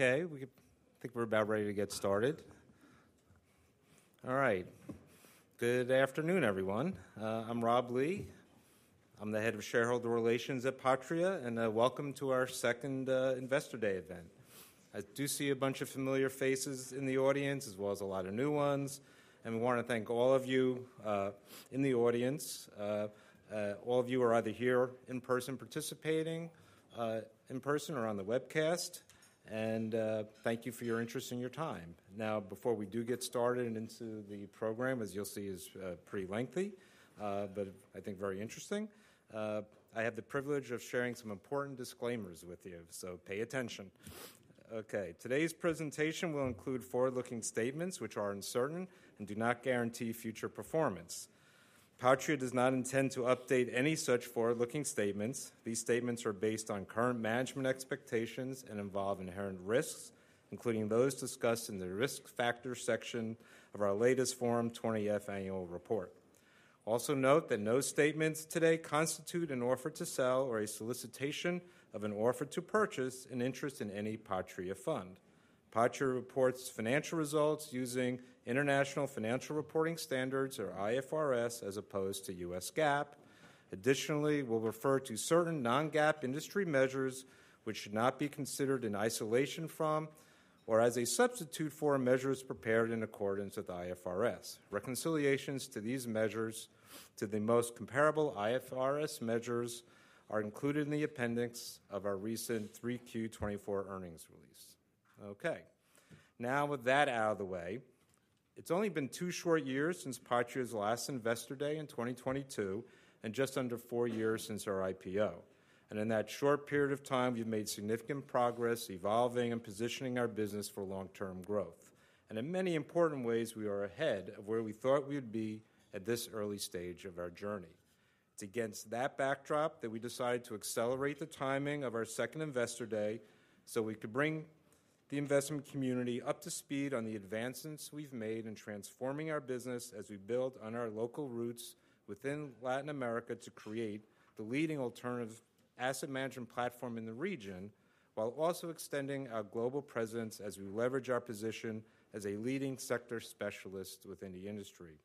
Okay, we think we're about ready to get started. All right, good afternoon, everyone. I'm Rob Lee. I'm the Head of Shareholder Relations at Patria, and welcome to our second Investor Day event. I do see a bunch of familiar faces in the audience, as well as a lot of new ones, and we want to thank all of you in the audience. All of you are either here in person, participating in person or on the webcast, and thank you for your interest and your time. Now, before we do get started and into the program, as you'll see, it's pretty lengthy, but I think very interesting. I have the privilege of sharing some important disclaimers with you, so pay attention. Okay, today's presentation will include forward-looking statements which are uncertain and do not guarantee future performance. Patria does not intend to update any such forward-looking statements. These statements are based on current management expectations and involve inherent risks, including those discussed in the risk factor section of our latest Form 20-F annual report. Also note that no statements today constitute an offer to sell or a solicitation of an offer to purchase an interest in any Patria fund. Patria reports financial results using International Financial Reporting Standards, or IFRS, as opposed to U.S. GAAP. Additionally, we'll refer to certain non-GAAP industry measures which should not be considered in isolation from or as a substitute for measures prepared in accordance with IFRS. Reconciliations of these measures to the most comparable IFRS measures are included in the appendix of our recent 3Q24 earnings release. Okay, now with that out of the way, it's only been two short years since Patria's last Investor Day in 2022 and just under four years since our IPO. And in that short period of time, we've made significant progress evolving and positioning our business for long-term growth. And in many important ways, we are ahead of where we thought we would be at this early stage of our journey. It's against that backdrop that we decided to accelerate the timing of our second Investor Day so we could bring the investment community up to speed on the advancements we've made in transforming our business as we build on our local roots within Latin America to create the leading alternative asset management platform in the region, while also extending our global presence as we leverage our position as a leading sector specialist within the industry.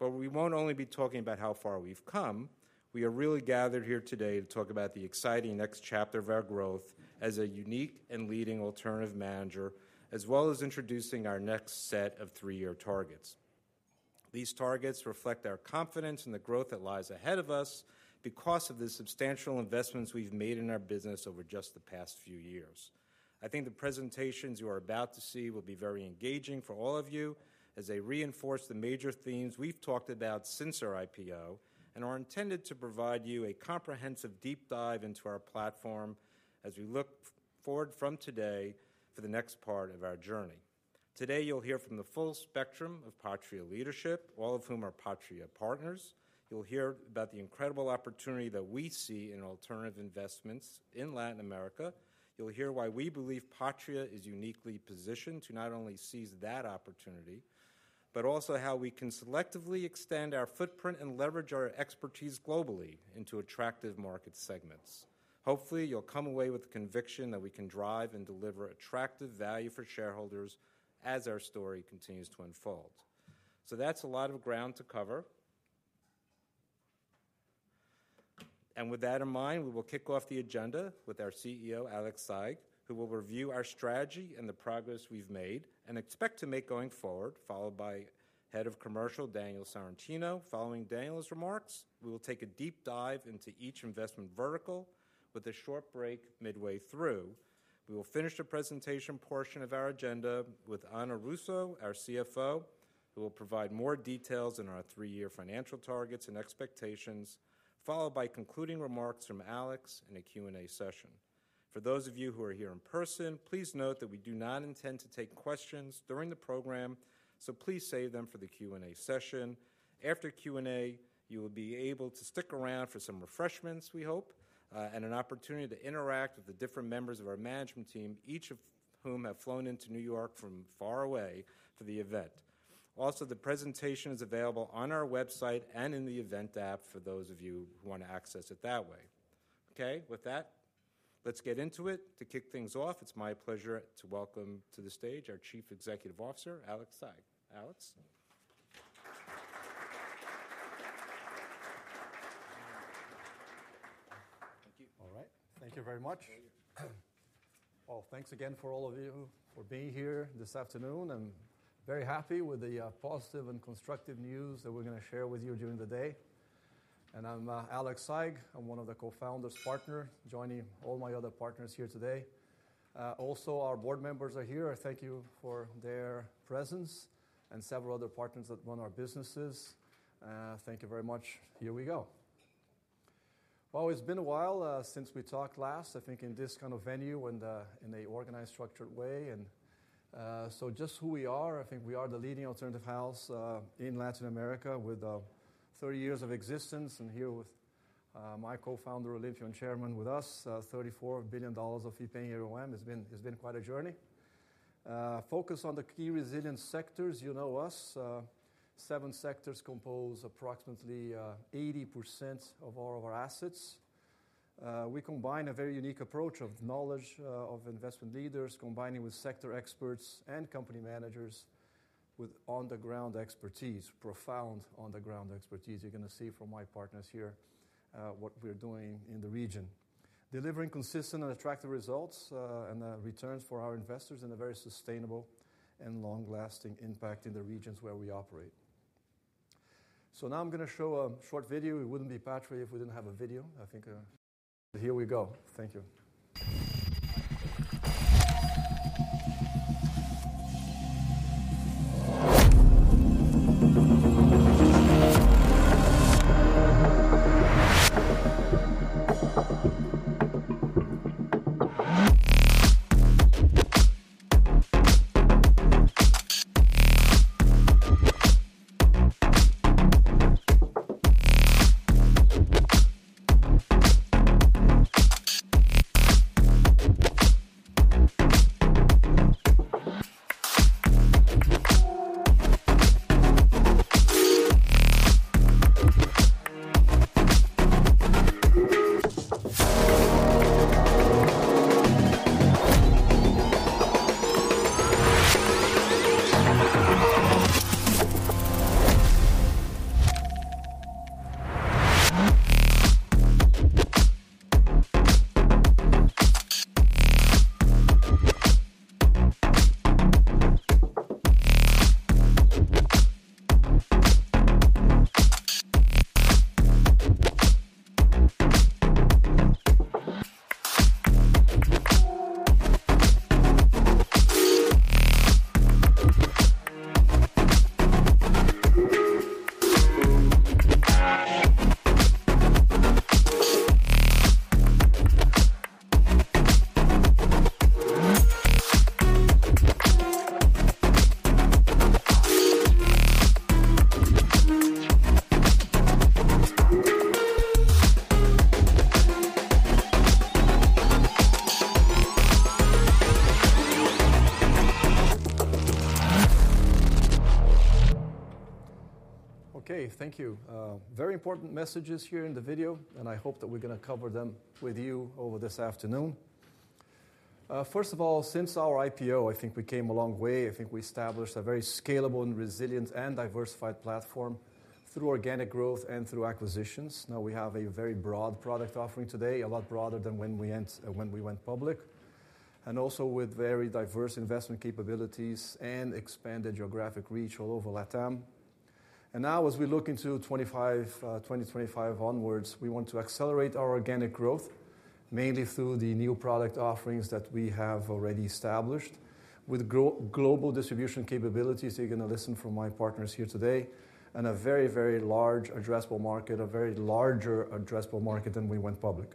But we won't only be talking about how far we've come. We are really gathered here today to talk about the exciting next chapter of our growth as a unique and leading alternative manager, as well as introducing our next set of three-year targets. These targets reflect our confidence in the growth that lies ahead of us because of the substantial investments we've made in our business over just the past few years. I think the presentations you are about to see will be very engaging for all of you as they reinforce the major themes we've talked about since our IPO and are intended to provide you a comprehensive deep dive into our platform as we look forward from today for the next part of our journey. Today, you'll hear from the full spectrum of Patria leadership, all of whom are Patria partners. You'll hear about the incredible opportunity that we see in alternative investments in Latin America. You'll hear why we believe Patria is uniquely positioned to not only seize that opportunity, but also how we can selectively extend our footprint and leverage our expertise globally into attractive market segments. Hopefully, you'll come away with the conviction that we can drive and deliver attractive value for shareholders as our story continues to unfold. So that's a lot of ground to cover. And with that in mind, we will kick off the agenda with our CEO, Alex Saigh, who will review our strategy and the progress we've made and expect to make going forward, followed by Head of Commercial, Daniel Sorrentino. Following Daniel's remarks, we will take a deep dive into each investment vertical with a short break midway through. We will finish the presentation portion of our agenda with Ana Russo, our CFO, who will provide more details on our three-year financial targets and expectations, followed by concluding remarks from Alex and a Q&A session. For those of you who are here in person, please note that we do not intend to take questions during the program, so please save them for the Q&A session. After Q&A, you will be able to stick around for some refreshments, we hope, and an opportunity to interact with the different members of our management team, each of whom have flown into New York from far away for the event. Also, the presentation is available on our website and in the event app for those of you who want to access it that way. Okay, with that, let's get into it. To kick things off, it's my pleasure to welcome to the stage our Chief Executive Officer, Alex Saigh. Alex. Thank you. All right. Thank you very much. Thanks again for all of you for being here this afternoon. I'm very happy with the positive and constructive news that we're going to share with you during the day. I'm Alex Saigh. I'm one of the co-founders' partners, joining all my other partners here today. Also, our board members are here. I thank you for their presence and several other partners that run our businesses. Thank you very much. Here we go. It's been a while since we talked last, I think, in this kind of venue and in an organized, structured way. Just who we are, I think we are the leading alternative house in Latin America with 30 years of existence. Here with my co-founder, Olimpio, Chairman, with us, $34 billion of FEAUM has been quite a journey. Focus on the key resilient sectors. You know us. Seven sectors compose approximately 80% of all of our assets. We combine a very unique approach of knowledge of investment leaders, combining with sector experts and company managers with on-the-ground expertise, profound on-the-ground expertise. You're going to see from my partners here what we're doing in the region, delivering consistent and attractive results and returns for our investors in a very sustainable and long-lasting impact in the regions where we operate. So now I'm going to show a short video. It wouldn't be Patria if we didn't have a video. I think. Here we go. Thank you. Okay, thank you. Very important messages here in the video, and I hope that we're going to cover them with you over this afternoon. First of all, since our IPO, I think we came a long way. I think we established a very scalable and resilient and diversified platform through organic growth and through acquisitions. Now we have a very broad product offering today, a lot broader than when we went public, and also with very diverse investment capabilities and expanded geographic reach all over LatAm, and now, as we look into 2025 onwards, we want to accelerate our organic growth mainly through the new product offerings that we have already established with global distribution capabilities. You're going to listen from my partners here today and a very, very large addressable market, a very larger addressable market than when we went public.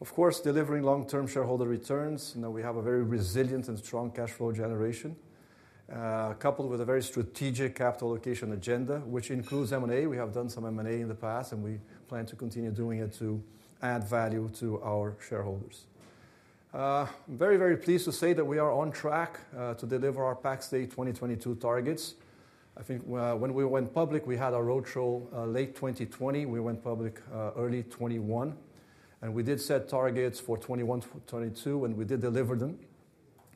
Of course, delivering long-term shareholder returns. Now we have a very resilient and strong cash flow generation, coupled with a very strategic capital allocation agenda, which includes M&A. We have done some M&A in the past, and we plan to continue doing it to add value to our shareholders. I'm very, very pleased to say that we are on track to deliver our PAX Day 2022 targets. I think when we went public, we had our roadshow late 2020. We went public early 2021, and we did set targets for 2021, 2022, and we did deliver them.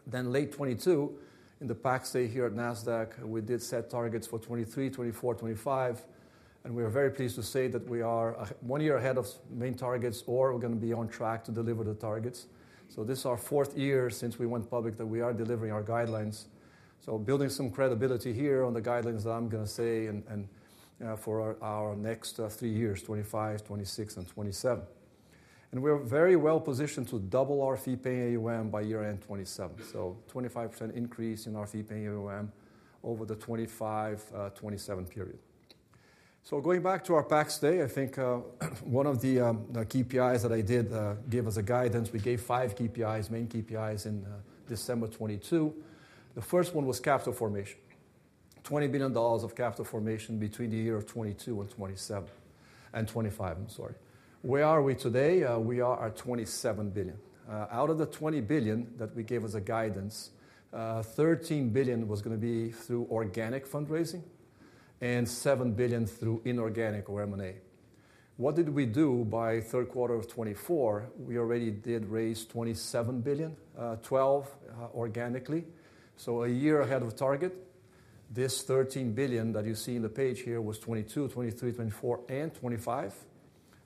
Then late 2022, in the PAX Day here at Nasdaq, we did set targets for 2023, 2024, 2025. And we are very pleased to say that we are one year ahead of main targets, or we're going to be on track to deliver the targets. So this is our fourth year since we went public that we are delivering our guidelines. Building some credibility here on the guidelines that I'm going to say and for our next three years, 2025, 2026, and 2027. And we're very well positioned to double our FEAUM by year-end 2027. So 25% increase in our FEAUM over the 2025, 2027 period. So going back to our PAX Day, I think one of the KPIs that I did give us guidance, we gave five KPIs, main KPIs in December 2022. The first one was capital formation, $20 billion of capital formation between the year of 2022 and 2027 and 2025, I'm sorry. Where are we today? We are at $27 billion. Out of the $20 billion that we gave as guidance, $13 billion was going to be through organic fundraising and $7 billion through inorganic or M&A. What did we do by third quarter of 2024? We already did raise $27 billion, $12 billion organically. So a year ahead of target, this $13 billion that you see on the page here was $22, $23, $24, and $25.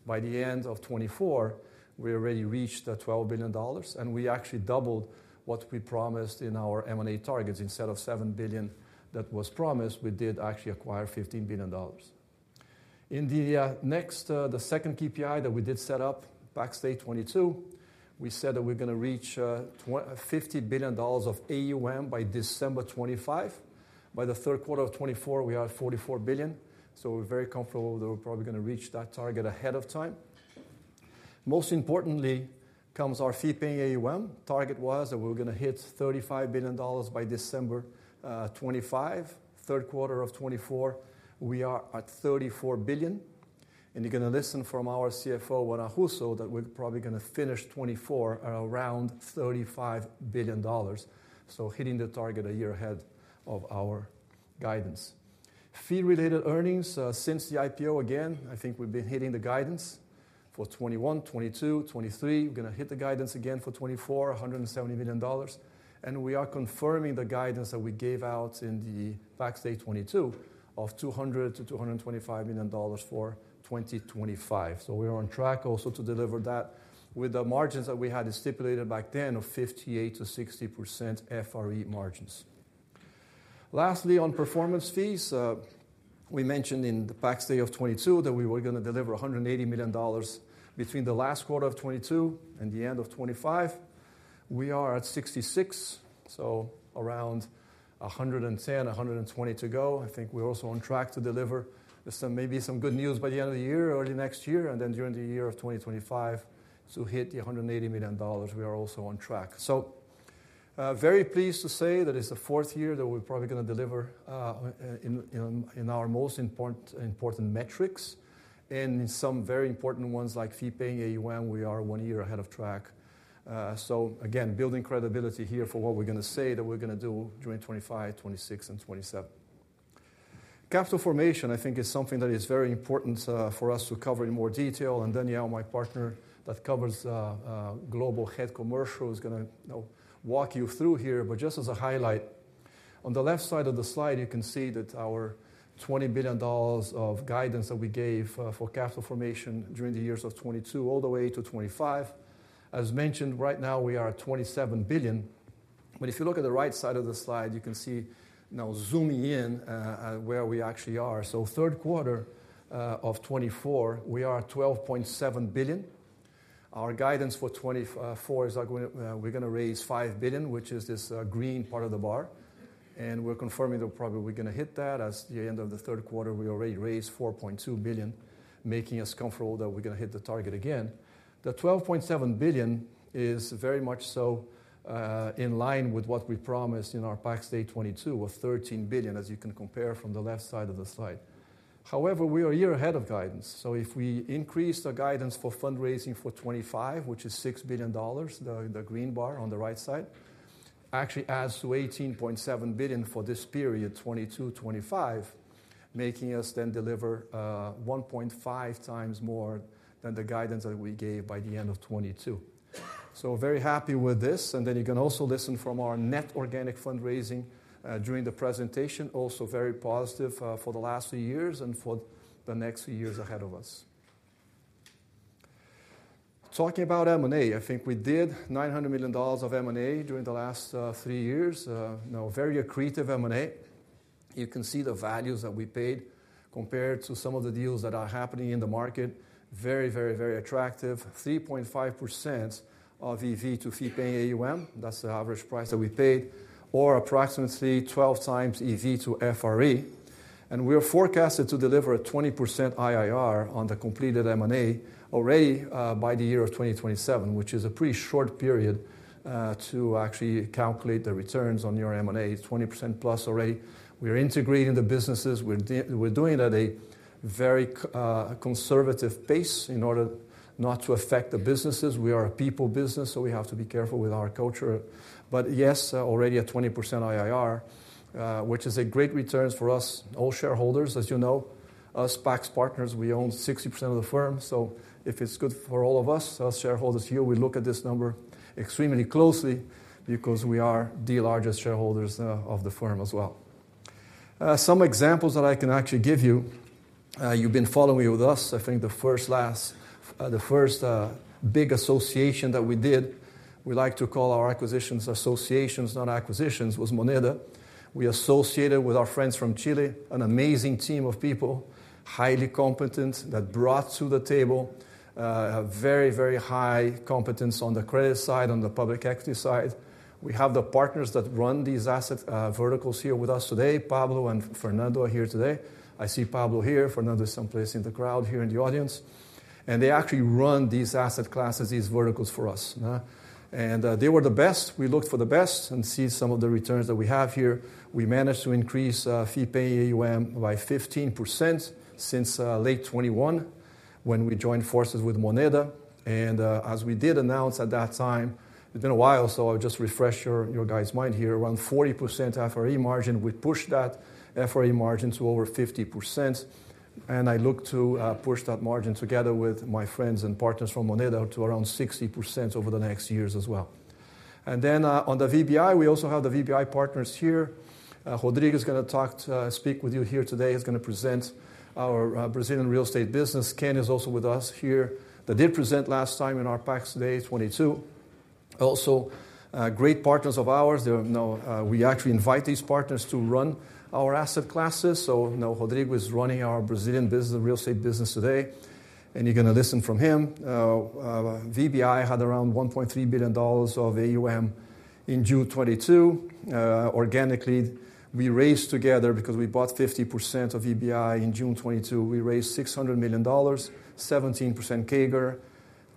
By the end of 2024, we already reached $12 billion, and we actually doubled what we promised in our M&A targets. Instead of $7 billion that was promised, we did actually acquire $15 billion. In the next, the second KPI that we did set up, PAX Day 2022, we said that we're going to reach $50 billion of AUM by December 2025. By the third quarter of 2024, we are at $44 billion. So we're very comfortable that we're probably going to reach that target ahead of time. Most importantly, comes our FEAUM target was that we're going to hit $35 billion by December 2025. Third quarter of 2024, we are at $34 billion. You're going to listen from our CFO, Ana Russo, that we're probably going to finish 2024 at around $35 billion. So hitting the target a year ahead of our guidance. Fee-related earnings since the IPO, again, I think we've been hitting the guidance for 2021, 2022, 2023. We're going to hit the guidance again for 2024, $170 million. And we are confirming the guidance that we gave out in the PAX Day 2022 of $200-$225 million for 2025. So we are on track also to deliver that with the margins that we had stipulated back then of 58%-60% FRE margins. Lastly, on performance fees, we mentioned in the PAX Day of 2022 that we were going to deliver $180 million between the last quarter of 2022 and the end of 2025. We are at $66, so around $110-$120 to go. I think we're also on track to deliver maybe some good news by the end of the year or the next year and then during the year of 2025 to hit the $180 million. We are also on track, so very pleased to say that it's the fourth year that we're probably going to deliver in our most important metrics, and in some very important ones like FEAUM, we are one year ahead of track, so again, building credibility here for what we're going to say that we're going to do during 2025, 2026, and 2027. Capital formation, I think, is something that is very important for us to cover in more detail, and Daniel, my partner that covers global head commercial, is going to walk you through here. But just as a highlight, on the left side of the slide, you can see that our $20 billion of guidance that we gave for capital formation during the years of 2022 all the way to 2025. As mentioned, right now we are at $27 billion. But if you look at the right side of the slide, you can see now zooming in where we actually are. So third quarter of 2024, we are at $12.7 billion. Our guidance for 2024 is we're going to raise $5 billion, which is this green part of the bar. And we're confirming that probably we're going to hit that. At the end of the third quarter, we already raised $4.2 billion, making us comfortable that we're going to hit the target again. The $12.7 billion is very much so in line with what we promised in our PAX Day 2022 of $13 billion, as you can compare from the left side of the slide. However, we are a year ahead of guidance, so if we increase the guidance for fundraising for 2025, which is $6 billion, the green bar on the right side, actually adds to $18.7 billion for this period 2022, 2025, making us then deliver 1.5 times more than the guidance that we gave by the end of 2022, so very happy with this, and then you can also listen from our net organic fundraising during the presentation, also very positive for the last few years and for the next few years ahead of us. Talking about M&A, I think we did $900 million of M&A during the last three years. Now, very accretive M&A. You can see the values that we paid compared to some of the deals that are happening in the market. Very, very, very attractive. 3.5% of EV to FEAUM. That's the average price that we paid, or approximately 12 times EV to FRE. And we are forecasted to deliver a 20% IRR on the completed M&A already by the year of 2027, which is a pretty short period to actually calculate the returns on your M&A. 20% plus already. We are integrating the businesses. We're doing that at a very conservative pace in order not to affect the businesses. We are a people business, so we have to be careful with our culture. But yes, already a 20% IRR, which is a great return for us, all shareholders, as you know. As PAX partners, we own 60% of the firm. So if it's good for all of us, us shareholders here, we look at this number extremely closely because we are the largest shareholders of the firm as well. Some examples that I can actually give you. You've been following with us. I think the first big association that we did, we like to call our acquisitions associations, not acquisitions, was Moneda. We associated with our friends from Chile, an amazing team of people, highly competent that brought to the table very, very high competence on the credit side, on the public equity side. We have the partners that run these asset verticals here with us today, Pablo and Fernando are here today. I see Pablo here. Fernando is someplace in the crowd here in the audience. And they actually run these asset classes, these verticals for us. And they were the best. We looked for the best and see some of the returns that we have here. We managed to increase FEAUM by 15% since late 2021 when we joined forces with Moneda, and as we did announce at that time, it's been a while, so I'll just refresh you guys' minds here. Around 40% FRE margin. We pushed that FRE margin to over 50%, and I look to push that margin together with my friends and partners from Moneda to around 60% over the next years as well. And then on the VBI, we also have the VBI partners here. Rodrigo is going to speak with you here today. He's going to present our Brazilian real estate business. Ken is also with us here that did present last time in our PAX Day 2022. Also, great partners of ours. Now, we actually invite these partners to run our asset classes. So now Rodrigo is running our Brazilian business, the real estate business today. And you're going to listen from him. VBI had around $1.3 billion of AUM in June 2022. Organically, we raised together because we bought 50% of VBI in June 2022. We raised $600 million, 17% CAGR.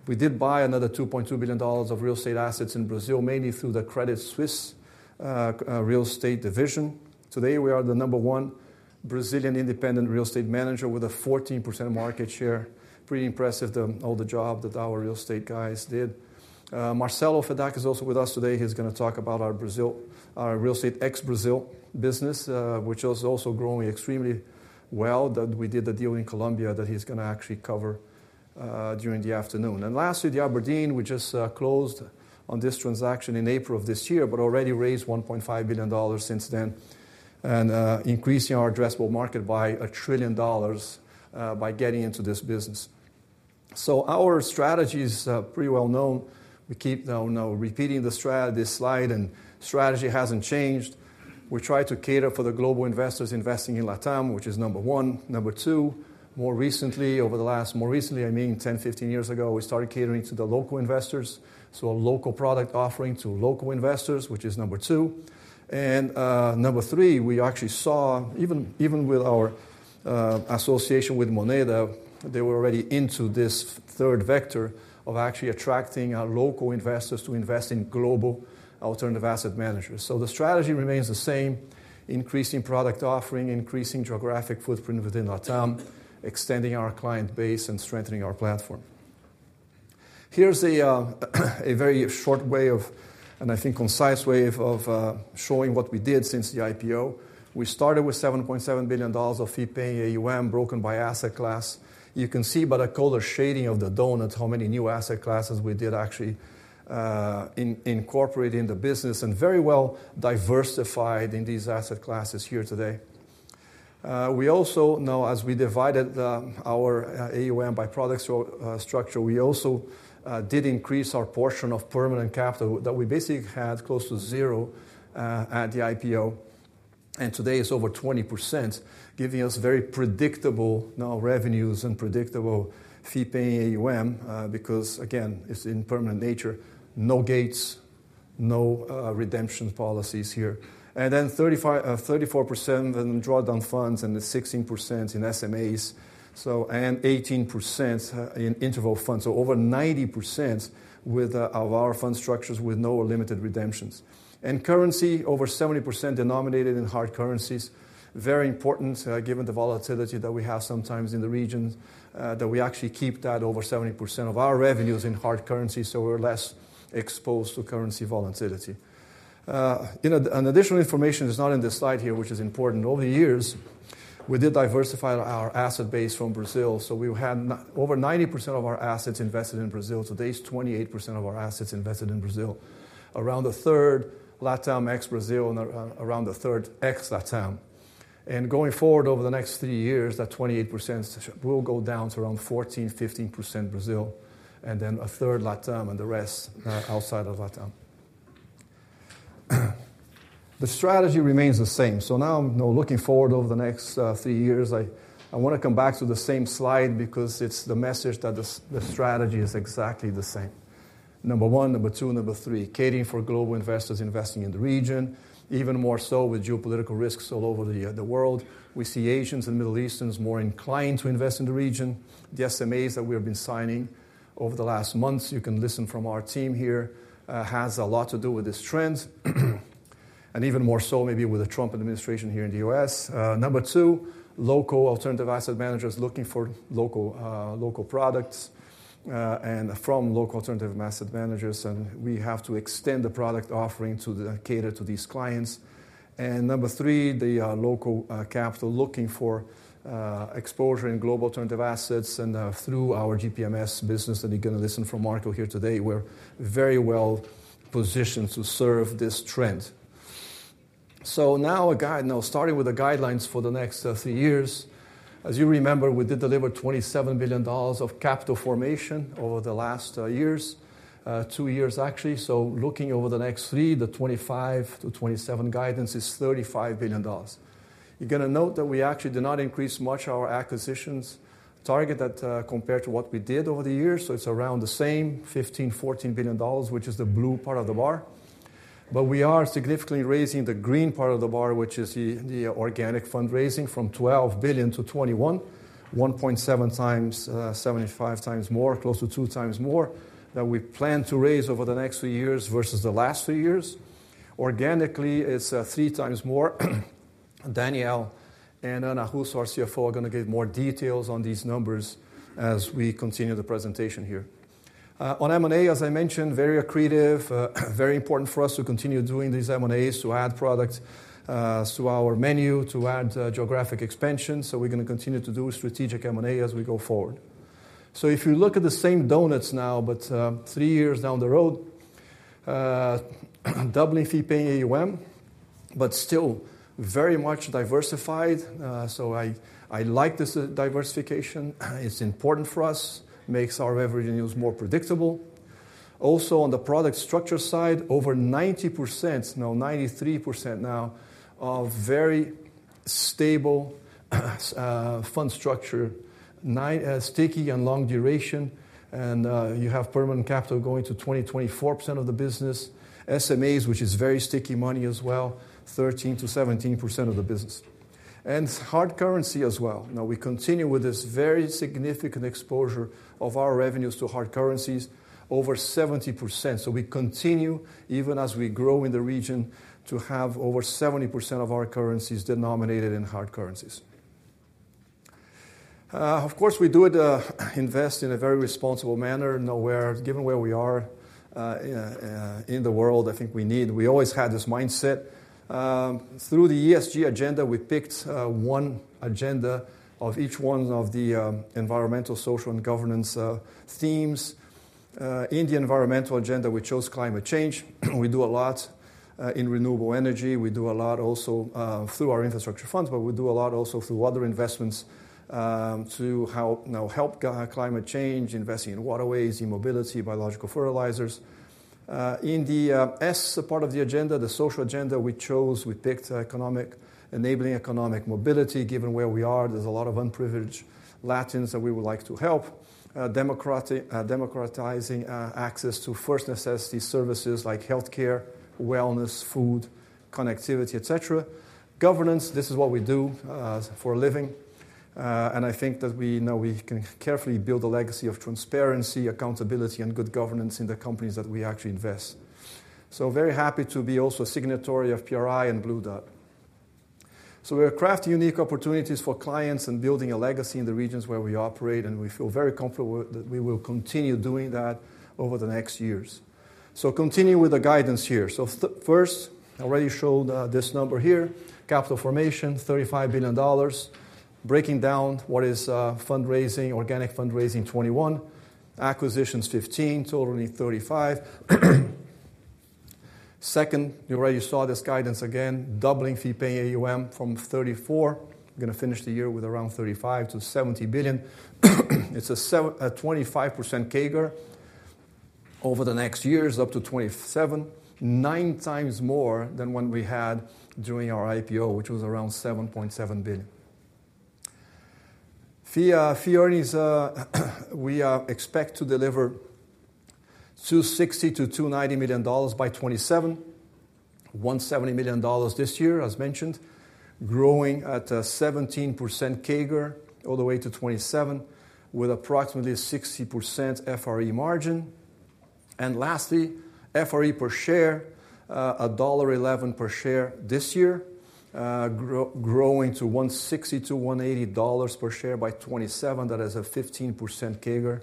We did buy another $2.2 billion of real estate assets in Brazil, mainly through the Credit Suisse real estate division. Today, we are the number one Brazilian independent real estate manager with a 14% market share. Pretty impressive all the job that our real estate guys did. Marcelo Fedak is also with us today. He's going to talk about our real estate ex-Brazil business, which is also growing extremely well. We did the deal in Colombia that he's going to actually cover during the afternoon. Lastly, the abrdn we just closed on this transaction in April of this year, but already raised $1.5 billion since then and increasing our addressable market by $1 trillion by getting into this business. Our strategy is pretty well known. We keep now repeating this slide, and strategy hasn't changed. We try to cater for the global investors investing in LatAm, which is number one. Number two, more recently, I mean, 10, 15 years ago, we started catering to the local investors. Local product offering to local investors, which is number two. Number three, we actually saw, even with our association with Moneda, they were already into this third vector of actually attracting our local investors to invest in global alternative asset managers. So the strategy remains the same, increasing product offering, increasing geographic footprint within LatAm, extending our client base, and strengthening our platform. Here's a very short way of, and I think concise way of showing what we did since the IPO. We started with $7.7 billion of FEAUM broken by asset class. You can see by the color shading of the donut how many new asset classes we did actually incorporate in the business and very well diversified in these asset classes here today. We also now, as we divided our AUM by product structure, we also did increase our portion of permanent capital that we basically had close to zero at the IPO. And today it's over 20%, giving us very predictable now revenues and predictable FEAUM because, again, it's in permanent nature. No gates, no redemption policies here. And then 34% in drawdown funds and 16% in SMAs and 18% in interval funds. So over 90% of our fund structures with no limited redemptions. And currency, over 70% denominated in hard currencies. Very important given the volatility that we have sometimes in the region that we actually keep that over 70% of our revenues in hard currency. So we're less exposed to currency volatility. An additional information is not in this slide here, which is important. Over the years, we did diversify our asset base from Brazil. So we had over 90% of our assets invested in Brazil. Today it's 28% of our assets invested in Brazil, around a third LatAm ex-Brazil and around a third ex-LatAm. And going forward over the next three years, that 28% will go down to around 14%-15% Brazil and then a third LatAm and the rest outside of LatAm. The strategy remains the same. So now looking forward over the next three years, I want to come back to the same slide because it's the message that the strategy is exactly the same. Number one, number two, number three, catering for global investors investing in the region, even more so with geopolitical risks all over the world. We see Asians and Middle Easterns more inclined to invest in the region. The SMAs that we have been signing over the last months, you can hear from our team here, has a lot to do with this trend and even more so maybe with the Trump administration here in the U.S. Number two, local alternative asset managers looking for local products and from local alternative asset managers, and we have to extend the product offering to cater to these clients. And number three, the local capital looking for exposure in global alternative assets and through our GPMS business that you're going to hear from Marco here today. We're very well positioned to serve this trend. So now starting with the guidelines for the next three years. As you remember, we did deliver $27 billion of capital formation over the last years, two years actually. So looking over the next three, the 2025 to 2027 guidance is $35 billion. You're going to note that we actually did not increase much our acquisitions target. That compared to what we did over the years. So it's around the same $14-$15 billion, which is the blue part of the bar. But we are significantly raising the green part of the bar, which is the organic fundraising from $12 billion to $21, 1.7 times, 75% more, close to two times more that we plan to raise over the next few years versus the last few years. Organically, it's three times more. Daniel and Ana Russo, our CFO, are going to give more details on these numbers as we continue the presentation here. On M&A, as I mentioned, very accretive, very important for us to continue doing these M&As to add product to our menu, to add geographic expansion. So we're going to continue to do strategic M&A as we go forward. So if you look at the same donuts now, but three years down the road, doubling FEAUM, but still very much diversified. So I like this diversification. It's important for us. Makes our revenues more predictable. Also on the product structure side, over 90%, now 93% now, of very stable fund structure, sticky and long duration. And you have permanent capital going to 20%-24% of the business. SMAs, which is very sticky money as well, 13%-17% of the business. And hard currency as well. Now we continue with this very significant exposure of our revenues to hard currencies, over 70%. So we continue, even as we grow in the region, to have over 70% of our currencies denominated in hard currencies. Of course, we do invest in a very responsible manner. Given where we are in the world, I think we need. We always had this mindset. Through the ESG agenda, we picked one agenda of each one of the environmental, social, and governance themes. In the environmental agenda, we chose climate change. We do a lot in renewable energy. We do a lot also through our infrastructure funds, but we do a lot also through other investments to help climate change, investing in waterways, e-mobility, biological fertilizers. In the S part of the agenda, the social agenda, we chose, we picked economic enabling economic mobility. Given where we are, there's a lot of unprivileged Latins that we would like to help. Democratizing access to first necessity services like healthcare, wellness, food, connectivity, etc. Governance, this is what we do for a living. I think that we know we can carefully build a legacy of transparency, accountability, and good governance in the companies that we actually invest. Very happy to be also a signatory of PRI and Blue Dot. We're crafting unique opportunities for clients and building a legacy in the regions where we operate. We feel very comfortable that we will continue doing that over the next years. So continue with the guidance here. So first, I already showed this number here. Capital formation, $35 billion. Breaking down what is fundraising, organic fundraising 2021, acquisitions 2015, totaling $35. Second, you already saw this guidance again, doubling FEAUM from $34. We're going to finish the year with around $35-$70 billion. It's a 25% CAGR over the next years, up to $27, nine times more than what we had during our IPO, which was around $7.7 billion. Fee earnings, we expect to deliver $260-$290 million by 2027, $170 million this year, as mentioned, growing at a 17% CAGR all the way to 2027 with approximately 60% FRE margin. And lastly, FRE per share, $1.11 per share this year, growing to $160-$180 per share by 2027. That is a 15% CAGR.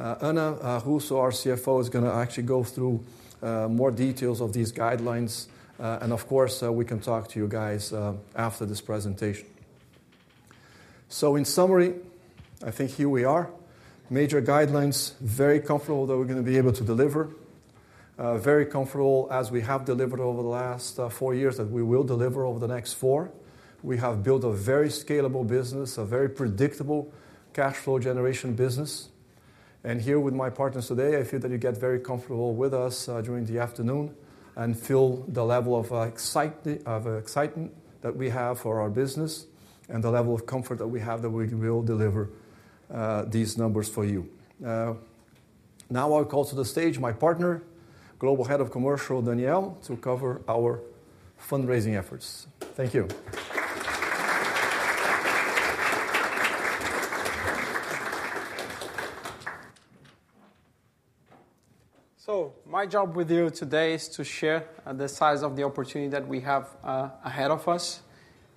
Ana Russo, our CFO, is going to actually go through more details of these guidelines. Of course, we can talk to you guys after this presentation. In summary, I think here we are. Major guidelines, very comfortable that we're going to be able to deliver. Very comfortable as we have delivered over the last four years that we will deliver over the next four. We have built a very scalable business, a very predictable cash flow generation business. Here with my partners today, I feel that you get very comfortable with us during the afternoon and feel the level of excitement that we have for our business and the level of comfort that we have that we will deliver these numbers for you. Now I'll call to the stage my partner, Global Head of Commercial, Daniel, to cover our fundraising efforts. Thank you. So my job with you today is to share the size of the opportunity that we have ahead of us.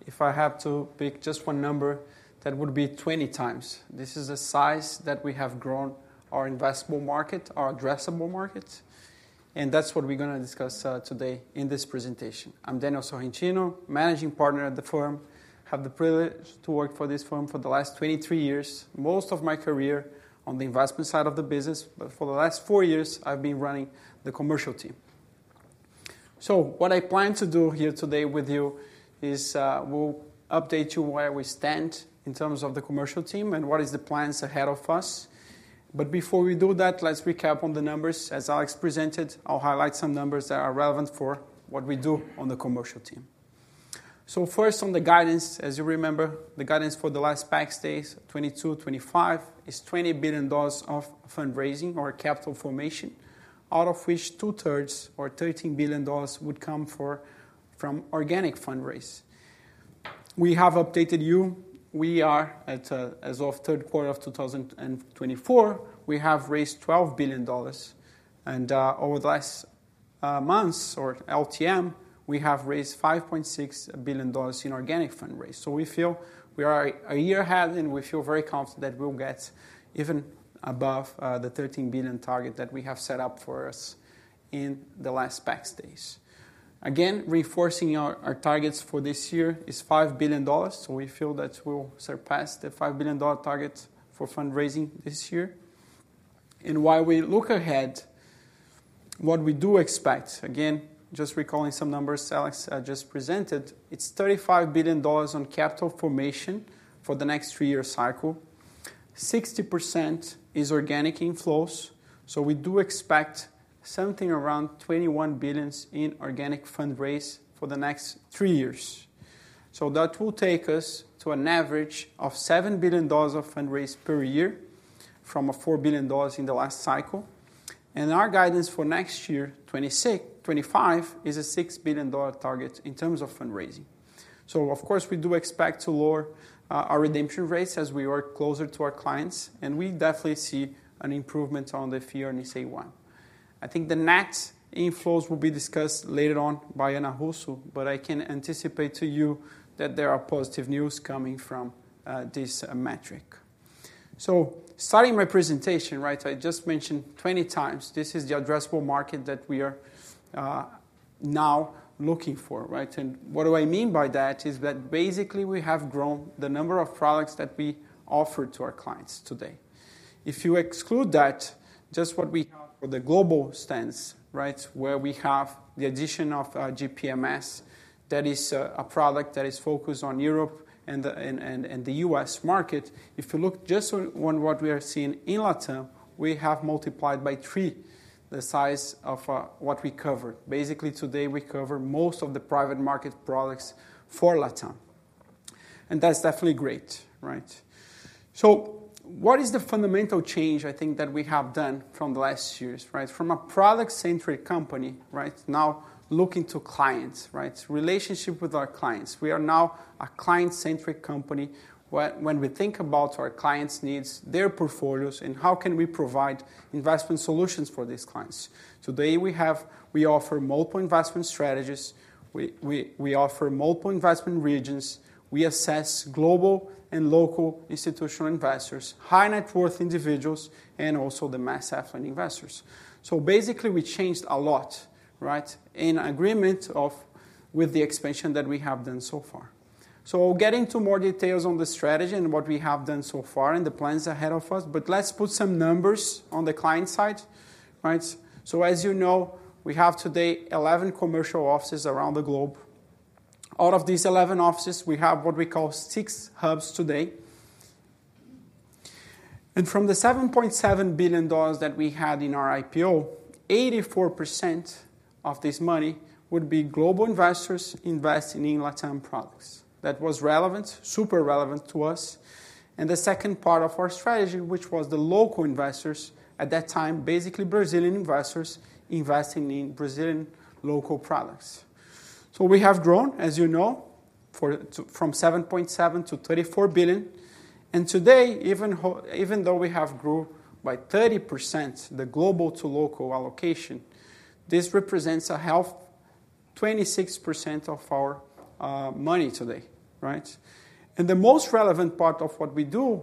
If I have to pick just one number, that would be 20 times. This is the size that we have grown our investable market, our addressable market. And that's what we're going to discuss today in this presentation. I'm Daniel Sorrentino, Managing Partner at the firm. I have the privilege to work for this firm for the last 23 years, most of my career on the investment side of the business. But for the last four years, I've been running the commercial team. So what I plan to do here today with you is we'll update you where we stand in terms of the commercial team and what are the plans ahead of us. But before we do that, let's recap on the numbers. As Alex presented, I'll highlight some numbers that are relevant for what we do on the commercial team. So first, on the guidance, as you remember, the guidance for the last Investor Days 2022, 2025 is $20 billion of fundraising or capital formation, out of which two-thirds or $13 billion would come from organic fundraise. We have updated you. We are, as of third quarter of 2024, we have raised $12 billion. And over the last months or LTM, we have raised $5.6 billion in organic fundraise. So we feel we are a year ahead and we feel very confident that we'll get even above the $13 billion target that we have set up for us in the last Investor Days. Again, reinforcing our targets for this year is $5 billion. So we feel that we'll surpass the $5 billion target for fundraising this year. While we look ahead, what we do expect, again, just recalling some numbers Alex just presented, it's $35 billion on capital formation for the next three-year cycle. 60% is organic inflows. So we do expect something around $21 billion in organic fundraise for the next three years. So that will take us to an average of $7 billion of fundraise per year from a $4 billion in the last cycle. And our guidance for next year, 2026, 2025 is a $6 billion target in terms of fundraising. So of course, we do expect to lower our redemption rates as we work closer to our clients. And we definitely see an improvement on the fee earning AUM. I think the net inflows will be discussed later on by Ana Russo, but I can anticipate to you that there are positive news coming from this metric. So starting my presentation, I just mentioned 20 times. This is the addressable market that we are now looking for. And what do I mean by that is that basically we have grown the number of products that we offer to our clients today. If you exclude that, just what we have for the global stance, where we have the addition of GPMS, that is a product that is focused on Europe and the U.S. market. If you look just on what we are seeing in LatAm, we have multiplied by three the size of what we cover. Basically today, we cover most of the private market products for LatAm. And that's definitely great. So what is the fundamental change I think that we have done from the last years? From a product-centric company, now looking to clients, relationship with our clients. We are now a client-centric company when we think about our clients' needs, their portfolios, and how can we provide investment solutions for these clients. Today, we offer multiple investment strategies. We offer multiple investment regions. We assess global and local institutional investors, high net worth individuals, and also the mass affluent investors. So basically, we changed a lot in agreement with the expansion that we have done so far. So I'll get into more details on the strategy and what we have done so far and the plans ahead of us. But let's put some numbers on the client side. So as you know, we have today 11 commercial offices around the globe. Out of these 11 offices, we have what we call six hubs today. And from the $7.7 billion that we had in our IPO, 84% of this money would be global investors investing in LatAm products. That was relevant, super relevant to us. And the second part of our strategy, which was the local investors at that time, basically Brazilian investors investing in Brazilian local products. So we have grown, as you know, from $7.7 to $34 billion. And today, even though we have grown by 30%, the global to local allocation, this represents a healthy 26% of our money today. And the most relevant part of what we do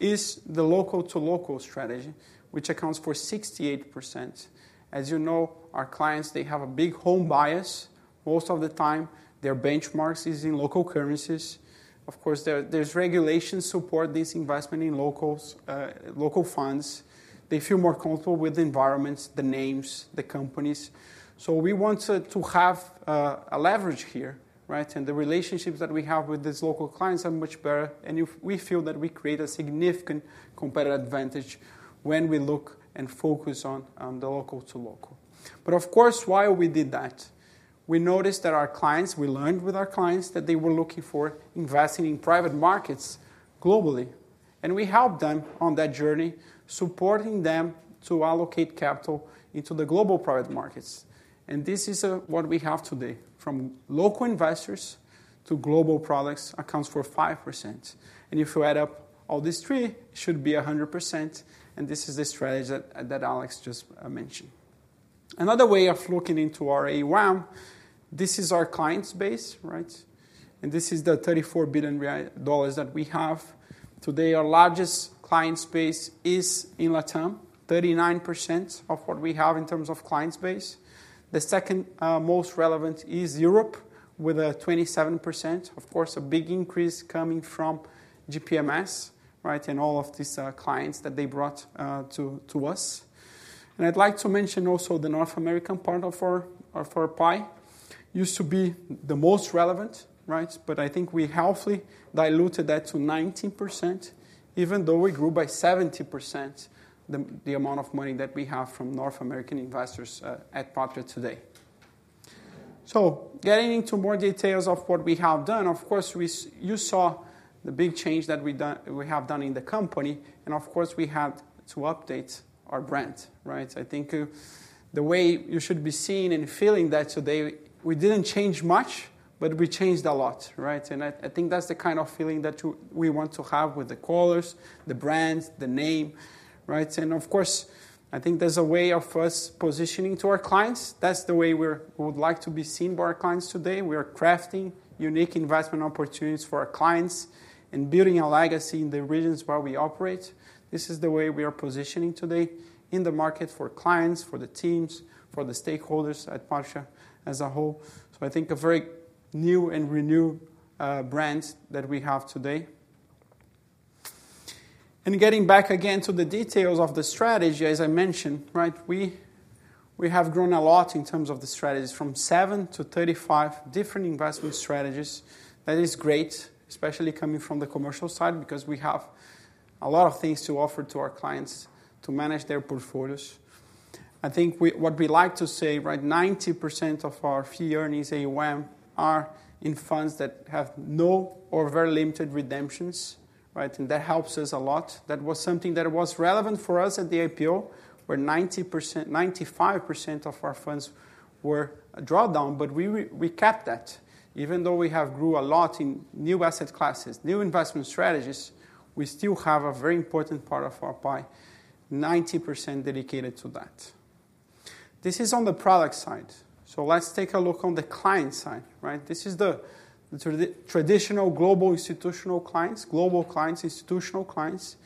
is the local to local strategy, which accounts for 68%. As you know, our clients, they have a big home bias. Most of the time, their benchmarks are in local currencies. Of course, there's regulation supporting this investment in local funds. They feel more comfortable with the environments, the names, the companies. So we want to have a leverage here. And the relationships that we have with these local clients are much better. We feel that we create a significant competitive advantage when we look and focus on the local to local. But of course, while we did that, we noticed that our clients. We learned with our clients that they were looking for investing in private markets globally. And we helped them on that journey, supporting them to allocate capital into the global private markets. And this is what we have today. From local investors to global products accounts for 5%. And if you add up all these three, it should be 100%. And this is the strategy that Alex just mentioned. Another way of looking into our AUM, this is our client base. And this is the $34 billion that we have. Today, our largest client base is in LatAm, 39% of what we have in terms of client base. The second most relevant is Europe with a 27%, of course, a big increase coming from GPMS and all of these clients that they brought to us. And I'd like to mention also the North American part of our pie used to be the most relevant. But I think we healthily diluted that to 19%, even though we grew by 70% the amount of money that we have from North American investors at Patria today. So getting into more details of what we have done, of course, you saw the big change that we have done in the company. And of course, we had to update our brand. I think the way you should be seeing and feeling that today, we didn't change much, but we changed a lot. And I think that's the kind of feeling that we want to have with the colors, the brands, the name. Of course, I think there's a way of us positioning to our clients. That's the way we would like to be seen by our clients today. We are crafting unique investment opportunities for our clients and building a legacy in the regions where we operate. This is the way we are positioning today in the market for clients, for the teams, for the stakeholders at Patria as a whole. I think a very new and renewed brand that we have today. Getting back again to the details of the strategy, as I mentioned, we have grown a lot in terms of the strategies from seven to 35 different investment strategies. That is great, especially coming from the commercial side because we have a lot of things to offer to our clients to manage their portfolios. I think what we like to say, 90% of our fee-earning AUM are in funds that have no or very limited redemptions. That helps us a lot. That was something that was relevant for us at the IPO, where 95% of our funds were a drawdown. We kept that. Even though we have grown a lot in new asset classes, new investment strategies, we still have a very important part of our pie, 90% dedicated to that. This is on the product side. Let's take a look on the client side. This is the traditional global institutional clients, global clients, institutional clients.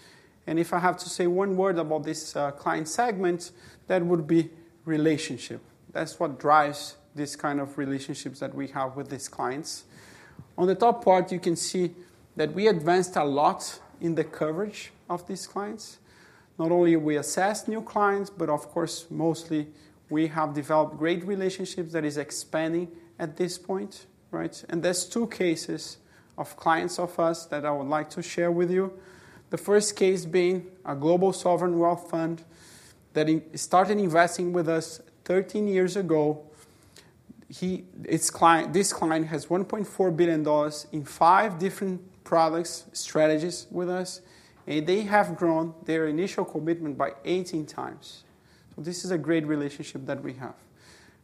If I have to say one word about this client segment, that would be relationship. That's what drives this kind of relationships that we have with these clients. On the top part, you can see that we advanced a lot in the coverage of these clients. Not only we assess new clients, but of course, mostly we have developed great relationships that are expanding at this point, and there's two cases of clients of us that I would like to share with you. The first case being a global sovereign wealth fund that started investing with us 13 years ago. This client has $1.4 billion in five different product strategies with us, and they have grown their initial commitment by 18 times, so this is a great relationship that we have.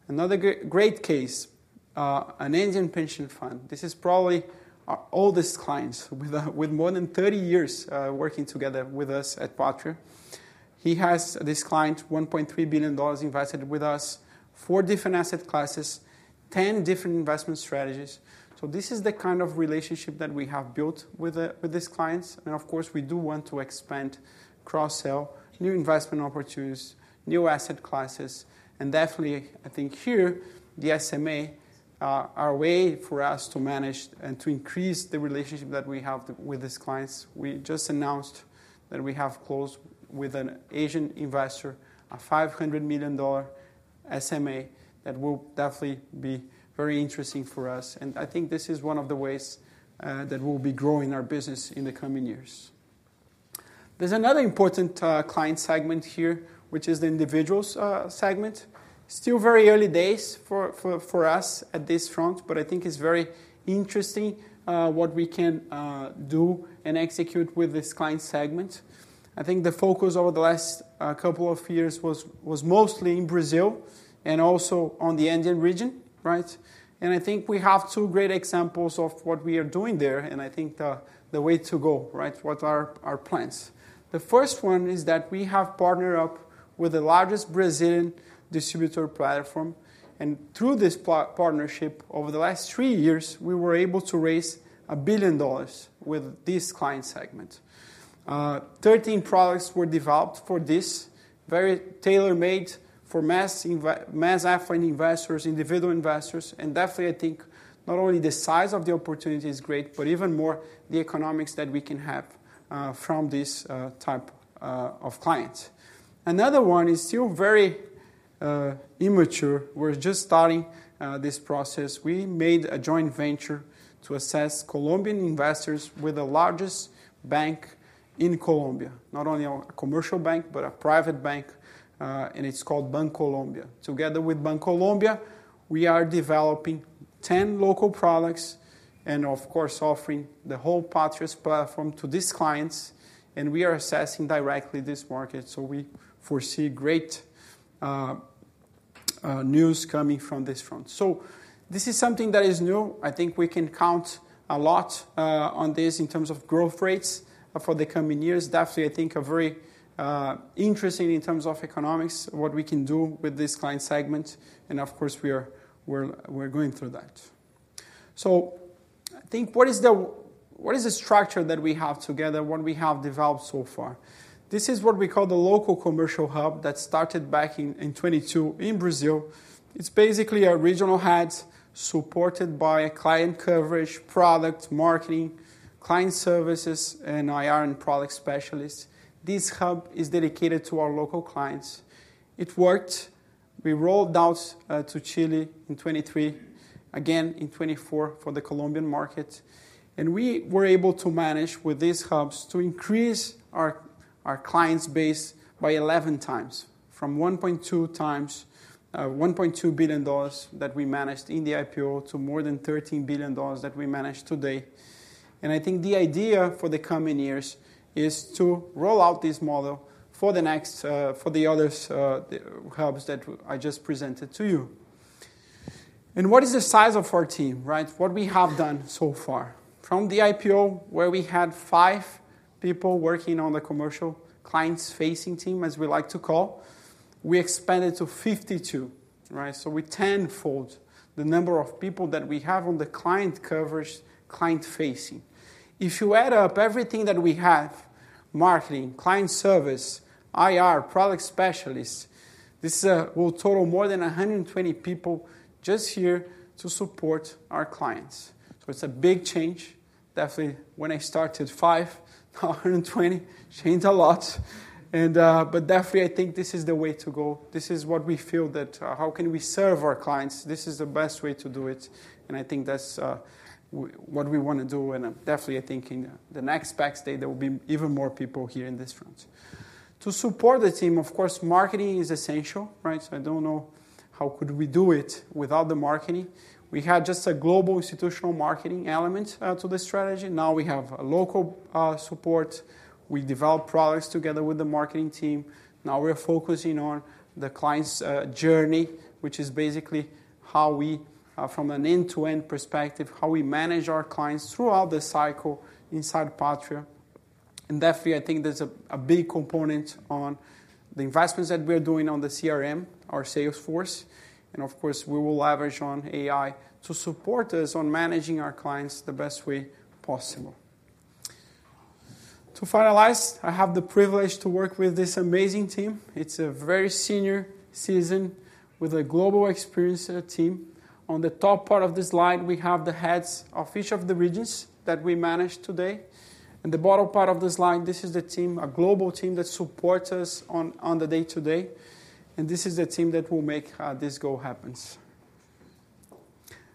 Another great case, an Indian pension fund. This is probably our oldest client with more than 30 years working together with us at Patria. This client has $1.3 billion invested with us, four different asset classes, 10 different investment strategies. This is the kind of relationship that we have built with these clients. Of course, we do want to expand, cross-sell, new investment opportunities, new asset classes. Definitely, I think here, the SMA, our way for us to manage and to increase the relationship that we have with these clients. We just announced that we have closed with an Asian investor, a $500 million SMA that will definitely be very interesting for us. I think this is one of the ways that we'll be growing our business in the coming years. There's another important client segment here, which is the individuals segment. Still very early days for us at this front, but I think it's very interesting what we can do and execute with this client segment. I think the focus over the last couple of years was mostly in Brazil and also on the Andean region, and I think we have two great examples of what we are doing there, and I think the way to go, what are our plans. The first one is that we have partnered up with the largest Brazilian distributor platform. And through this partnership, over the last three years, we were able to raise $1 billion with this client segment. 13 products were developed for this, very tailor-made for mass affluent investors, individual investors. And definitely, I think not only the size of the opportunity is great, but even more the economics that we can have from this type of client. Another one is still very immature. We're just starting this process. We made a joint venture to assess Colombian investors with the largest bank in Colombia, not only a commercial bank, but a private bank, and it's called Bancolombia. Together with Bancolombia, we are developing 10 local products and, of course, offering the whole Patria's platform to these clients, and we are assessing directly this market, so we foresee great news coming from this front, so this is something that is new. I think we can count a lot on this in terms of growth rates for the coming years. Definitely, I think a very interesting in terms of economics, what we can do with this client segment, and of course, we're going through that, so I think what is the structure that we have together, what we have developed so far? This is what we call the local commercial hub that started back in 2022 in Brazil. It's basically a regional head supported by client coverage, product, marketing, client services, and IR and product specialists. This hub is dedicated to our local clients. It worked. We rolled out to Chile in 2023, again in 2024 for the Colombian market. We were able to manage with these hubs to increase our client base by 11 times from $1.2 billion that we managed in the IPO to more than $13 billion that we manage today. I think the idea for the coming years is to roll out this model for the other hubs that I just presented to you. What is the size of our team? What we have done so far? From the IPO, where we had five people working on the commercial clients facing team, as we like to call, we expanded to 52. So we tenfold the number of people that we have on the client coverage, client facing. If you add up everything that we have, marketing, client service, IR, product specialists, this will total more than 120 people just here to support our clients. It's a big change. Definitely, when I started five, 120 changed a lot. But definitely, I think this is the way to go. This is what we feel that how can we serve our clients. This is the best way to do it. I think that's what we want to do. And definitely, I think in the next Investor Day, there will be even more people here in this front. To support the team, of course, marketing is essential. I don't know how could we do it without the marketing. We had just a global institutional marketing element to the strategy. Now we have a local support. We develop products together with the marketing team. Now we're focusing on the client's journey, which is basically how we, from an end-to-end perspective, how we manage our clients throughout the cycle inside Patria, and definitely, I think there's a big component on the investments that we are doing on the CRM, our sales force. And of course, we will leverage on AI to support us on managing our clients the best way possible. To finalize, I have the privilege to work with this amazing team. It's a very senior seasoned with a global experience team. On the top part of the slide, we have the heads of each of the regions that we manage today, and the bottom part of the slide, this is the team, a global team that supports us on the day-to-day. This is the team that will make this goal happen.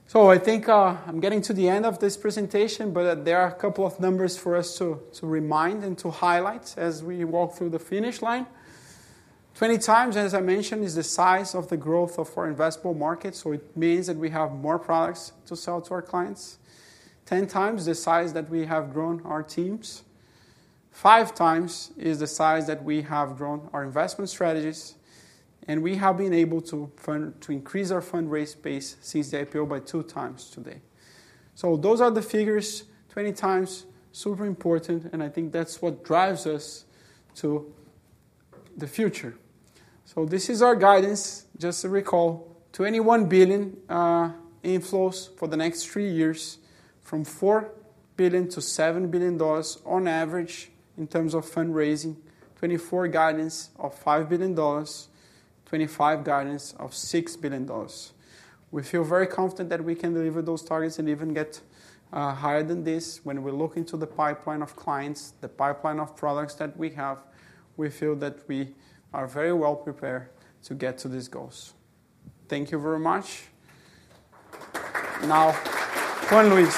So I think I'm getting to the end of this presentation, but there are a couple of numbers for us to remind and to highlight as we walk through the finish line. 20 times, as I mentioned, is the size of the growth of our investable market. So it means that we have more products to sell to our clients. 10 times the size that we have grown our teams. Five times is the size that we have grown our investment strategies. And we have been able to increase our fund raise base since the IPO by two times today. So those are the figures. 20 times, super important. And I think that's what drives us to the future. So this is our guidance. Just to recall, $21 billion inflows for the next three years from $4 billion to $7 billion on average in terms of fundraising, $24 guidance of $5 billion, $25 guidance of $6 billion. We feel very confident that we can deliver those targets and even get higher than this when we look into the pipeline of clients, the pipeline of products that we have. We feel that we are very well prepared to get to these goals. Thank you very much. Now, Juan Luis.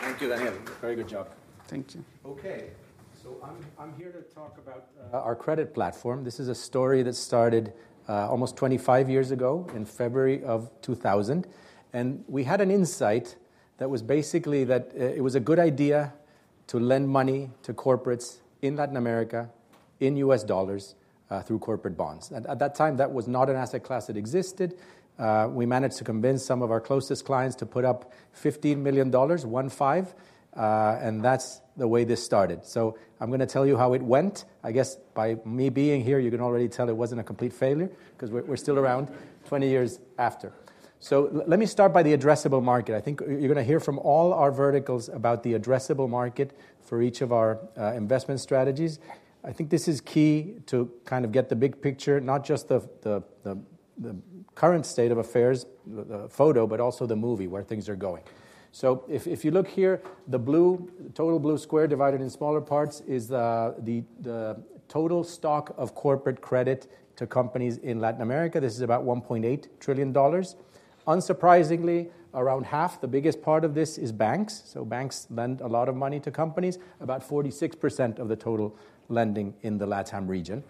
Thank you, Daniel. Very good job. Thank you. Okay. So I'm here to talk about our credit platform. This is a story that started almost 25 years ago in February of 2000, and we had an insight that was basically that it was a good idea to lend money to corporates in Latin America, in U.S. dollars through corporate bonds. At that time, that was not an asset class that existed. We managed to convince some of our closest clients to put up $15 million, $1.5 million, and that's the way this started. So I'm going to tell you how it went. I guess by me being here, you can already tell it wasn't a complete failure because we're still around 20 years after. So let me start by the addressable market. I think you're going to hear from all our verticals about the addressable market for each of our investment strategies. I think this is key to kind of get the big picture, not just the current state of affairs snapshot, but also the movie where things are going. So if you look here, the total blue square divided in smaller parts is the total stock of corporate credit to companies in Latin America. This is about $1.8 trillion. Unsurprisingly, around half, the biggest part of this is banks. So banks lend a lot of money to companies, about 46% of the total lending in the LATAM region.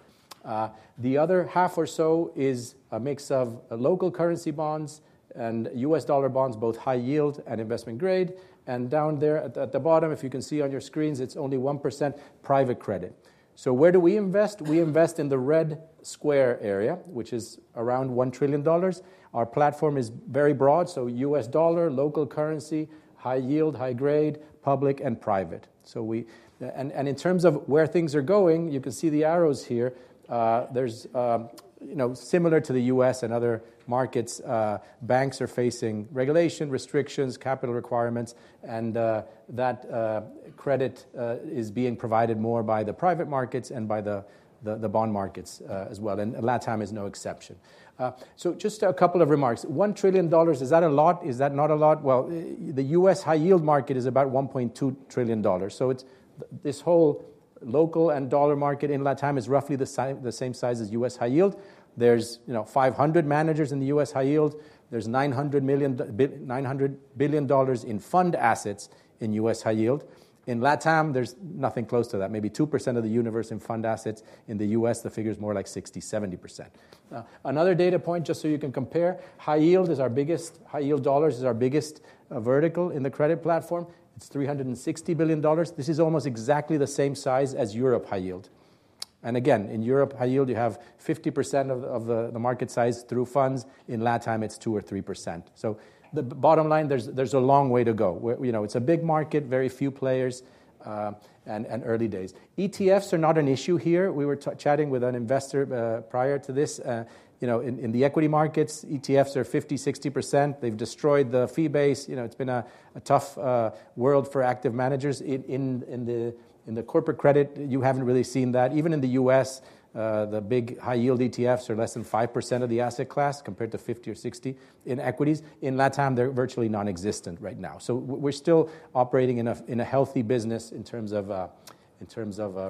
The other half or so is a mix of local currency bonds and U.S. dollar bonds, both high-yield and investment-grade. And down there at the bottom, if you can see on your screens, it's only 1% private credit. So where do we invest? We invest in the red square area, which is around $1 trillion. Our platform is very broad. US dollar, local currency, high-yield, high-grade, public, and private. In terms of where things are going, you can see the arrows here. Similar to the U.S. and other markets, banks are facing regulation, restrictions, capital requirements. That credit is being provided more by the private markets and by the bond markets as well. LATAM is no exception. Just a couple of remarks. $1 trillion, is that a lot? Is that not a lot? Well, the U.S. high-yield market is about $1.2 trillion. This whole local and dollar market in LATAM is roughly the same size as U.S. high-yield. There are 500 managers in the U.S. high-yield. There is $900 billion in fund assets in U.S. high-yield. In LATAM, there is nothing close to that, maybe 2% of the universe in fund assets. In the US, the figure is more like 60-70%. Another data point, just so you can compare, high-yield dollars is our biggest vertical in the credit platform. It's $360 billion. This is almost exactly the same size as Europe high yield. And again, in Europe high yield, you have 50% of the market size through funds. In LATAM, it's 2 or 3%. So the bottom line, there's a long way to go. It's a big market, very few players, and early days. ETFs are not an issue here. We were chatting with an investor prior to this. In the equity markets, ETFs are 50-60%. They've destroyed the fee base. It's been a tough world for active managers. In the corporate credit, you haven't really seen that. Even in the U.S., the big high-yield ETFs are less than 5% of the asset class compared to 50% or 60% in equities. In LatAm, they're virtually nonexistent right now. So we're still operating in a healthy business in terms of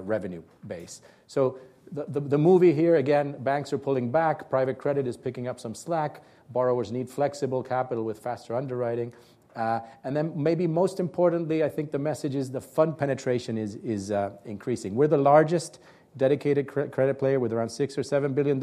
revenue base. So the move here, again, banks are pulling back. Private credit is picking up some slack. Borrowers need flexible capital with faster underwriting. And then maybe most importantly, I think the message is the fund penetration is increasing. We're the largest dedicated credit player with around $6-$7 billion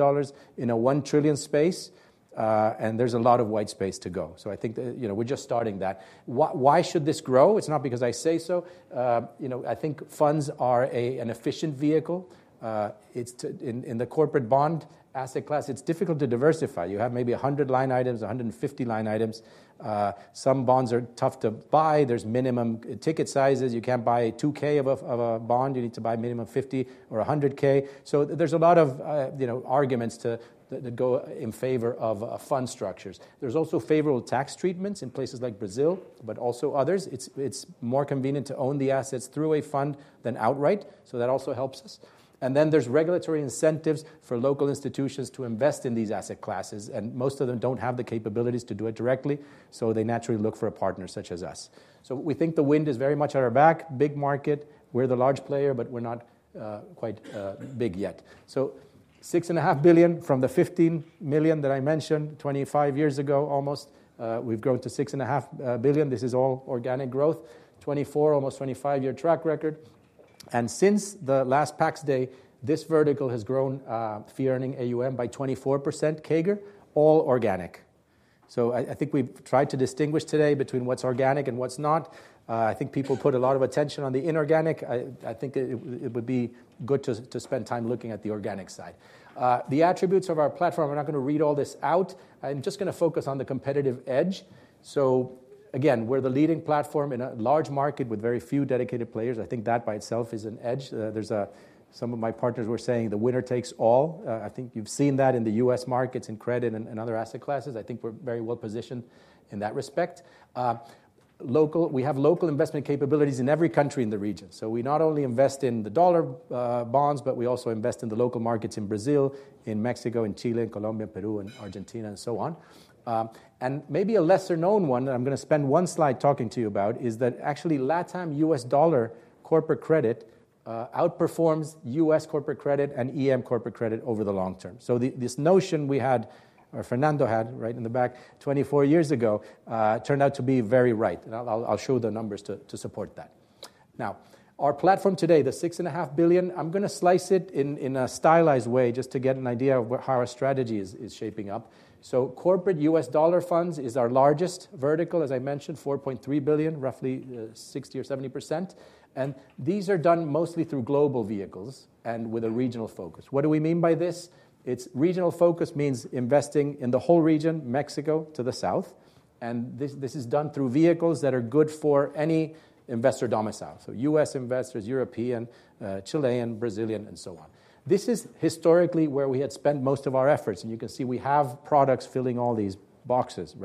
in a $1 trillion space. And there's a lot of white space to go. So I think we're just starting that. Why should this grow? It's not because I say so. I think funds are an efficient vehicle. In the corporate bond asset class, it's difficult to diversify. You have maybe 100 line items, 150 line items. Some bonds are tough to buy. There's minimum ticket sizes. You can't buy 2K of a bond. You need to buy minimum 50 or 100K. So there's a lot of arguments that go in favor of fund structures. There's also favorable tax treatments in places like Brazil, but also others. It's more convenient to own the assets through a fund than outright. So that also helps us. And then there's regulatory incentives for local institutions to invest in these asset classes. And most of them don't have the capabilities to do it directly. So they naturally look for a partner such as us. So we think the wind is very much at our back. Big market. We're the large player, but we're not quite big yet. So $6.5 billion from the $15 million that I mentioned 25 years ago almost, we've grown to $6.5 billion. This is all organic growth. 24, almost 25-year track record. And since the last PAX day, this vertical has grown fee-earning AUM by 24%, CAGR, all organic. So I think we've tried to distinguish today between what's organic and what's not. I think people put a lot of attention on the inorganic. I think it would be good to spend time looking at the organic side. The attributes of our platform, I'm not going to read all this out. I'm just going to focus on the competitive edge. So again, we're the leading platform in a large market with very few dedicated players. I think that by itself is an edge. Some of my partners were saying the winner takes all. I think you've seen that in the U.S. markets in credit and other asset classes. I think we're very well positioned in that respect. We have local investment capabilities in every country in the region. So we not only invest in the dollar bonds, but we also invest in the local markets in Brazil, in Mexico, in Chile, in Colombia, Peru, and Argentina, and so on. And maybe a lesser-known one that I'm going to spend one slide talking to you about is that actually LATAM U.S. dollar corporate credit outperforms U.S. corporate credit and EM corporate credit over the long term. So this notion we had, or Fernando had right in the back 24 years ago turned out to be very right. And I'll show the numbers to support that. Now, our platform today, the $6.5 billion, I'm going to slice it in a stylized way just to get an idea of how our strategy is shaping up. So corporate U.S. dollar funds is our largest vertical, as I mentioned, $4.3 billion, roughly 60%-70%. And these are done mostly through global vehicles and with a regional focus. What do we mean by this? Its regional focus means investing in the whole region, Mexico to the south. And this is done through vehicles that are good for any investor domicile. So U.S. investors, European, Chilean, Brazilian, and so on. This is historically where we had spent most of our efforts. And you can see we have products filling all these boxes.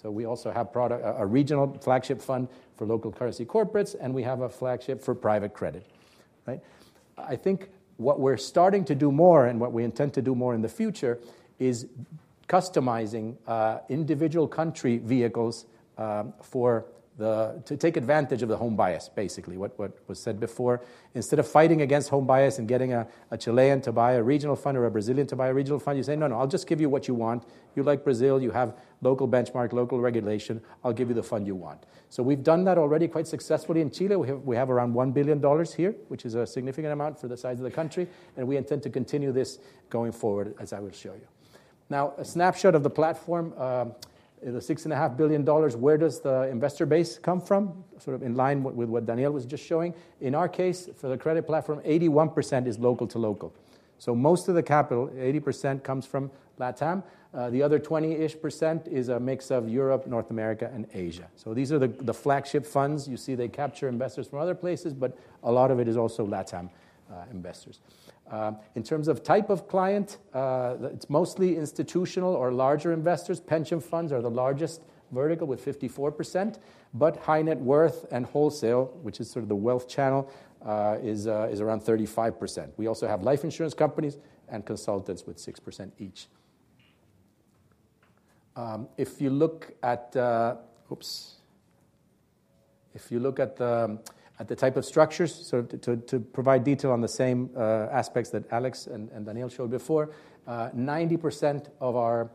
So we also have a regional flagship fund for local currency corporates. And we have a flagship for private credit. I think what we're starting to do more and what we intend to do more in the future is customizing individual country vehicles to take advantage of the home bias, basically, what was said before. Instead of fighting against home bias and getting a Chilean to buy a regional fund or a Brazilian to buy a regional fund, you say, no, no, I'll just give you what you want. You like Brazil, you have local benchmark, local regulation. I'll give you the fund you want. So we've done that already quite successfully in Chile. We have around $1 billion here, which is a significant amount for the size of the country, and we intend to continue this going forward, as I will show you. Now, a snapshot of the platform, the $6.5 billion, where does the investor base come from? Sort of in line with what Daniel was just showing. In our case, for the credit platform, 81% is local to local, so most of the capital, 80%, comes from LatAm. The other 20-ish% is a mix of Europe, North America, and Asia, so these are the flagship funds. You see they capture investors from other places, but a lot of it is also LatAm investors. In terms of type of client, it's mostly institutional or larger investors. Pension funds are the largest vertical with 54%, but high net worth and wholesale, which is sort of the wealth channel, is around 35%. We also have life insurance companies and consultants with 6% each. If you look at the type of structures to provide detail on the same aspects that Alex and Daniel showed before, 90% of our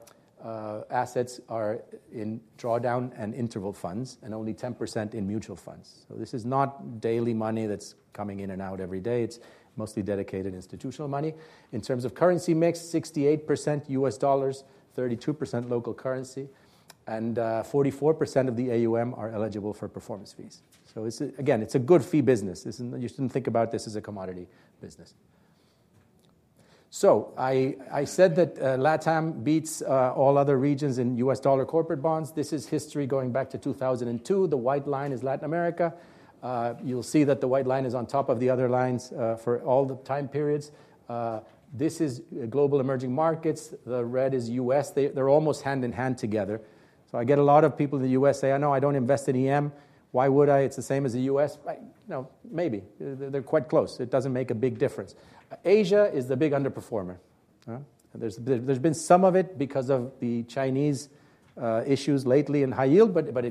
assets are in drawdown and interval funds and only 10% in mutual funds. So this is not daily money that's coming in and out every day. It's mostly dedicated institutional money. In terms of currency mix, 68% USD, 32% local currency. And 44% of the AUM are eligible for performance fees. So again, it's a good fee business. You shouldn't think about this as a commodity business. So I said that LATAM beats all other regions in US dollar corporate bonds. This is history going back to 2002. The white line is Latin America. You'll see that the white line is on top of the other lines for all the time periods. This is global emerging markets. The red is US. They're almost hand in hand together. So I get a lot of people in the US say, no, I don't invest in EM. Why would I? It's the same as the US. Maybe. They're quite close. It doesn't make a big difference. Asia is the big underperformer. There's been some of it because of the Chinese issues lately in high yield. But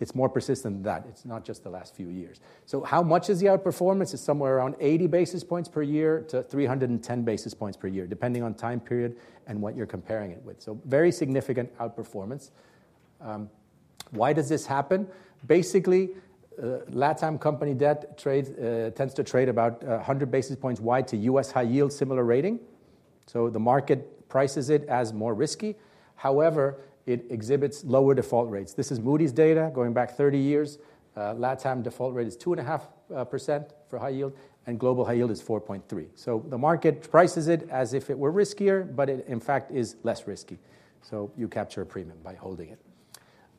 it's more persistent than that. It's not just the last few years. So how much is the outperformance? It's somewhere around 80 basis points per year to 310 basis points per year, depending on time period and what you're comparing it with. So very significant outperformance. Why does this happen? Basically, LatAm company debt tends to trade about 100 basis points wide to US high yield, similar rating. So the market prices it as more risky. However, it exhibits lower default rates. This is Moody's data going back 30 years. LatAm default rate is 2.5% for high yield. And global high yield is 4.3%. So the market prices it as if it were riskier, but it in fact is less risky. So you capture a premium by holding it.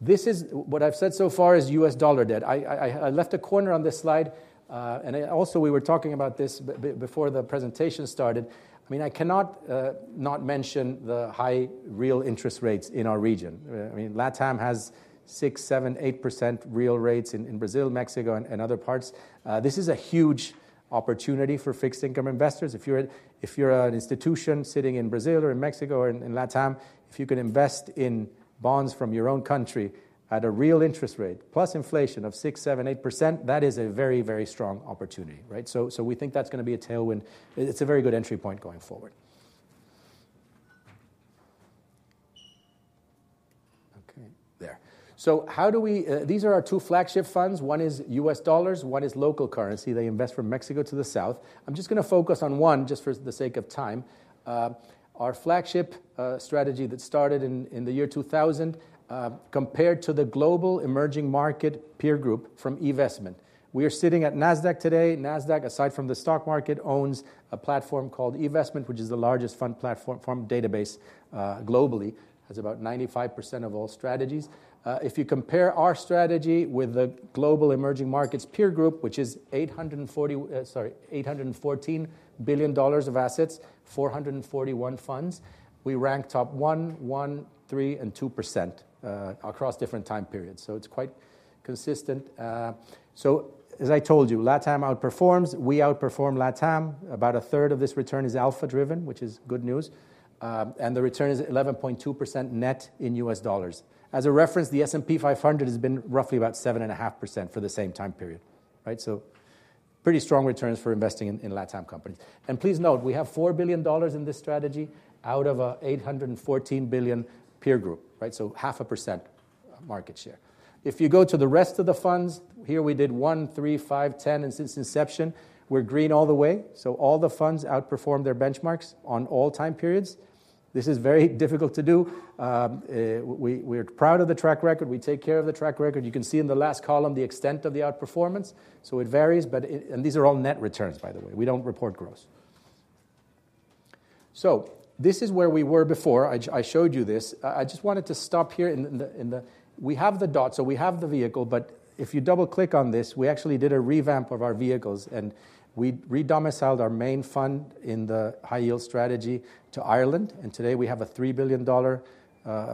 This is what I've said so far is U.S. dollar debt. I left a corner on this slide. And also, we were talking about this before the presentation started. I mean, I cannot not mention the high real interest rates in our region. I mean, LatAm has 6%, 7%, 8% real rates in Brazil, Mexico, and other parts. This is a huge opportunity for fixed income investors. If you're an institution sitting in Brazil or in Mexico or in LatAm, if you can invest in bonds from your own country at a real interest rate, plus inflation of 6%, 7%, 8%, that is a very, very strong opportunity. So we think that's going to be a tailwind. It's a very good entry point going forward. Okay. There. So these are our two flagship funds. One is U.S. dollars. One is local currency. They invest from Mexico to the south. I'm just going to focus on one just for the sake of time. Our flagship strategy that started in the year 2000, compared to the global emerging market peer group from eVestment. We are sitting at Nasdaq today. Nasdaq, aside from the stock market, owns a platform called eVestment, which is the largest fund platform database globally. It has about 95% of all strategies. If you compare our strategy with the global emerging markets peer group, which is $814 billion of assets, 441 funds, we rank top 1, 1, 3, and 2% across different time periods. So it's quite consistent. So as I told you, LATAM outperforms. We outperform LATAM. About a third of this return is alpha-driven, which is good news. And the return is 11.2% net in U.S. dollars. As a reference, the S&P 500 has been roughly about 7.5% for the same time period. So pretty strong returns for investing in LATAM companies. And please note, we have $4 billion in this strategy out of a $814 billion peer group. So 0.5% market share. If you go to the rest of the funds, here we did 1, 3, 5, 10, and since inception, we're green all the way. So all the funds outperform their benchmarks on all time periods. This is very difficult to do. We're proud of the track record. We take care of the track record. You can see in the last column the extent of the outperformance. So it varies. And these are all net returns, by the way. We don't report gross. So this is where we were before. I showed you this. I just wanted to stop here. We have the dot. So we have the vehicle. But if you double-click on this, we actually did a revamp of our vehicles. We redomiciled our main fund in the high yield strategy to Ireland. Today we have a $3 billion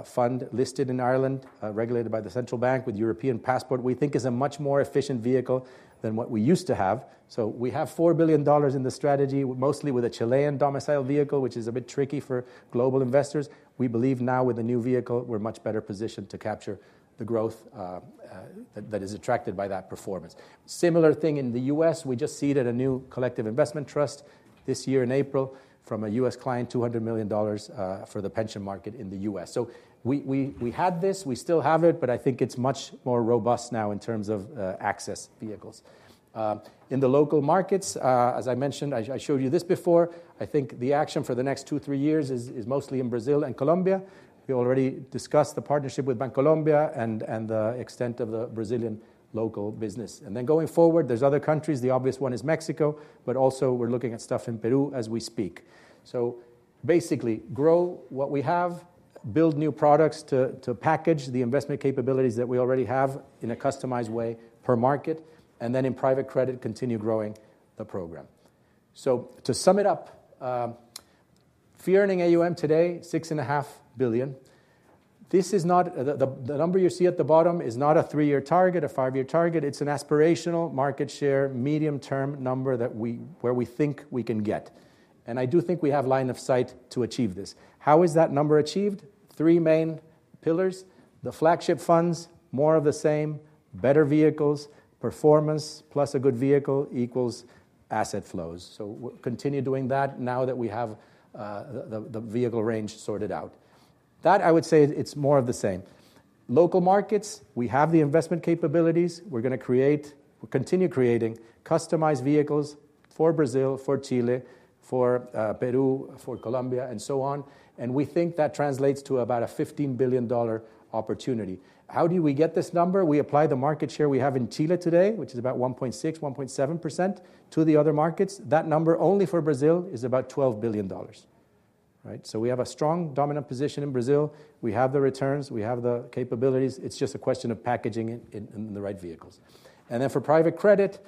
fund listed in Ireland, regulated by the central bank with European passport. We think it is a much more efficient vehicle than what we used to have. We have $4 billion in the strategy, mostly with a Chilean domiciled vehicle, which is a bit tricky for global investors. We believe now with a new vehicle, we are much better positioned to capture the growth that is attracted by that performance. Similar thing in the US. We just seeded a new collective investment trust this year in April from a US client, $200 million for the pension market in the US. We had this. We still have it. But I think it's much more robust now in terms of access vehicles. In the local markets, as I mentioned, I showed you this before. I think the action for the next two, three years is mostly in Brazil and Colombia. We already discussed the partnership with Bancolombia and the extent of the Brazilian local business. And then going forward, there's other countries. The obvious one is Mexico. But also we're looking at stuff in Peru as we speak. So basically, grow what we have, build new products to package the investment capabilities that we already have in a customized way per market. And then in private credit, continue growing the program. So to sum it up, fee-earning AUM today, $6.5 billion. The number you see at the bottom is not a three-year target, a five-year target. It's an aspirational market share, medium-term number where we think we can get, and I do think we have line of sight to achieve this. How is that number achieved? Three main pillars. The flagship funds, more of the same, better vehicles, performance plus a good vehicle equals asset flows, so continue doing that now that we have the vehicle range sorted out. That, I would say, it's more of the same. Local markets, we have the investment capabilities. We're going to create, continue creating customized vehicles for Brazil, for Chile, for Peru, for Colombia, and so on, and we think that translates to about a $15 billion opportunity. How do we get this number? We apply the market share we have in Chile today, which is about 1.6%-1.7% to the other markets. That number only for Brazil is about $12 billion. We have a strong dominant position in Brazil. We have the returns. We have the capabilities. It's just a question of packaging it in the right vehicles, and then for private credit,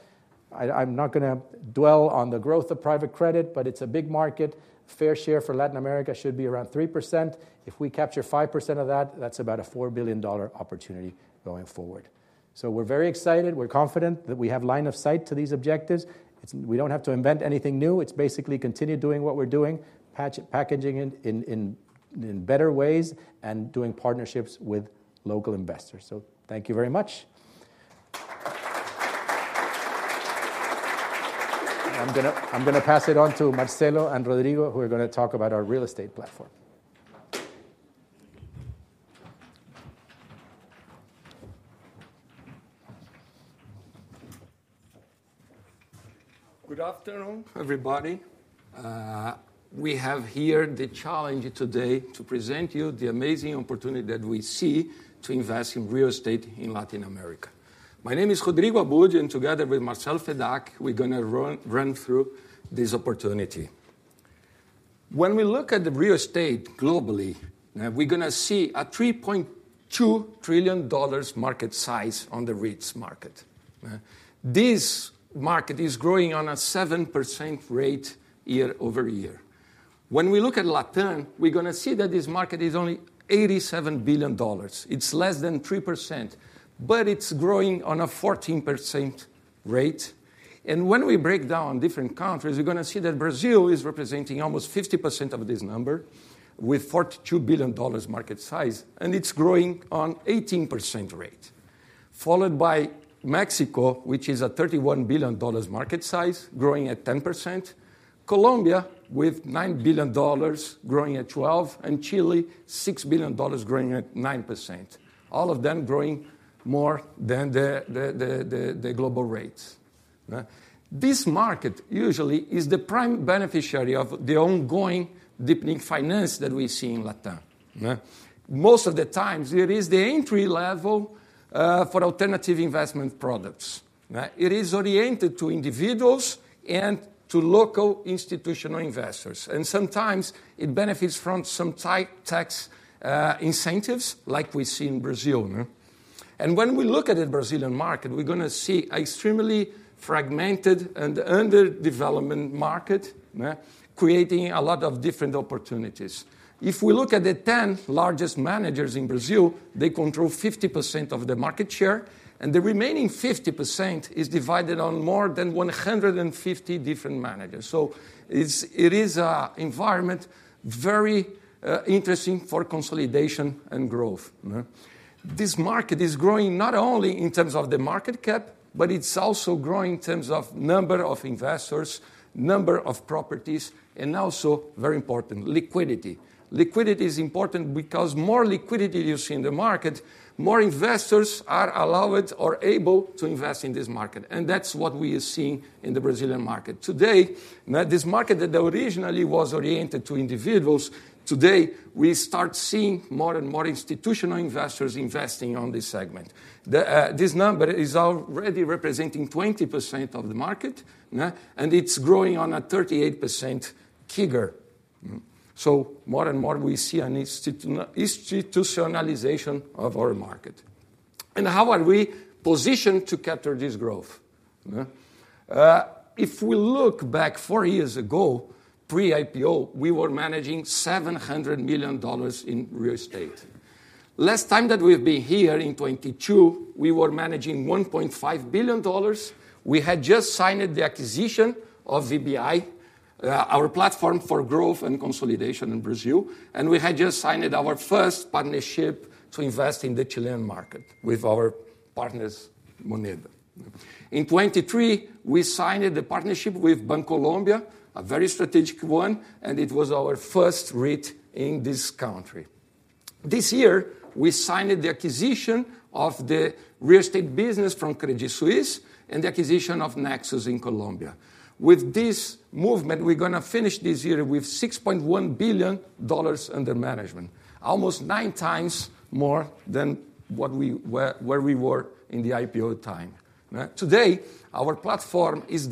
I'm not going to dwell on the growth of private credit, but it's a big market. Fair share for Latin America should be around 3%. If we capture 5% of that, that's about a $4 billion opportunity going forward, so we're very excited. We're confident that we have line of sight to these objectives. We don't have to invent anything new. It's basically continue doing what we're doing, packaging it in better ways and doing partnerships with local investors, so thank you very much. I'm going to pass it on to Marcelo and Rodrigo, who are going to talk about our real estate platform. Good afternoon, everybody. We have here the challenge today to present you the amazing opportunity that we see to invest in real estate in Latin America. My name is Rodrigo Abujamra, and together with Marcelo Fedak, we're going to run through this opportunity. When we look at the real estate globally, we're going to see a $3.2 trillion market size on the REITs market. This market is growing on a 7% rate year over year. When we look at LATAM, we're going to see that this market is only $87 billion. It's less than 3%, but it's growing on a 14% rate, and when we break down different countries, we're going to see that Brazil is representing almost 50% of this number with $42 billion market size. It's growing at an 18% rate, followed by Mexico, which is a $31 billion market size, growing at 10%, Colombia with $9 billion growing at 12%, and Chile, $6 billion growing at 9%, all of them growing more than the global rates. This market usually is the prime beneficiary of the ongoing deepening finance that we see in LATAM. Most of the time, it is the entry level for alternative investment products. It is oriented to individuals and to local institutional investors. And sometimes it benefits from some tight tax incentives, like we see in Brazil. And when we look at the Brazilian market, we're going to see an extremely fragmented and underdevelopment market creating a lot of different opportunities. If we look at the 10 largest managers in Brazil, they control 50% of the market share. And the remaining 50% is divided on more than 150 different managers. So it is an environment very interesting for consolidation and growth. This market is growing not only in terms of the market cap, but it's also growing in terms of number of investors, number of properties, and also, very important, liquidity. Liquidity is important because the more liquidity you see in the market, the more investors are allowed or able to invest in this market. And that's what we are seeing in the Brazilian market. Today, this market that originally was oriented to individuals, today we start seeing more and more institutional investors investing on this segment. This number is already representing 20% of the market. And it's growing on a 38% figure. So more and more we see an institutionalization of our market. And how are we positioned to capture this growth? If we look back four years ago, pre-IPO, we were managing $700 million in real estate. Last time that we've been here in 2022, we were managing $1.5 billion. We had just signed the acquisition of VBI, our platform for growth and consolidation in Brazil, and we had just signed our first partnership to invest in the Chilean market with our partners, Moneda. In 2023, we signed the partnership with Bancolombia, a very strategic one, and it was our first REIT in this country. This year, we signed the acquisition of the real estate business from Credit Suisse and the acquisition of Nexus in Colombia. With this movement, we're going to finish this year with $6.1 billion under management, almost nine times more than where we were in the IPO time. Today, our platform is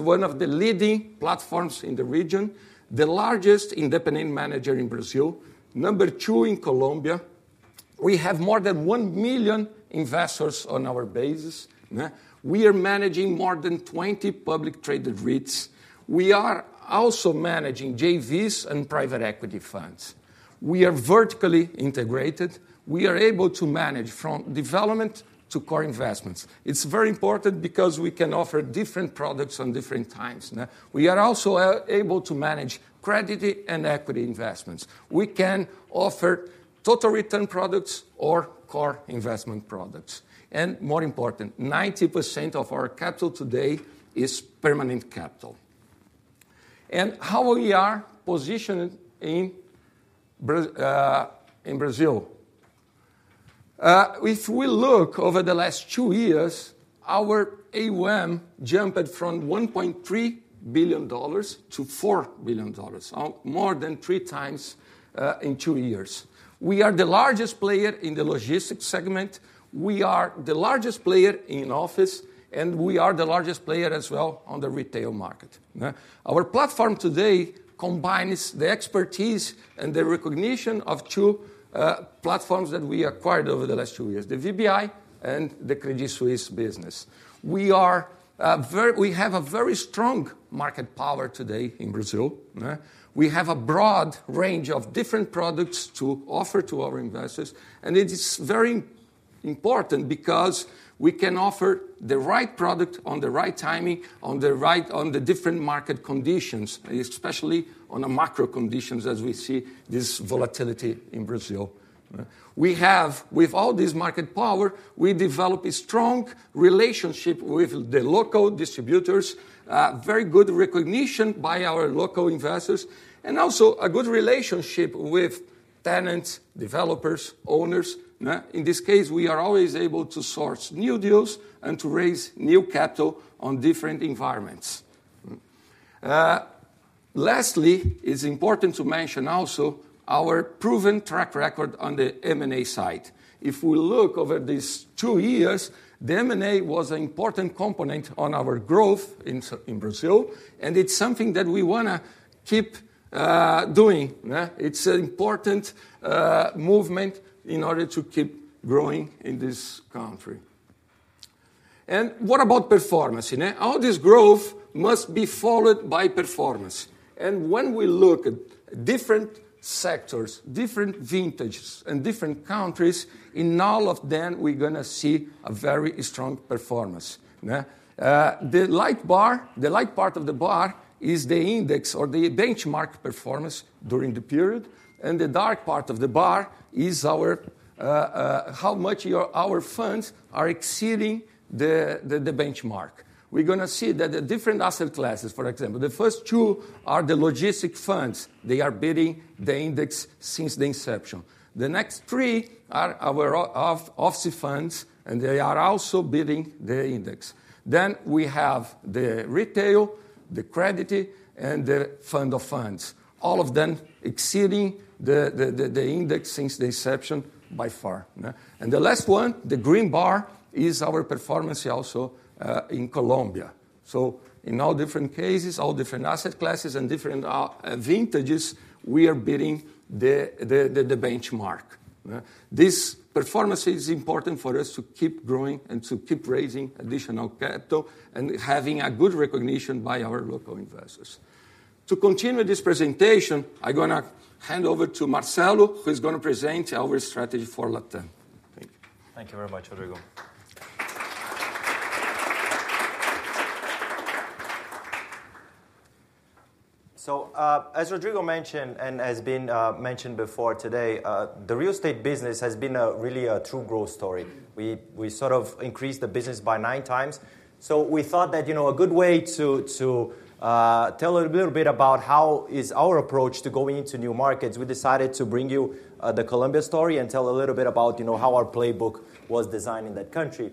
one of the leading platforms in the region, the largest independent manager in Brazil, number two in Colombia. We have more than 1 million investors on our base. We are managing more than 20 publicly traded REITs. We are also managing JVs and private equity funds. We are vertically integrated. We are able to manage from development to core investments. It's very important because we can offer different products at different times. We are also able to manage credit and equity investments. We can offer total return products or core investment products. More important, 90% of our capital today is permanent capital. How are we positioned in Brazil? If we look over the last two years, our AUM jumped from $1.3 billion to $4 billion, more than three times in two years. We are the largest player in the logistics segment. We are the largest player in office. We are the largest player as well on the retail market. Our platform today combines the expertise and the recognition of two platforms that we acquired over the last two years, the VBI and the Credit Suisse business. We have a very strong market power today in Brazil. We have a broad range of different products to offer to our investors. And it is very important because we can offer the right product on the right timing, on the different market conditions, especially on the macro conditions as we see this volatility in Brazil. With all this market power, we develop a strong relationship with the local distributors, very good recognition by our local investors, and also a good relationship with tenants, developers, owners. In this case, we are always able to source new deals and to raise new capital on different environments. Lastly, it's important to mention also our proven track record on the M&A side. If we look over these two years, the M&A was an important component on our growth in Brazil. And it's something that we want to keep doing. It's an important movement in order to keep growing in this country. And what about performance? All this growth must be followed by performance. And when we look at different sectors, different vintages, and different countries, in all of them, we're going to see a very strong performance. The light part of the bar is the index or the benchmark performance during the period. And the dark part of the bar is how much our funds are exceeding the benchmark. We're going to see that the different asset classes, for example, the first two are the logistics funds. They are beating the index since the inception. The next three are our office funds. And they are also beating the index. Then we have the retail, the credit, and the fund of funds, all of them exceeding the index since the inception by far. And the last one, the green bar, is our performance also in Colombia. In all different cases, all different asset classes and different vintages, we are beating the benchmark. This performance is important for us to keep growing and to keep raising additional capital and having a good recognition by our local investors. To continue this presentation, I'm going to hand over to Marcelo, who is going to present our strategy for LatAm. Thank you. Thank you very much, Rodrigo. As Rodrigo mentioned and has been mentioned before today, the real estate business has been really a true growth story. We sort of increased the business by nine times. We thought that a good way to tell a little bit about how our approach to going into new markets. We decided to bring you the Colombia story and tell a little bit about how our playbook was designed in that country.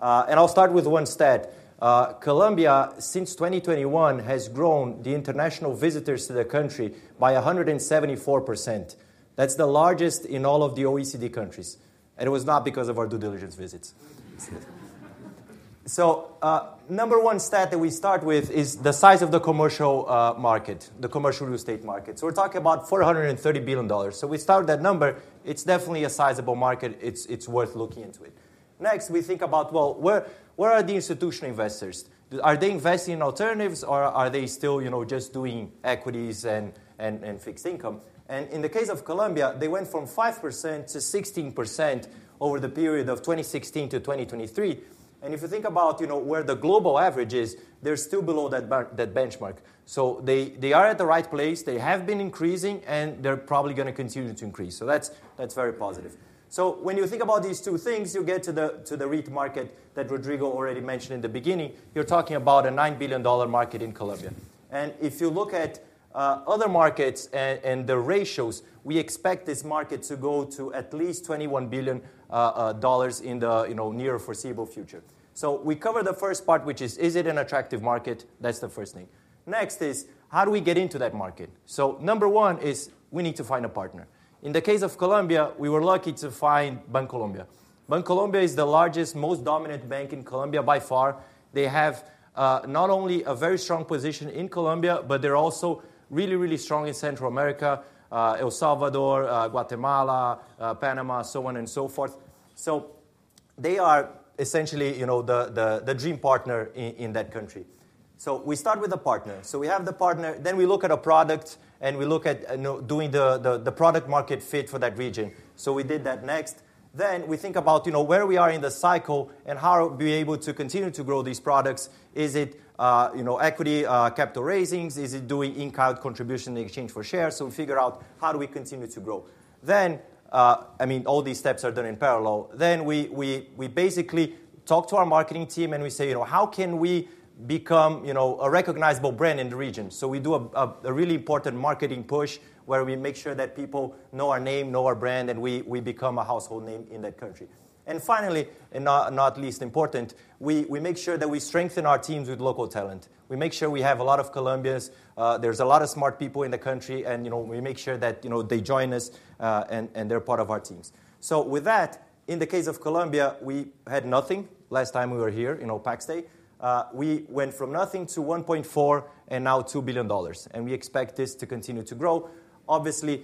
I'll start with one stat. Colombia, since 2021, has grown the international visitors to the country by 174%. That's the largest in all of the OECD countries. It was not because of our due diligence visits. The number one stat that we start with is the size of the commercial market, the commercial real estate market. We're talking about $430 billion. We start with that number. It's definitely a sizable market. It's worth looking into it. Next, we think about, well, where are the institutional investors? Are they investing in alternatives? Or are they still just doing equities and fixed income? And in the case of Colombia, they went from 5% to 16% over the period of 2016 to 2023. And if you think about where the global average is, they're still below that benchmark. So they are at the right place. They have been increasing. And they're probably going to continue to increase. So that's very positive. So when you think about these two things, you get to the REIT market that Rodrigo already mentioned in the beginning. You're talking about a $9 billion market in Colombia. And if you look at other markets and the ratios, we expect this market to go to at least $21 billion in the near foreseeable future. So we covered the first part, which is, is it an attractive market? That's the first thing. Next is, how do we get into that market? So number one is we need to find a partner. In the case of Colombia, we were lucky to find Bancolombia. Bancolombia is the largest, most dominant bank in Colombia by far. They have not only a very strong position in Colombia, but they're also really, really strong in Central America, El Salvador, Guatemala, Panama, so on and so forth. So they are essentially the dream partner in that country. So we start with a partner. So we have the partner. Then we look at a product. And we look at doing the product-market fit for that region. So we did that next. Then we think about where we are in the cycle and how we'll be able to continue to grow these products. Is it equity capital raisings? Is it doing in-kind contribution in exchange for shares? So we figure out how do we continue to grow. Then, I mean, all these steps are done in parallel. Then we basically talk to our marketing team. And we say, how can we become a recognizable brand in the region? So we do a really important marketing push where we make sure that people know our name, know our brand, and we become a household name in that country. And finally, and not least important, we make sure that we strengthen our teams with local talent. We make sure we have a lot of Colombians. There's a lot of smart people in the country. And we make sure that they join us. And they're part of our teams. So with that, in the case of Colombia, we had nothing last time we were here at Investor Day. We went from nothing to $1.4 billion and now $2 billion. And we expect this to continue to grow. Obviously,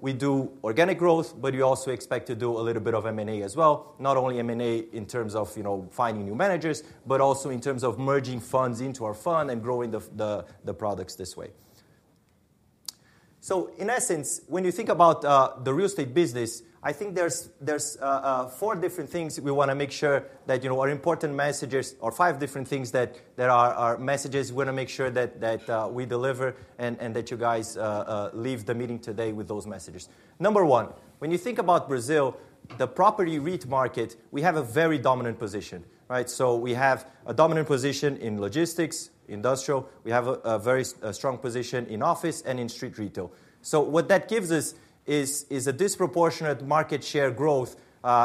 we do organic growth. But we also expect to do a little bit of M&A as well, not only M&A in terms of finding new managers, but also in terms of merging funds into our fund and growing the products this way. So in essence, when you think about the real estate business, I think there's four different things we want to make sure that are important messages, or five different things that are messages we want to make sure that we deliver and that you guys leave the meeting today with those messages. Number one, when you think about Brazil, the property REIT market, we have a very dominant position. So we have a dominant position in logistics, industrial. We have a very strong position in office and in street retail. So what that gives us is a disproportionate market share growth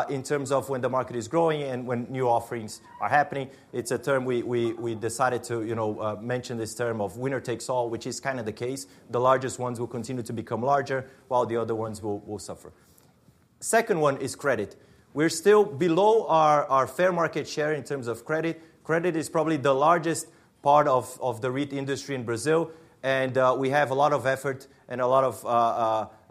in terms of when the market is growing and when new offerings are happening. It's a term we decided to mention, this term of winner takes all, which is kind of the case. The largest ones will continue to become larger, while the other ones will suffer. Second one is credit. We're still below our fair market share in terms of credit. Credit is probably the largest part of the REIT industry in Brazil. And we have a lot of effort and a lot of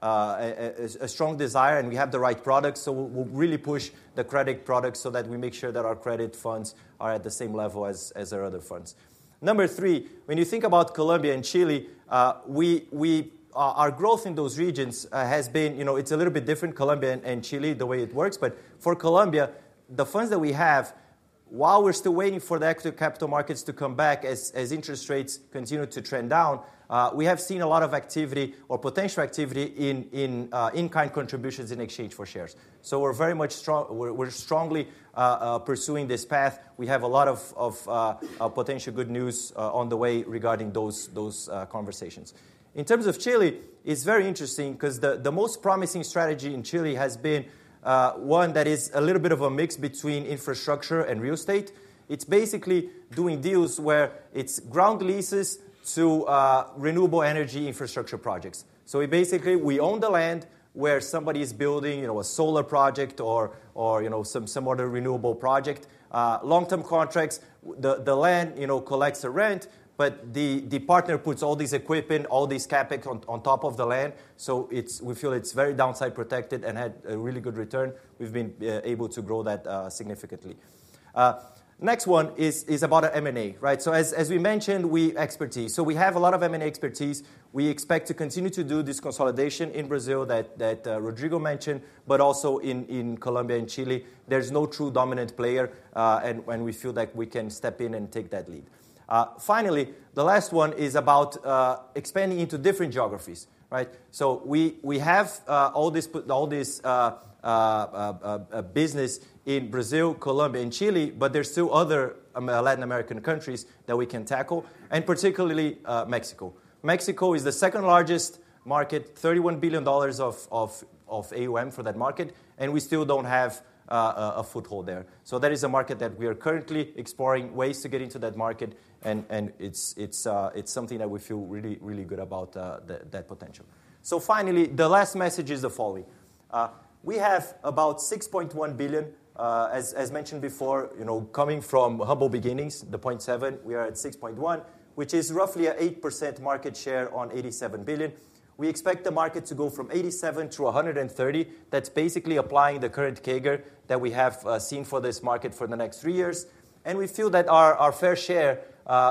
a strong desire. And we have the right products. So we'll really push the credit product so that we make sure that our credit funds are at the same level as our other funds. Number three, when you think about Colombia and Chile, our growth in those regions has been. It's a little bit different, Colombia and Chile, the way it works. But for Colombia, the funds that we have, while we're still waiting for the equity capital markets to come back as interest rates continue to trend down, we have seen a lot of activity or potential activity in in-kind contributions in exchange for shares. So we're very much strongly pursuing this path. We have a lot of potential good news on the way regarding those conversations. In terms of Chile, it's very interesting because the most promising strategy in Chile has been one that is a little bit of a mix between infrastructure and real estate. It's basically doing deals where it's ground leases to renewable energy infrastructure projects. So basically, we own the land where somebody is building a solar project or some other renewable project, long-term contracts. The land collects a rent. But the partner puts all this equipment, all this CapEx on top of the land. So we feel it's very downside protected and had a really good return. We've been able to grow that significantly. Next one is about M&A. So as we mentioned, our expertise. So we have a lot of M&A expertise. We expect to continue to do this consolidation in Brazil that Rodrigo mentioned, but also in Colombia and Chile. There's no true dominant player. And we feel that we can step in and take that lead. Finally, the last one is about expanding into different geographies. So we have all this business in Brazil, Colombia, and Chile. But there's still other Latin American countries that we can tackle, and particularly Mexico. Mexico is the second largest market, $31 billion of AUM for that market. And we still don't have a foothold there. So that is a market that we are currently exploring ways to get into that market. And it's something that we feel really, really good about that potential. So finally, the last message is the following. We have about $6.1 billion, as mentioned before, coming from humble beginnings, the 0.7. We are at 6.1, which is roughly an 8% market share on $87 billion. We expect the market to go from $87 billion to $130 billion. That's basically applying the current CAGR that we have seen for this market for the next three years. And we feel that our fair share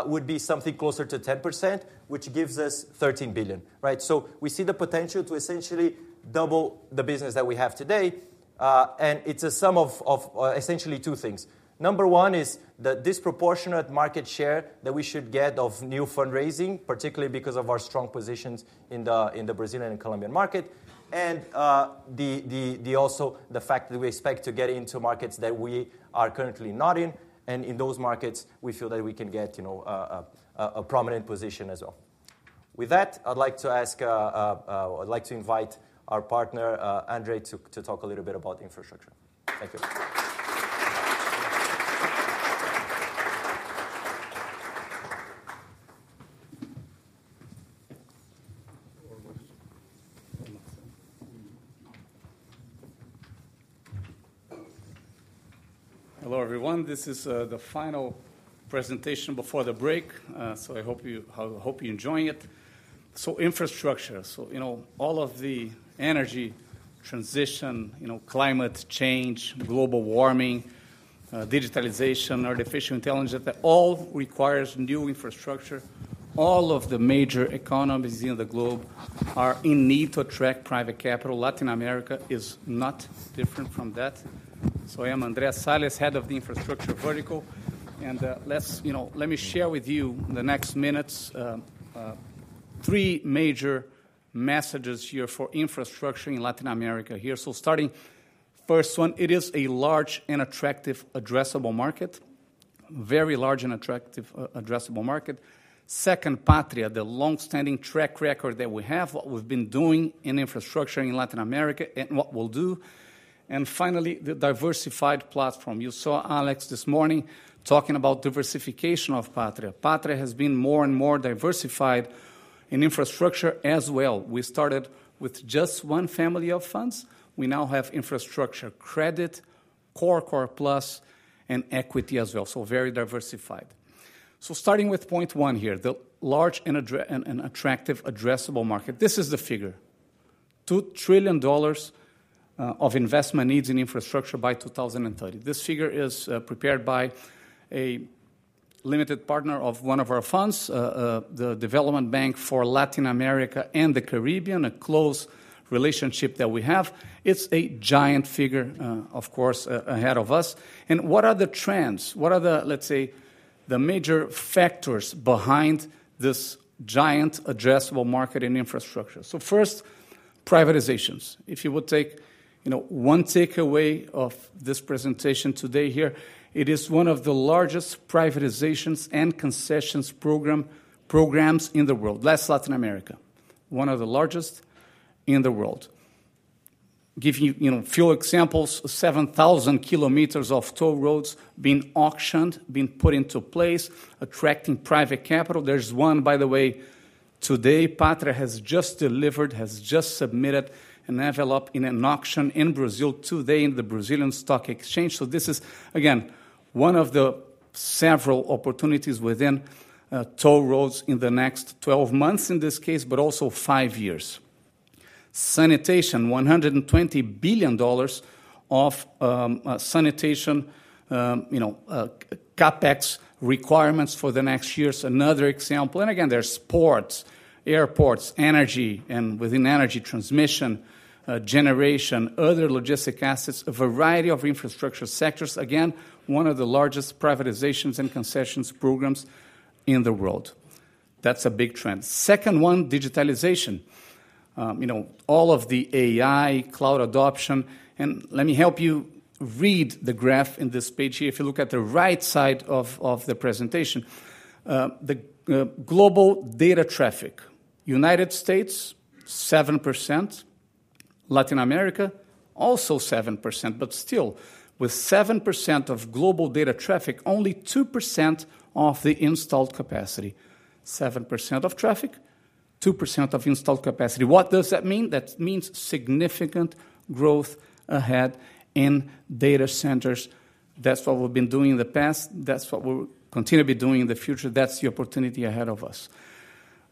would be something closer to 10%, which gives us $13 billion. So we see the potential to essentially double the business that we have today. It's a sum of essentially two things. Number one is the disproportionate market share that we should get of new fundraising, particularly because of our strong positions in the Brazilian and Colombian market, and also the fact that we expect to get into markets that we are currently not in. And in those markets, we feel that we can get a prominent position as well. With that, I'd like to invite our partner, Andre, to talk a little bit about infrastructure. Thank you. Hello everyone. This is the final presentation before the break. I hope you're enjoying it. Infrastructure, so all of the energy transition, climate change, global warming, digitalization, artificial intelligence, that all requires new infrastructure. All of the major economies in the globe are in need to attract private capital. Latin America is not different from that. So I am Andre Sales, head of the infrastructure vertical. And let me share with you in the next minutes three major messages here for infrastructure in Latin America here. So starting first one, it is a large and attractive addressable market, very large and attractive addressable market. Second, Patria, the longstanding track record that we have, what we've been doing in infrastructure in Latin America and what we'll do. And finally, the diversified platform. You saw Alex this morning talking about diversification of Patria. Patria has been more and more diversified in infrastructure as well. We started with just one family of funds. We now have infrastructure, credit, core, core plus, and equity as well. So very diversified. So starting with point one here, the large and attractive addressable market. This is the figure, $2 trillion of investment needs in infrastructure by 2030. This figure is prepared by a limited partner of one of our funds, the Development Bank of Latin America and the Caribbean, a close relationship that we have. It's a giant figure, of course, ahead of us. What are the trends? What are the, let's say, the major factors behind this giant addressable market in infrastructure? First, privatizations. If you would take one takeaway of this presentation today here, it is one of the largest privatizations and concessions programs in the world, in Latin America, one of the largest in the world. Giving you a few examples, 7,000 km of toll roads being auctioned, being put into place, attracting private capital. There's one, by the way, today, Patria has just delivered, has just submitted an envelope in an auction in Brazil today in the Brazilian Stock Exchange. So this is, again, one of the several opportunities within toll roads in the next 12 months in this case, but also five years. Sanitation, $120 billion of sanitation CapEx requirements for the next year is another example. And again, there's ports, airports, energy, and within energy, transmission, generation, other logistic assets, a variety of infrastructure sectors. Again, one of the largest privatizations and concessions programs in the world. That's a big trend. Second one, digitalization, all of the AI, cloud adoption. And let me help you read the graph in this page here. If you look at the right side of the presentation, the global data traffic, United States, 7%. Latin America, also 7%. But still, with 7% of global data traffic, only 2% of the installed capacity, 7% of traffic, 2% of installed capacity. What does that mean? That means significant growth ahead in data centers. That's what we've been doing in the past. That's what we'll continue to be doing in the future. That's the opportunity ahead of us.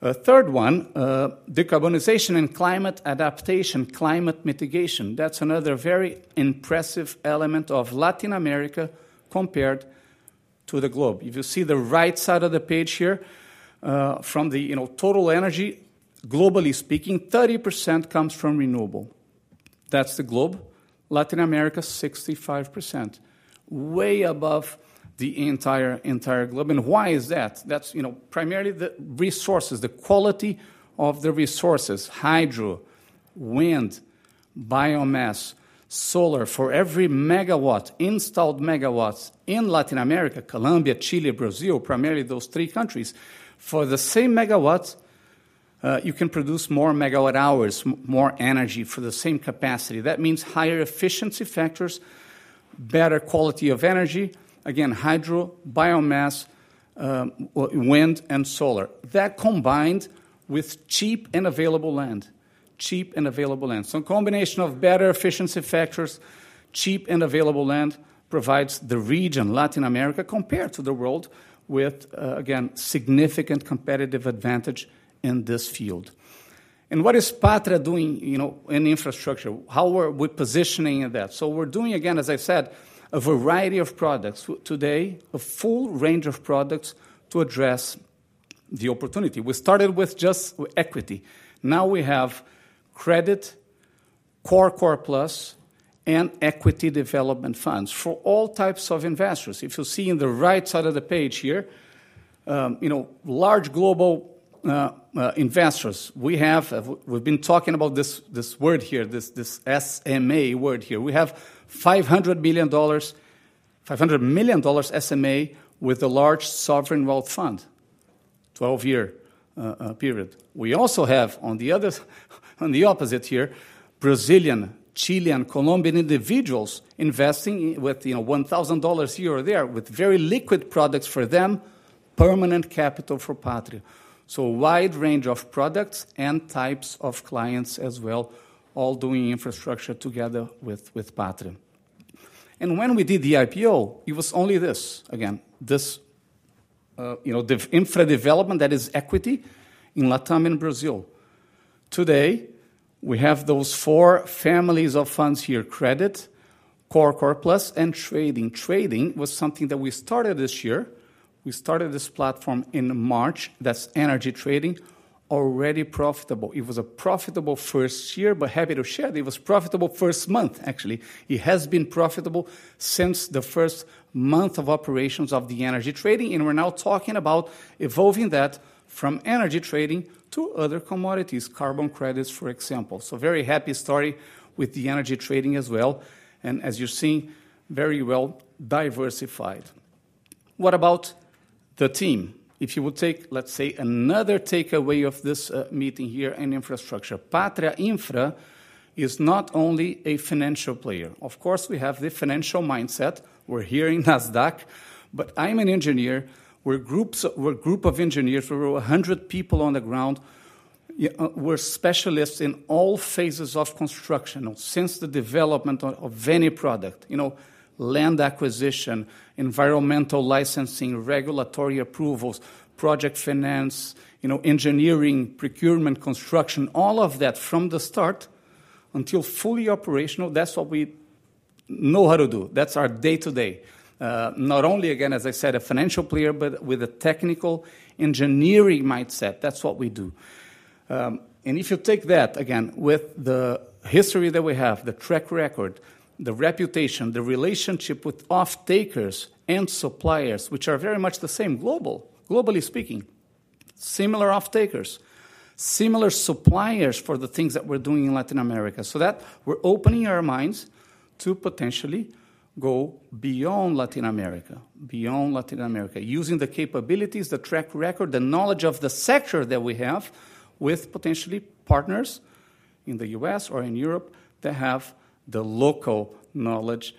Third one, decarbonization and climate adaptation, climate mitigation. That's another very impressive element of Latin America compared to the globe. If you see the right side of the page here, from the total energy, globally speaking, 30% comes from renewable. That's the globe. Latin America, 65%, way above the entire globe. And why is that? That's primarily the resources, the quality of the resources, hydro, wind, biomass, solar. For every megawatt, installed megawatts in Latin America, Colombia, Chile, Brazil, primarily those three countries, for the same megawatt, you can produce more megawatt hours, more energy for the same capacity. That means higher efficiency factors, better quality of energy, again, hydro, biomass, wind, and solar. That combined with cheap and available land, cheap and available land. So a combination of better efficiency factors, cheap and available land provides the region, Latin America, compared to the world with, again, significant competitive advantage in this field. And what is Patria doing in infrastructure? How are we positioning in that? So we're doing, again, as I said, a variety of products today, a full range of products to address the opportunity. We started with just equity. Now we have credit, core, core-plus, and equity development funds for all types of investors. If you see on the right side of the page here, large global investors, we've been talking about this word here, this SMA word here. We have $500 million SMA with a large sovereign wealth fund, 12-year period. We also have, on the opposite here, Brazilian, Chilean, Colombian individuals investing with $1,000 here or there with very liquid products for them, permanent capital for Patria. A wide range of products and types of clients as well, all doing infrastructure together with Patria. When we did the IPO, it was only this, again, the infra development that is equity in LatAm and Brazil. Today, we have those four families of funds here, credit, core, core plus, and trading. Trading was something that we started this year. We started this platform in March. That's energy trading, already profitable. It was a profitable first year, happy to share that it was a profitable first month, actually. It has been profitable since the first month of operations of the energy trading. We're now talking about evolving that from energy trading to other commodities, carbon credits, for example. Very happy story with the energy trading as well. As you're seeing, very well diversified. What about the team? If you would take, let's say, another takeaway of this meeting here in infrastructure, Patria Infra is not only a financial player. Of course, we have the financial mindset. We're here in Nasdaq. But I'm an engineer. We're a group of engineers. We're 100 people on the ground. We're specialists in all phases of construction since the development of any product, land acquisition, environmental licensing, regulatory approvals, project finance, engineering, procurement, construction, all of that from the start until fully operational. That's what we know how to do. That's our day-to-day. Not only, again, as I said, a financial player, but with a technical engineering mindset. That's what we do. If you take that, again, with the history that we have, the track record, the reputation, the relationship with off-takers and suppliers, which are very much the same globally, globally speaking, similar off-takers, similar suppliers for the things that we're doing in Latin America, so that we're opening our minds to potentially go beyond Latin America, beyond Latin America, using the capabilities, the track record, the knowledge of the sector that we have with potentially partners in the U.S. or in Europe that have the local knowledge,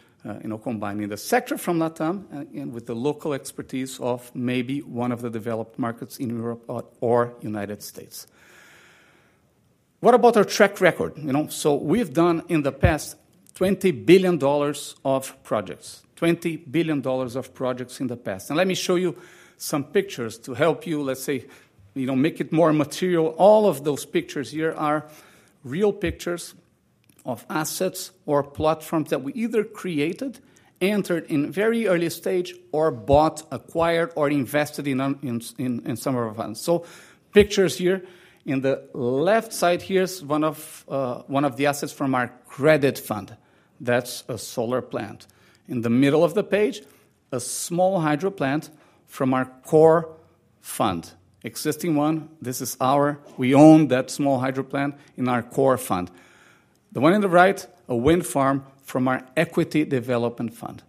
combining the sector from LatAm and with the local expertise of maybe one of the developed markets in Europe or United States. What about our track record? We've done in the past $20 billion of projects, $20 billion of projects in the past. Let me show you some pictures to help you, let's say, make it more material. All of those pictures here are real pictures of assets or platforms that we either created, entered in very early stage, or bought, acquired, or invested in some of our funds. So pictures here. In the left side here is one of the assets from our credit fund. That's a solar plant. In the middle of the page, a small hydro plant from our core fund, existing one. We own that small hydro plant in our core fund. The one on the right, a wind farm from our equity development fund.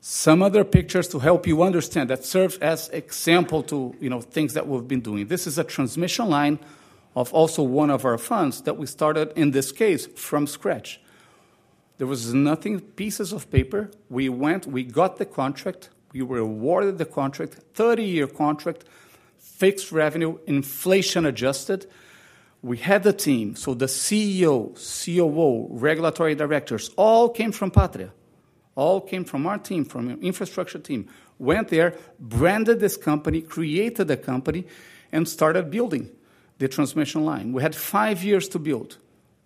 Some other pictures to help you understand that serve as example to things that we've been doing. This is a transmission line of also one of our funds that we started, in this case, from scratch. There was nothing, pieces of paper. We went, we got the contract. We were awarded the contract, 30-year contract, fixed revenue, inflation adjusted. We had the team. So the CEO, COO, regulatory directors all came from Patria, all came from our team, from our infrastructure team, went there, branded this company, created the company, and started building the transmission line. We had five years to build.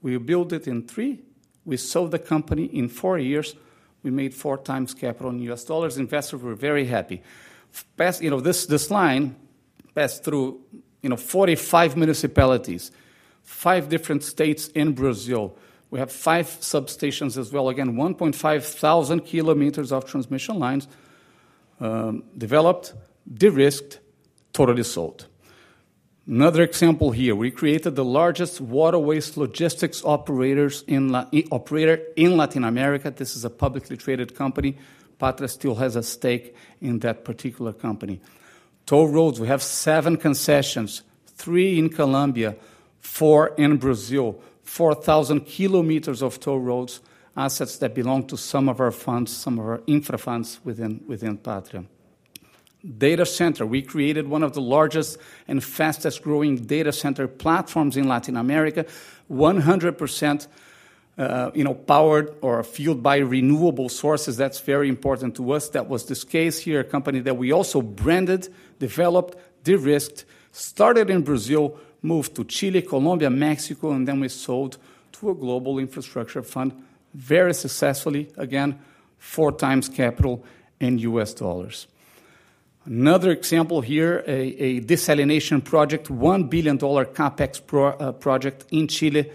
We built it in three. We sold the company in four years. We made four times capital in U.S. dollars. Investors were very happy. This line passed through 45 municipalities, five different states in Brazil. We have five substations as well. Again, 1,500 kilometers of transmission lines developed, de-risked, totally sold. Another example here. We created the largest water waste logistics operator in Latin America. This is a publicly traded company. Patria still has a stake in that particular company. Toll roads, we have seven concessions, three in Colombia, four in Brazil, 4,000 km of toll roads, assets that belong to some of our funds, some of our infra funds within Patria. Data center, we created one of the largest and fastest growing data center platforms in Latin America, 100% powered or fueled by renewable sources. That's very important to us. That was the case here, a company that we also branded, developed, de-risked, started in Brazil, moved to Chile, Colombia, Mexico, and then we sold to a global infrastructure fund very successfully, again, four times capital in U.S. dollars. Another example here, a desalination project, $1 billion CapEx project in Chile,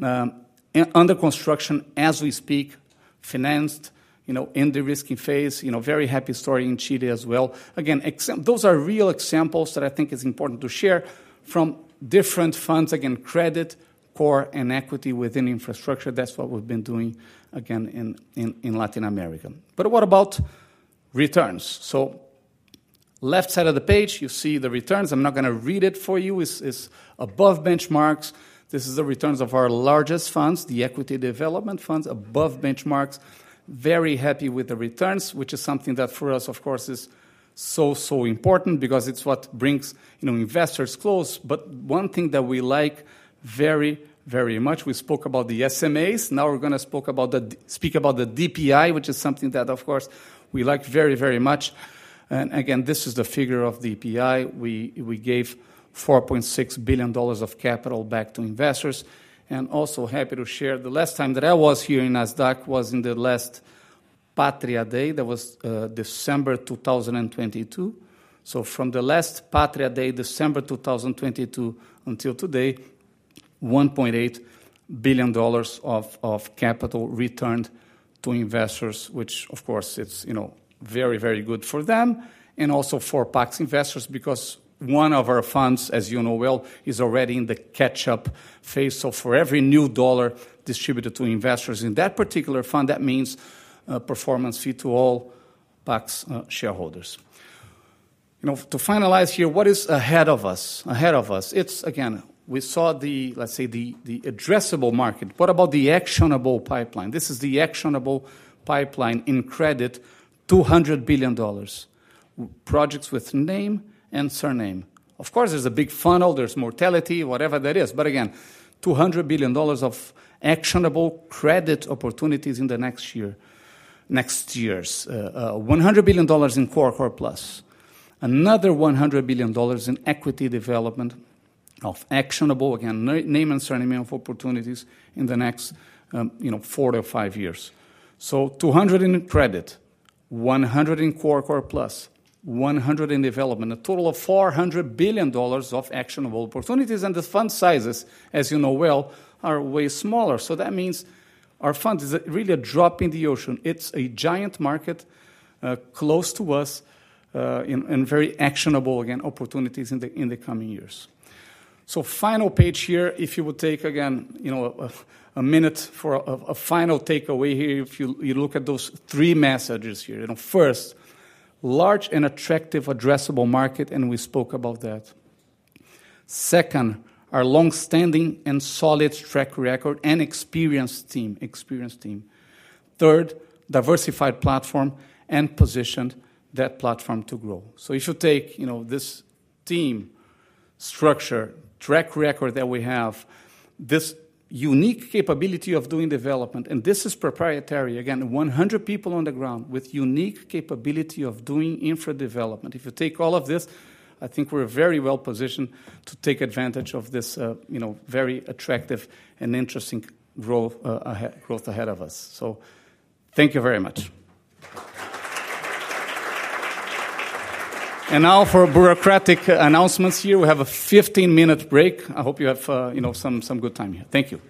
under construction as we speak, financed in the risky phase, very happy story in Chile as well. Again, those are real examples that I think it's important to share from different funds, again, credit, core, and equity within infrastructure. That's what we've been doing, again, in Latin America. But what about returns? So left side of the page, you see the returns. I'm not going to read it for you. It's above benchmarks. This is the returns of our largest funds, the equity development funds, above benchmarks. Very happy with the returns, which is something that for us, of course, is so, so important because it's what brings investors close. But one thing that we like very, very much, we spoke about the SMAs. Now we're going to speak about the DPI, which is something that, of course, we like very, very much. And again, this is the figure of DPI. We gave $4.6 billion of capital back to investors. And also happy to share the last time that I was here in Nasdaq was in the last Patria Day. That was December 2022. So from the last Patria Day, December 2022 until today, $1.8 billion of capital returned to investors, which, of course, it's very, very good for them and also for PAX investors because one of our funds, as you know well, is already in the catch-up phase. So for every new dollar distributed to investors in that particular fund, that means a performance fee to all PAX shareholders. To finalize here, what is ahead of us? Ahead of us, it's, again, we saw the, let's say, the addressable market. What about the actionable pipeline? This is the actionable pipeline in credit, $200 billion, projects with name and surname. Of course, there's a big funnel. There's mortality, whatever that is. But again, $200 billion of actionable credit opportunities in the next years, $100 billion in Core/Core Plus, another $100 billion in equity development of actionable named infrastructure opportunities in the next four to five years. So $200 billion in credit, $100 billion in Core/Core Plus, $100 billion in development, a total of $400 billion of actionable opportunities. And the fund sizes, as you know well, are way smaller. So that means our fund is really a drop in the ocean. It is a giant market close to us and very actionable opportunities in the coming years. So final page here, if you would take again a minute for a final takeaway here, if you look at those three messages here. First, large and attractive addressable market, and we spoke about that. Second, our long-standing and solid track record and experienced team. Third, diversified platform and positioned that platform to grow. So if you take this team structure, track record that we have, this unique capability of doing development, and this is proprietary, again, 100 people on the ground with unique capability of doing infra development. If you take all of this, I think we're very well positioned to take advantage of this very attractive and interesting growth ahead of us. So thank you very much, and now for bureaucratic announcements here, we have a 15-minute break. I hope you have some good time here. Thank you.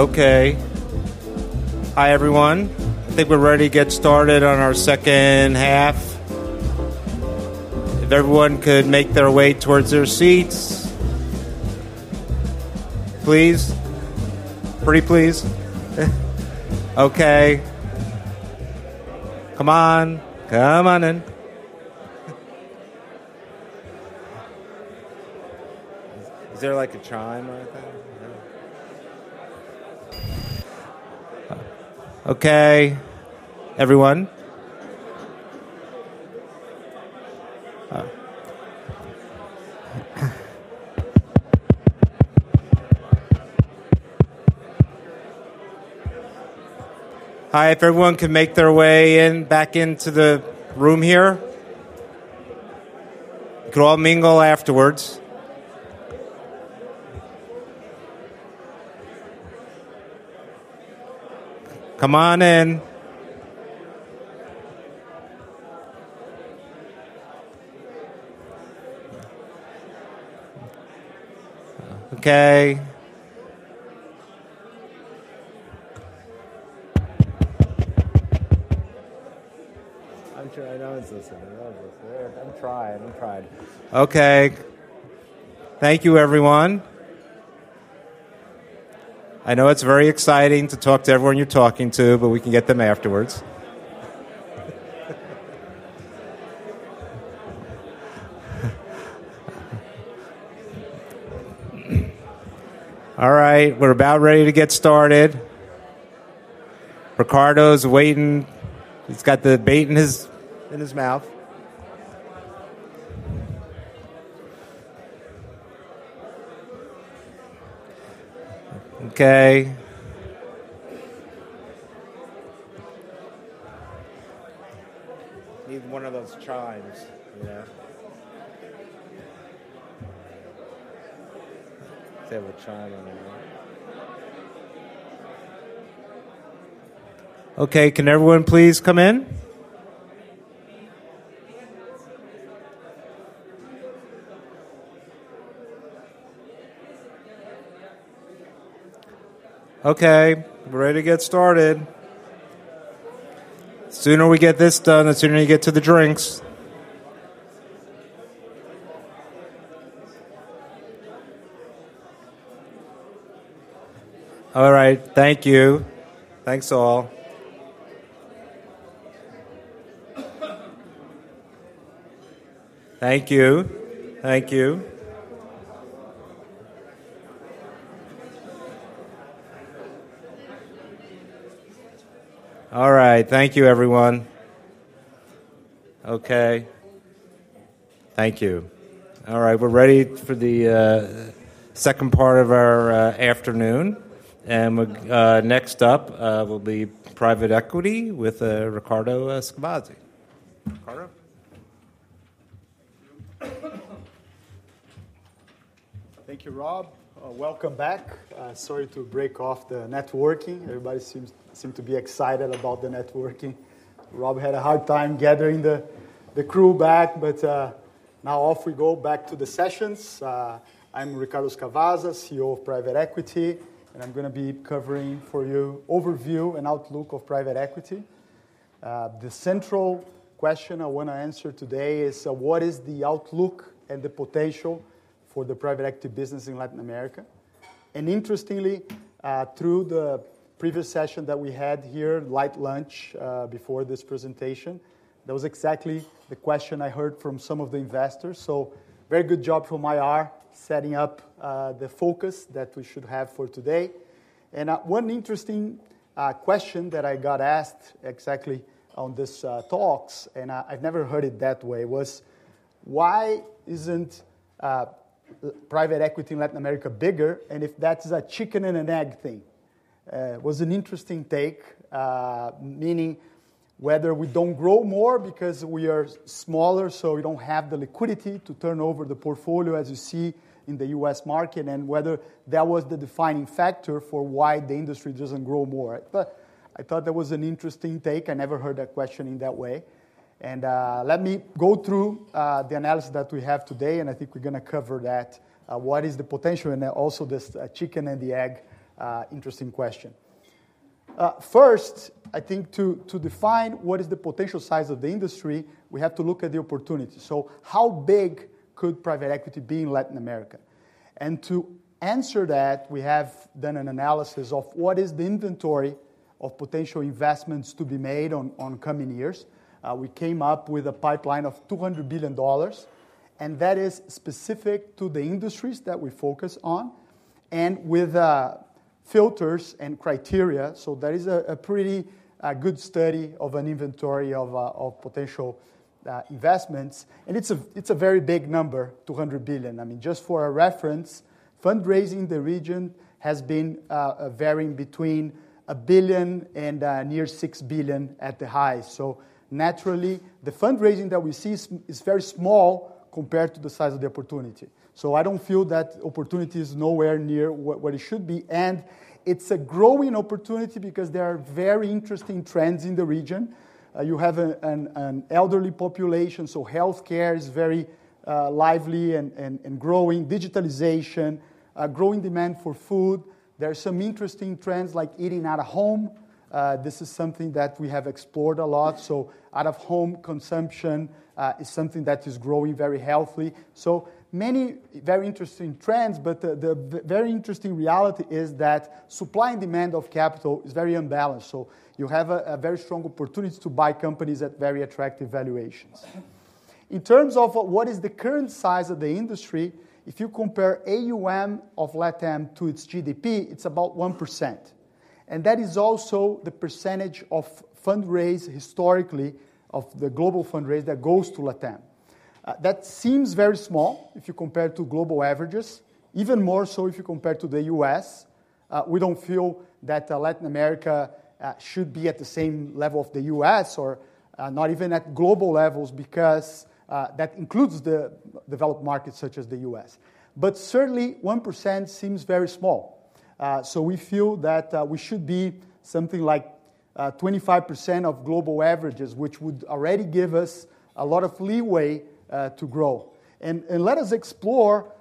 Okay. Hi, everyone. I think we're ready to get started on our second half. If everyone could make their way towards their seats, please. Pretty please. Okay. Come on. Come on in. Is there like a chime or anything? Okay. Everyone. Hi. If everyone can make their way in back into the room here, you can all mingle afterwards. Come on in. Okay. I'msure I know it's listening. I know it's listening. I'm trying. I'm trying. Okay. Thank you, everyone. I know it's very exciting to talk to everyone you're talking to, but we can get them afterwards. All right. We're about ready to get started. Ricardo's waiting. He's got the bait in his mouth. Okay. Need one of those chimes. Say what chime I want. Okay. Can everyone please come in? Okay. We're ready to get started. The sooner we get this done, the sooner you get to the drinks. All right. Thank you. Thanks all. Thank you. Thank you. All right. Thank you, everyone. Okay. Thank you. All right. We're ready for the second part of our afternoon. Next up will be private equity with Ricardo Scavazza. Thank you. Thank you, Rob. Welcome back. Sorry to break off the networking. Everybody seemed to be excited about the networking. Rob had a hard time gathering the crew back, but now off we go back to the sessions. I'm Ricardo Scavazza, CEO of Private Equity, and I'm going to be covering for you an overview and outlook of private equity. The central question I want to answer today is, what is the outlook and the potential for the private equity business in Latin America? Interestingly, through the previous session that we had here, late lunch before this presentation, that was exactly the question I heard from some of the investors. Very good job from IR setting up the focus that we should have for today. One interesting question that I got asked exactly on this talk, and I've never heard it that way, was, why isn't private equity in Latin America bigger? If that's a chicken and an egg thing, it was an interesting take, meaning whether we don't grow more because we are smaller, so we don't have the liquidity to turn over the portfolio, as you see in the U.S. market, and whether that was the defining factor for why the industry doesn't grow more. I thought that was an interesting take. I never heard that question in that way. Let me go through the analysis that we have today, and I think we're going to cover that. What is the potential? Also this chicken and the egg interesting question. First, I think to define what is the potential size of the industry, we have to look at the opportunity. How big could private equity be in Latin America? To answer that, we have done an analysis of what is the inventory of potential investments to be made in the coming years. We came up with a pipeline of $200 billion, and that is specific to the industries that we focus on and with filters and criteria. That is a pretty good study of an inventory of potential investments. It's a very big number, $200 billion. I mean, just for a reference, fundraising in the region has been varying between $1 billion and nearly $6 billion at the high. Naturally, the fundraising that we see is very small compared to the size of the opportunity. I don't feel that opportunity is nowhere near what it should be. It's a growing opportunity because there are very interesting trends in the region. You have an elderly population, so healthcare is very lively and growing. Digitalization, growing demand for food. There are some interesting trends like eating out of home. This is something that we have explored a lot. So out-of-home consumption is something that is growing very healthily. So many very interesting trends, but the very interesting reality is that supply and demand of capital is very unbalanced. So you have a very strong opportunity to buy companies at very attractive valuations. In terms of what is the current size of the industry, if you compare AUM of LATAM to its GDP, it's about 1%. And that is also the percentage of fundraise historically of the global fundraise that goes to LATAM. That seems very small if you compare to global averages, even more so if you compare to the U.S. We don't feel that Latin America should be at the same level of the U.S. or not even at global levels because that includes the developed markets such as the U.S. But certainly, 1% seems very small. So we feel that we should be something like 25% of global averages, which would already give us a lot of leeway to grow. And let us explore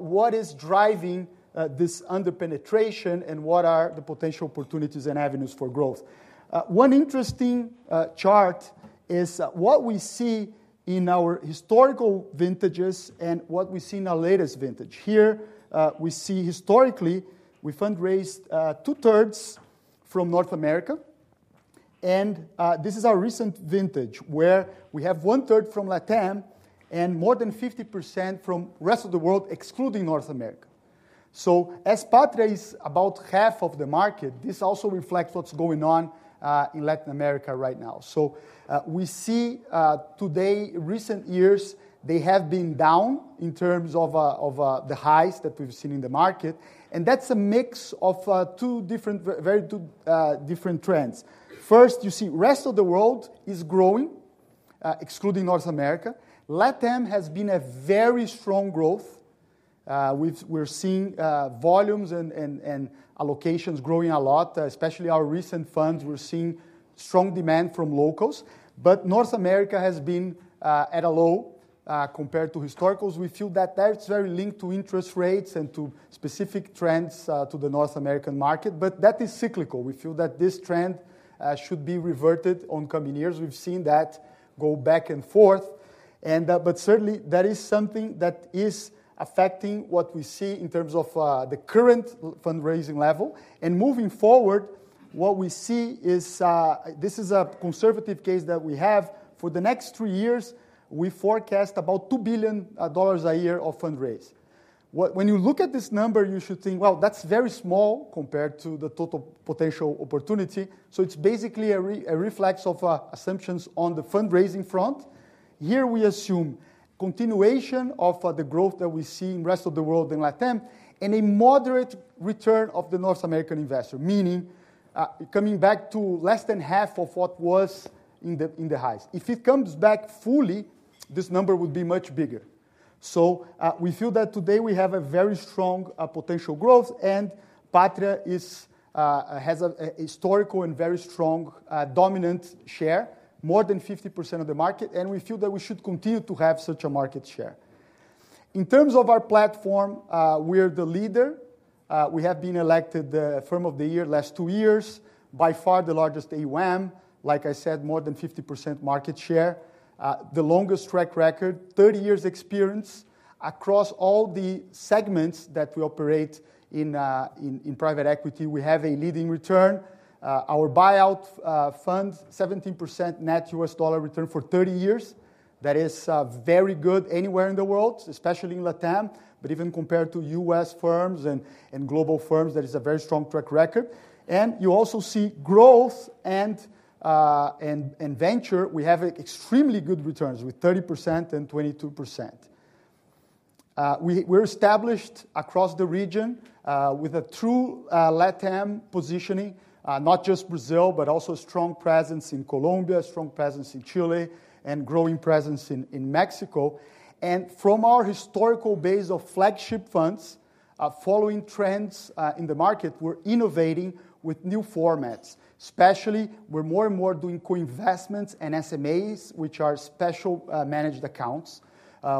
what is driving this under-penetration and what are the potential opportunities and avenues for growth. One interesting chart is what we see in our historical vintages and what we see in our latest vintage. Here we see historically we fundraised two-thirds from North America. And this is our recent vintage where we have one-third from LATAM and more than 50% from the rest of the world, excluding North America. So as Patria is about half of the market, this also reflects what's going on in Latin America right now. So, we see today, recent years, they have been down in terms of the highs that we've seen in the market. And that's a mix of two very different trends. First, you see the rest of the world is growing, excluding North America. LatAm has been a very strong growth. We're seeing volumes and allocations growing a lot, especially our recent funds. We're seeing strong demand from locals. But North America has been at a low compared to historicals. We feel that that's very linked to interest rates and to specific trends to the North American market. But that is cyclical. We feel that this trend should be reverted in the coming years. We've seen that go back and forth. But certainly, that is something that is affecting what we see in terms of the current fundraising level. Moving forward, what we see is this is a conservative case that we have. For the next three years, we forecast about $2 billion a year of fundraise. When you look at this number, you should think, well, that's very small compared to the total potential opportunity. So it's basically a reflex of assumptions on the fundraising front. Here we assume continuation of the growth that we see in the rest of the world in LATAM and a moderate return of the North American investor, meaning coming back to less than half of what was in the highs. If it comes back fully, this number would be much bigger. So we feel that today we have a very strong potential growth, and Patria has a historical and very strong dominant share, more than 50% of the market. We feel that we should continue to have such a market share. In terms of our platform, we are the leader. We have been elected the firm of the year the last two years, by far the largest AUM. Like I said, more than 50% market share, the longest track record, 30 years experience across all the segments that we operate in private equity. We have a leading return. Our buyout fund, 17% net U.S. dollar return for 30 years. That is very good anywhere in the world, especially in LATAM. But even compared to U.S. firms and global firms, that is a very strong track record. You also see growth and venture. We have extremely good returns with 30% and 22%. We're established across the region with a true LatAm positioning, not just Brazil, but also a strong presence in Colombia, a strong presence in Chile, and a growing presence in Mexico, and from our historical base of flagship funds, following trends in the market, we're innovating with new formats. Especially, we're more and more doing co-investments and SMAs, which are separately managed accounts,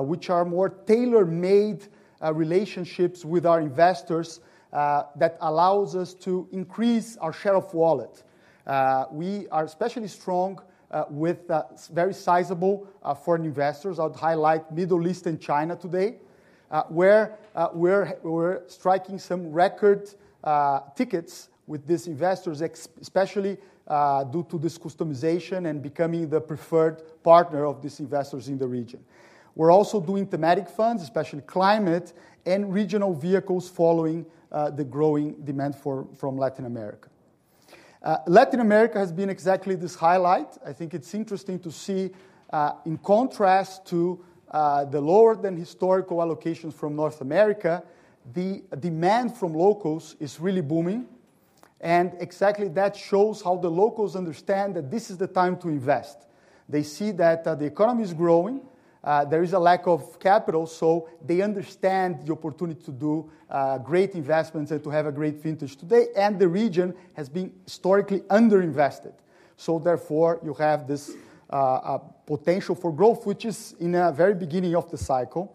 which are more tailor-made relationships with our investors that allow us to increase our share of wallet. We are especially strong with very sizable foreign investors. I would highlight Middle East and China today, where we're striking some record tickets with these investors, especially due to this customization and becoming the preferred partner of these investors in the region. We're also doing thematic funds, especially climate and regional vehicles, following the growing demand from Latin America. Latin America has been exactly this highlight. I think it's interesting to see, in contrast to the lower than historical allocations from North America, the demand from locals is really booming, and exactly that shows how the locals understand that this is the time to invest. They see that the economy is growing. There is a lack of capital, so they understand the opportunity to do great investments and to have a great vintage today, and the region has been historically underinvested, so therefore, you have this potential for growth, which is in the very beginning of the cycle.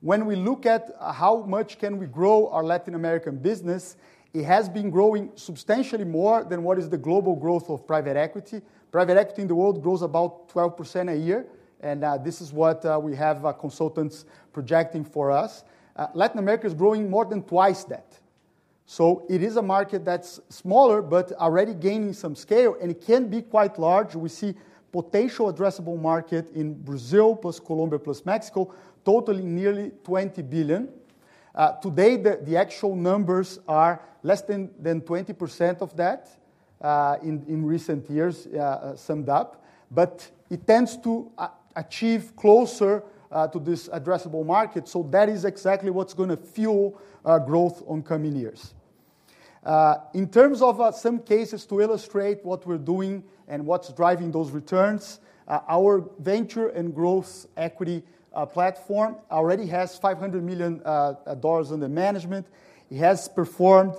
When we look at how much can we grow our Latin American business, it has been growing substantially more than what is the global growth of private equity. Private equity in the world grows about 12% a year, and this is what we have consultants projecting for us. Latin America is growing more than twice that. So it is a market that's smaller, but already gaining some scale, and it can be quite large. We see potential addressable market in Brazil plus Colombia plus Mexico, totaling nearly $20 billion. Today, the actual numbers are less than 20% of that in recent years summed up. But it tends to achieve closer to this addressable market. So that is exactly what's going to fuel our growth in coming years. In terms of some cases to illustrate what we're doing and what's driving those returns, our venture and growth equity platform already has $500 million under management. It has performed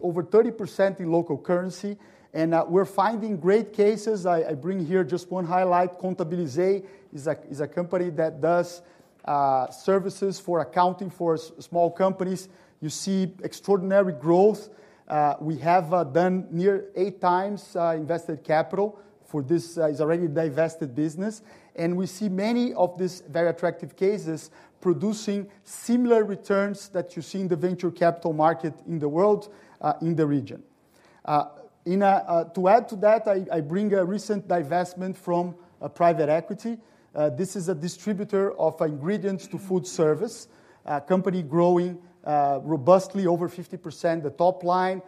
over 30% in local currency. And we're finding great cases. I bring here just one highlight. Contabilizei is a company that does services for accounting for small companies. You see extraordinary growth. We have done near eight times invested capital for this already divested business. And we see many of these very attractive cases producing similar returns that you see in the venture capital market in the world in the region. To add to that, I bring a recent divestment from private equity. This is a distributor of ingredients to food service, a company growing robustly over 50%, the top line.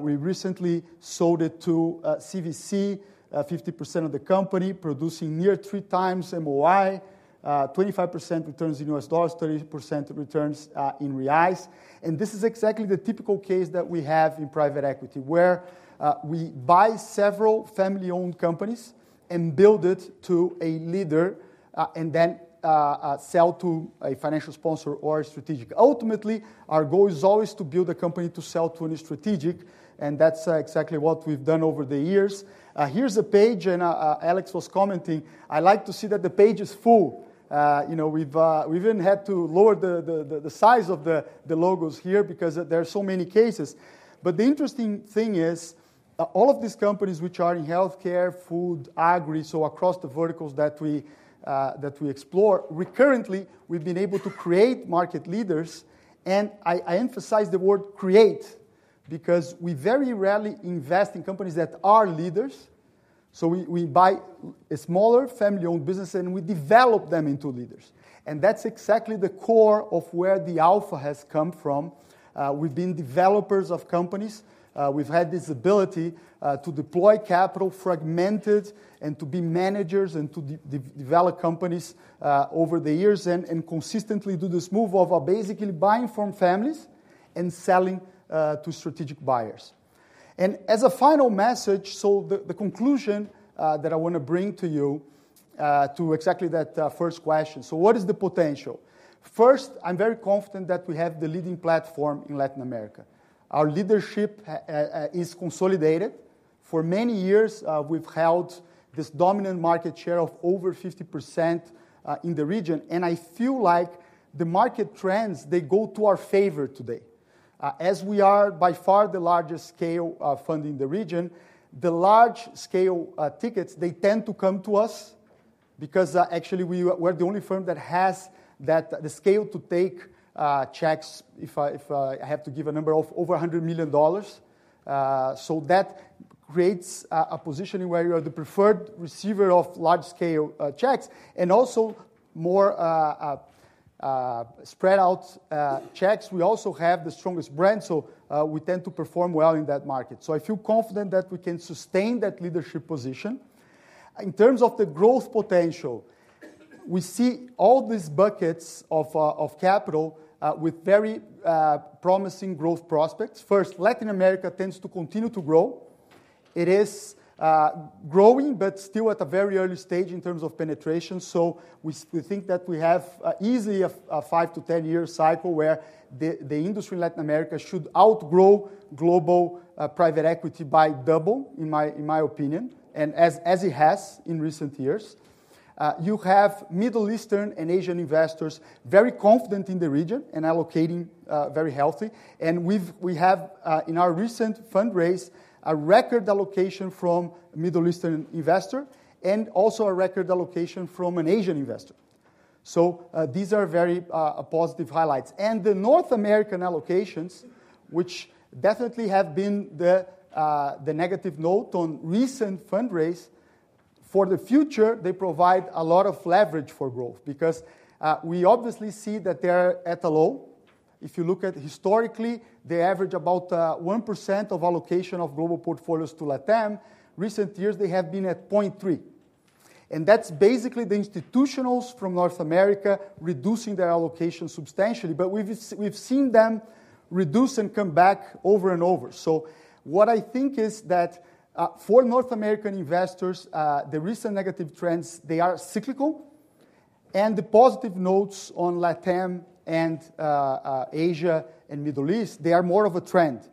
We recently sold it to CVC, 50% of the company, producing near three times MOI, 25% returns in U.S. dollars, 30% returns in reais. And this is exactly the typical case that we have in private equity, where we buy several family-owned companies and build it to a leader and then sell to a financial sponsor or a strategic. Ultimately, our goal is always to build a company to sell to a strategic. And that's exactly what we've done over the years. Here's a page, and Alex was commenting. I like to see that the page is full. We've even had to lower the size of the logos here because there are so many cases, but the interesting thing is all of these companies which are in healthcare, food, agri, so across the verticals that we explore, recurrently, we've been able to create market leaders, and I emphasize the word create because we very rarely invest in companies that are leaders, so we buy smaller family-owned businesses and we develop them into leaders, and that's exactly the core of where the alpha has come from. We've been developers of companies. We've had this ability to deploy capital, fragmented, and to be managers and to develop companies over the years and consistently do this move of basically buying from families and selling to strategic buyers. And as a final message, so the conclusion that I want to bring to you to exactly that first question. So what is the potential? First, I'm very confident that we have the leading platform in Latin America. Our leadership is consolidated. For many years, we've held this dominant market share of over 50% in the region. And I feel like the market trends, they go to our favor today. As we are by far the largest scale fund in the region, the large scale tickets, they tend to come to us because actually we're the only firm that has the scale to take checks. If I have to give a number of over $100 million. So that creates a position where you are the preferred receiver of large scale checks and also more spread out checks. We also have the strongest brand, so we tend to perform well in that market, so I feel confident that we can sustain that leadership position. In terms of the growth potential, we see all these buckets of capital with very promising growth prospects. First, Latin America tends to continue to grow. It is growing, but still at a very early stage in terms of penetration, so we think that we have easily a 5-10-year cycle where the industry in Latin America should outgrow global private equity by double, in my opinion, and as it has in recent years. You have Middle Eastern and Asian investors very confident in the region and allocating very heavily, and we have, in our recent fundraise, a record allocation from a Middle Eastern investor and also a record allocation from an Asian investor, so these are very positive highlights. And the North American allocations, which definitely have been the negative note on recent fundraise, for the future, they provide a lot of leverage for growth because we obviously see that they are at a low. If you look at historically, they average about 1% of allocation of global portfolios to LATAM. Recent years, they have been at 0.3%. And that's basically the institutionals from North America reducing their allocation substantially. But we've seen them reduce and come back over and over. So what I think is that for North American investors, the recent negative trends, they are cyclical. And the positive notes on LATAM and Asia and Middle East, they are more of a trend.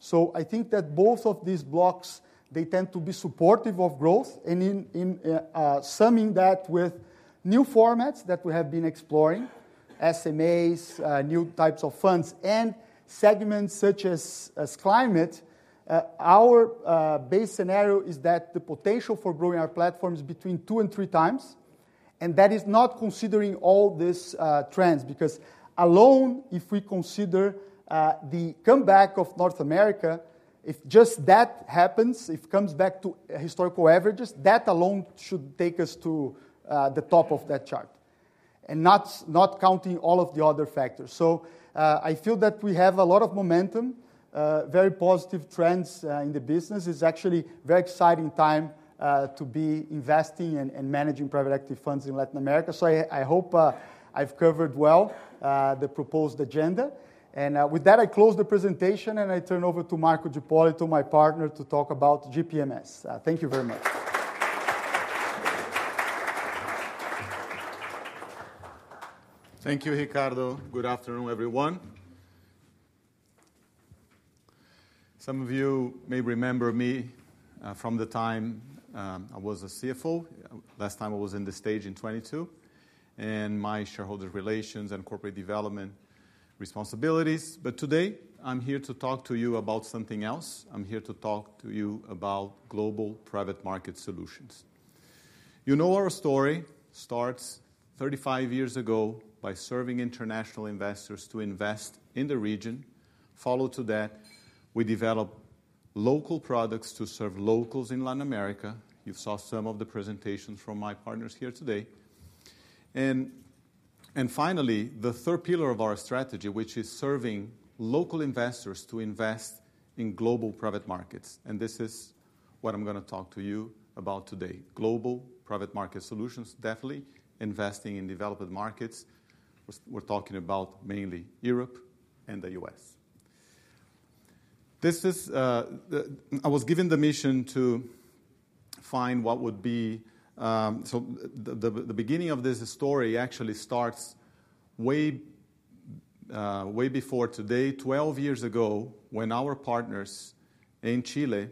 So I think that both of these blocks, they tend to be supportive of growth. In summing that with new formats that we have been exploring, SMAs, new types of funds, and segments such as climate, our base scenario is that the potential for growing our platform is between two and three times. That is not considering all these trends because alone, if we consider the comeback of North America, if just that happens, if it comes back to historical averages, that alone should take us to the top of that chart. Not counting all of the other factors. I feel that we have a lot of momentum, very positive trends in the business. It's actually a very exciting time to be investing and managing private equity funds in Latin America. I hope I've covered well the proposed agenda. With that, I close the presentation and I turn over to Marco D'Ippolito, my partner, to talk about GPMS. Thank you very much. Thank you, Ricardo. Good afternoon, everyone. Some of you may remember me from the time I was a CFO. Last time I was on the stage in 2022 and my shareholder relations and corporate development responsibilities. But today, I'm here to talk to you about something else. I'm here to talk to you about Global Private Markets Solutions. You know our story starts 35 years ago by serving international investors to invest in the region. Following that, we developed local products to serve locals in Latin America. You've seen some of the presentations from my partners here today. And finally, the third pillar of our strategy, which is serving local investors to invest in global private markets. And this is what I'm going to talk to you about today. Global Private Markets Solutions, definitely investing in developed markets. We're talking about mainly Europe and the U.S. I was given the mission to find what would be, so the beginning of this story actually starts way before today, 12 years ago, when our partners in Chile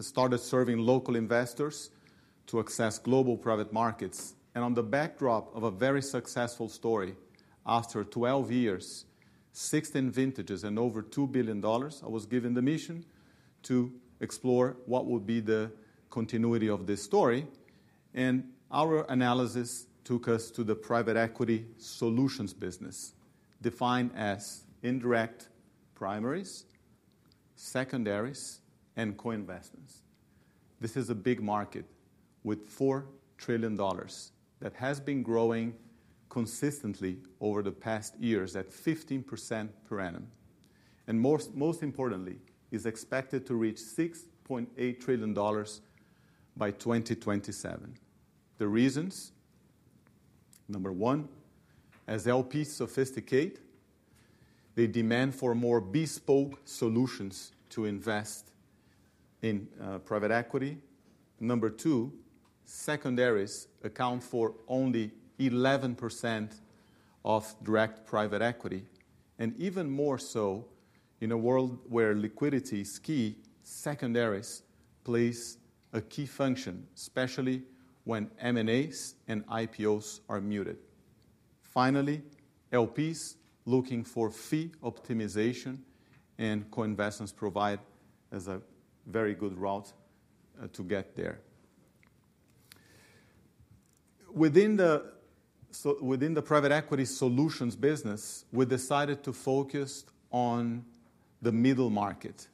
started serving local investors to access global private markets. On the backdrop of a very successful story, after 12 years, 16 vintages, and over $2 billion, I was given the mission to explore what would be the continuity of this story. Our analysis took us to the private equity solutions business defined as indirect primaries, secondaries, and co-investments. This is a big market with $4 trillion that has been growing consistently over the past years at 15% per annum. Most importantly, it is expected to reach $6.8 trillion by 2027. The reasons? Number one, as LPs sophisticate, they demand for more bespoke solutions to invest in private equity. Number two, secondaries account for only 11% of direct private equity, and even more so in a world where liquidity is key. Secondaries play a key function, especially when M&As and IPOs are muted. Finally, LPs looking for fee optimization and co-investments provide as a very good route to get there. Within the private equity solutions business, we decided to focus on the middle market.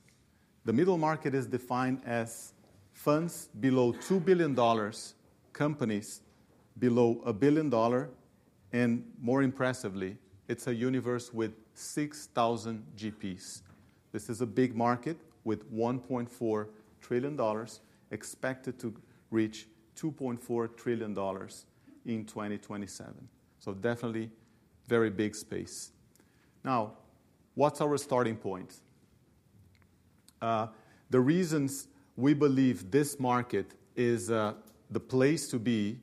The middle market is defined as funds below $2 billion, companies below a billion dollars, and more impressively, it's a universe with 6,000 GPs. This is a big market with $1.4 trillion expected to reach $2.4 trillion in 2027, so definitely very big space. Now, what's our starting point? The reasons we believe this market is the place to be,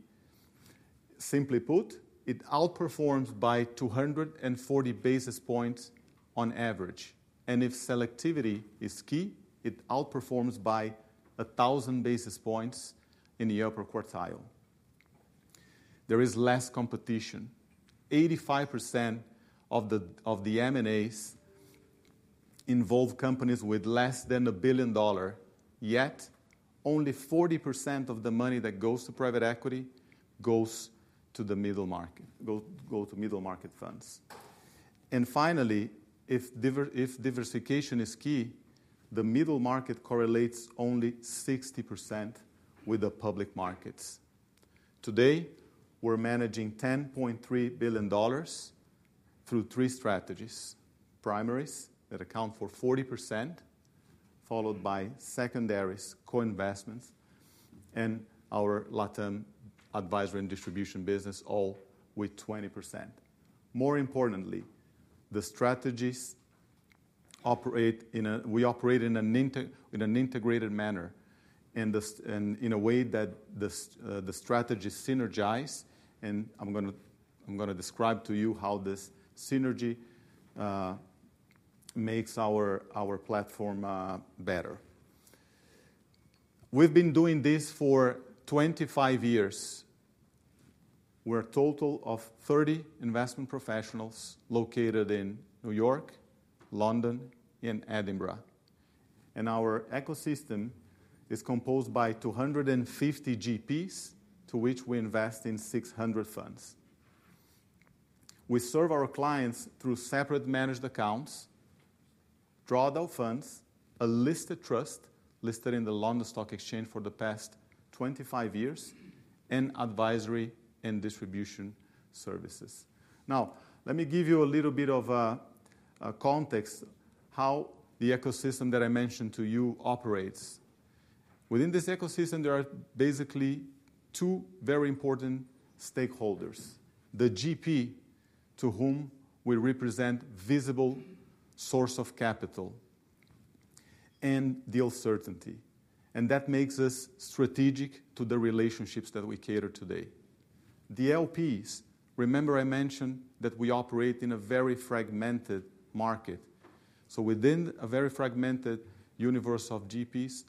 simply put, it outperforms by 240 basis points on average, and if selectivity is key, it outperforms by 1,000 basis points in the upper quartile. There is less competition. 85% of the M&As involve companies with less than a billion dollars. Yet, only 40% of the money that goes to private equity goes to the middle market, to middle market funds. And finally, if diversification is key, the middle market correlates only 60% with the public markets. Today, we're managing $10.3 billion through three strategies: primaries that account for 40%, followed by secondaries, co-investments, and our LATAM advisory and distribution business, all with 20%. More importantly, the strategies operate in an integrated manner and in a way that the strategies synergize, and I'm going to describe to you how this synergy makes our platform better. We've been doing this for 25 years. We're a total of 30 investment professionals located in New York, London, and Edinburgh. Our ecosystem is composed by 250 GPs to which we invest in 600 funds. We serve our clients through separately managed accounts, drawdown funds, a listed trust listed in the London Stock Exchange for the past 25 years, and advisory and distribution services. Now, let me give you a little bit of context on how the ecosystem that I mentioned to you operates. Within this ecosystem, there are basically two very important stakeholders: the GP, to whom we represent visible source of capital, and deal certainty. And that makes us strategic to the relationships that we cater today. The LPs, remember I mentioned that we operate in a very fragmented market. So within a very fragmented universe of GPs,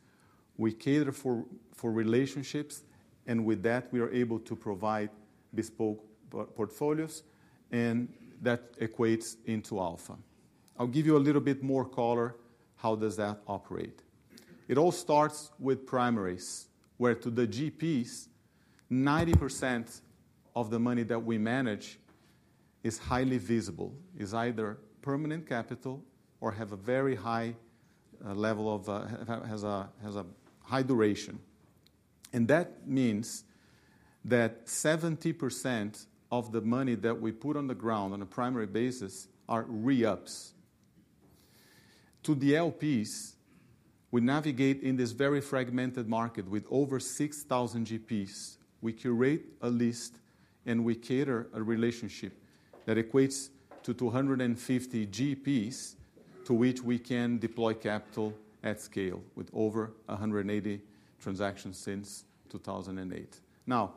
we cater for relationships. And with that, we are able to provide bespoke portfolios. And that equates into alpha. I'll give you a little bit more color. How does that operate? It all starts with primaries, where to the GPs, 90% of the money that we manage is highly visible, is either permanent capital or has a very high level of high duration. And that means that 70% of the money that we put on the ground on a primary basis are re-ups. To the LPs, we navigate in this very fragmented market with over 6,000 GPs. We curate a list, and we cultivate a relationship that equates to 250 GPs to which we can deploy capital at scale with over 180 transactions since 2008. Now,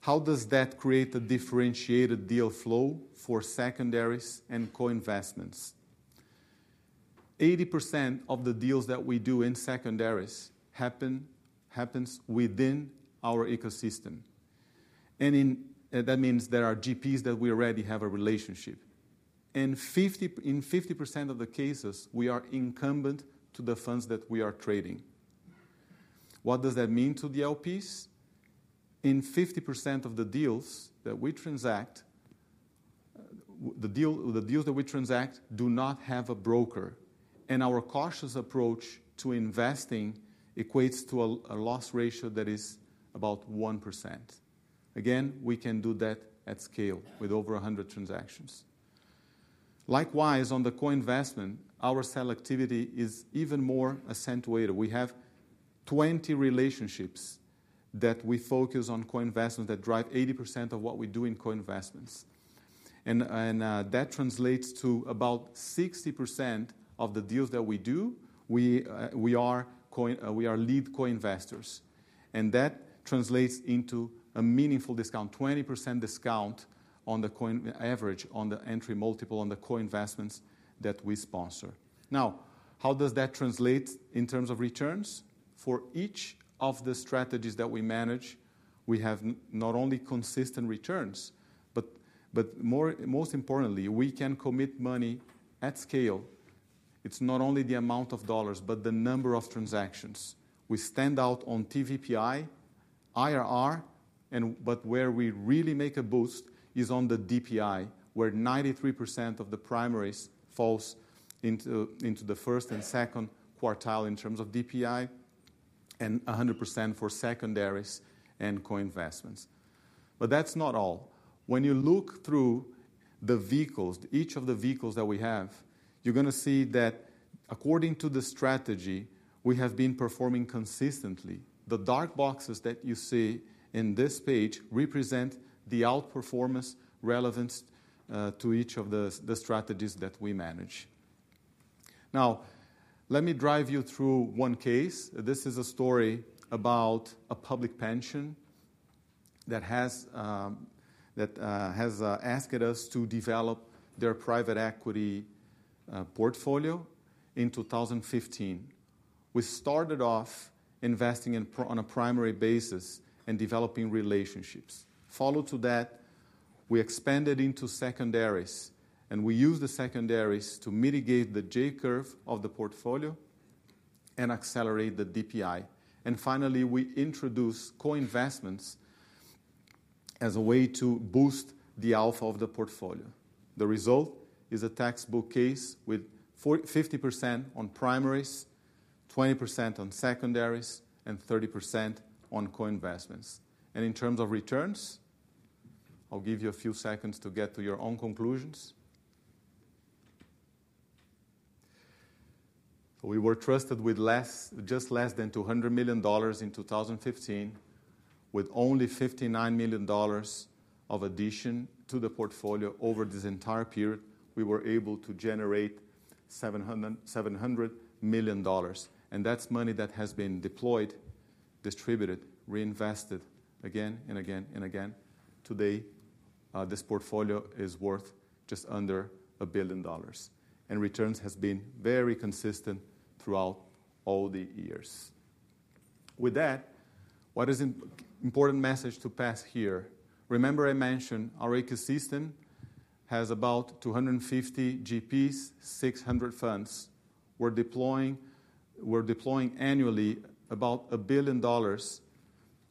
how does that create a differentiated deal flow for secondaries and co-investments? 80% of the deals that we do in secondaries happens within our ecosystem. And that means there are GPs that we already have a relationship. In 50% of the cases, we are incumbent to the funds that we are trading. What does that mean to the LPs? In 50% of the deals that we transact, the deals that we transact do not have a broker. And our cautious approach to investing equates to a loss ratio that is about 1%. Again, we can do that at scale with over 100 transactions. Likewise, on the co-investment, our selectivity is even more accentuated. We have 20 relationships that we focus on co-investments that drive 80% of what we do in co-investments. And that translates to about 60% of the deals that we do, we are lead co-investors. And that translates into a meaningful discount, 20% discount on the average on the entry multiple on the co-investments that we sponsor. Now, how does that translate in terms of returns? For each of the strategies that we manage, we have not only consistent returns, but most importantly, we can commit money at scale. It's not only the amount of dollars, but the number of transactions. We stand out on TVPI, IRR, but where we really make a boost is on the DPI, where 93% of the primaries falls into the first and second quartile in terms of DPI and 100% for secondaries and co-investments. But that's not all. When you look through the vehicles, each of the vehicles that we have, you're going to see that according to the strategy, we have been performing consistently. The dark boxes that you see in this page represent the outperformance relevant to each of the strategies that we manage. Now, let me drive you through one case. This is a story about a public pension that has asked us to develop their private equity portfolio in 2015. We started off investing on a primary basis and developing relationships. Following that, we expanded into secondaries, and we used the secondaries to mitigate the J-curve of the portfolio and accelerate the DPI, and finally, we introduced co-investments as a way to boost the alpha of the portfolio. The result is a textbook case with 50% on primaries, 20% on secondaries, and 30% on co-investments. In terms of returns, I'll give you a few seconds to get to your own conclusions. We were trusted with just less than $200 million in 2015. With only $59 million of addition to the portfolio over this entire period, we were able to generate $700 million. That's money that has been deployed, distributed, reinvested again and again and again. Today, this portfolio is worth just under $1 billion, and returns have been very consistent throughout all the years. With that, what is an important message to pass here? Remember I mentioned our ecosystem has about 250 GPs, 600 funds. We're deploying annually about $1 billion,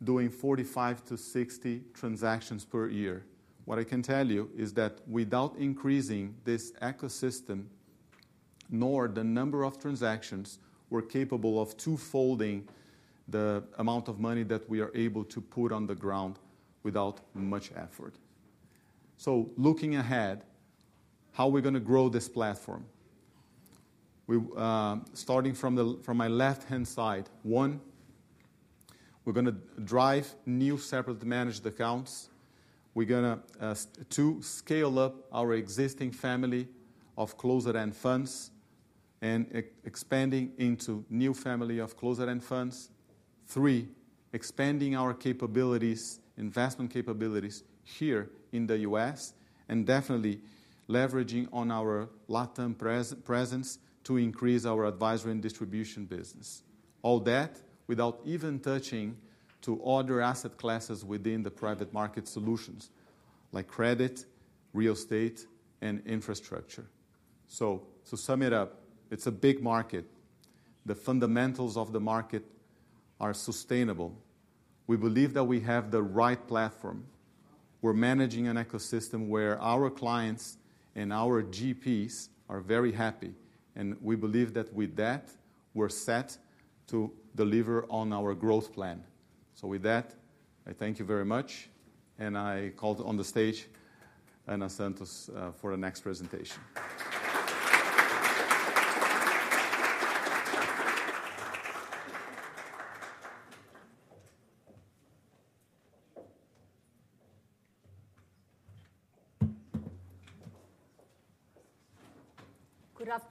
doing 45-60 transactions per year. What I can tell you is that without increasing this ecosystem, nor the number of transactions, we're capable of twofolding the amount of money that we are able to put on the ground without much effort, so looking ahead, how are we going to grow this platform? Starting from my left-hand side, one, we're going to drive new separately managed accounts. We're going to, two, scale up our existing family of closed-end funds and expanding into a new family of closed-end funds. Three, expanding our capabilities, investment capabilities here in the U.S. and definitely leveraging on our LATAM presence to increase our advisory and distribution business. All that without even touching on other asset classes within the private market solutions, like credit, real estate, and infrastructure. So to sum it up, it's a big market. The fundamentals of the market are sustainable. We believe that we have the right platform. We're managing an ecosystem where our clients and our GPs are very happy. And we believe that with that, we're set to deliver on our growth plan. So with that, I thank you very much. And I call on the stage Ana Santos for the next presentation.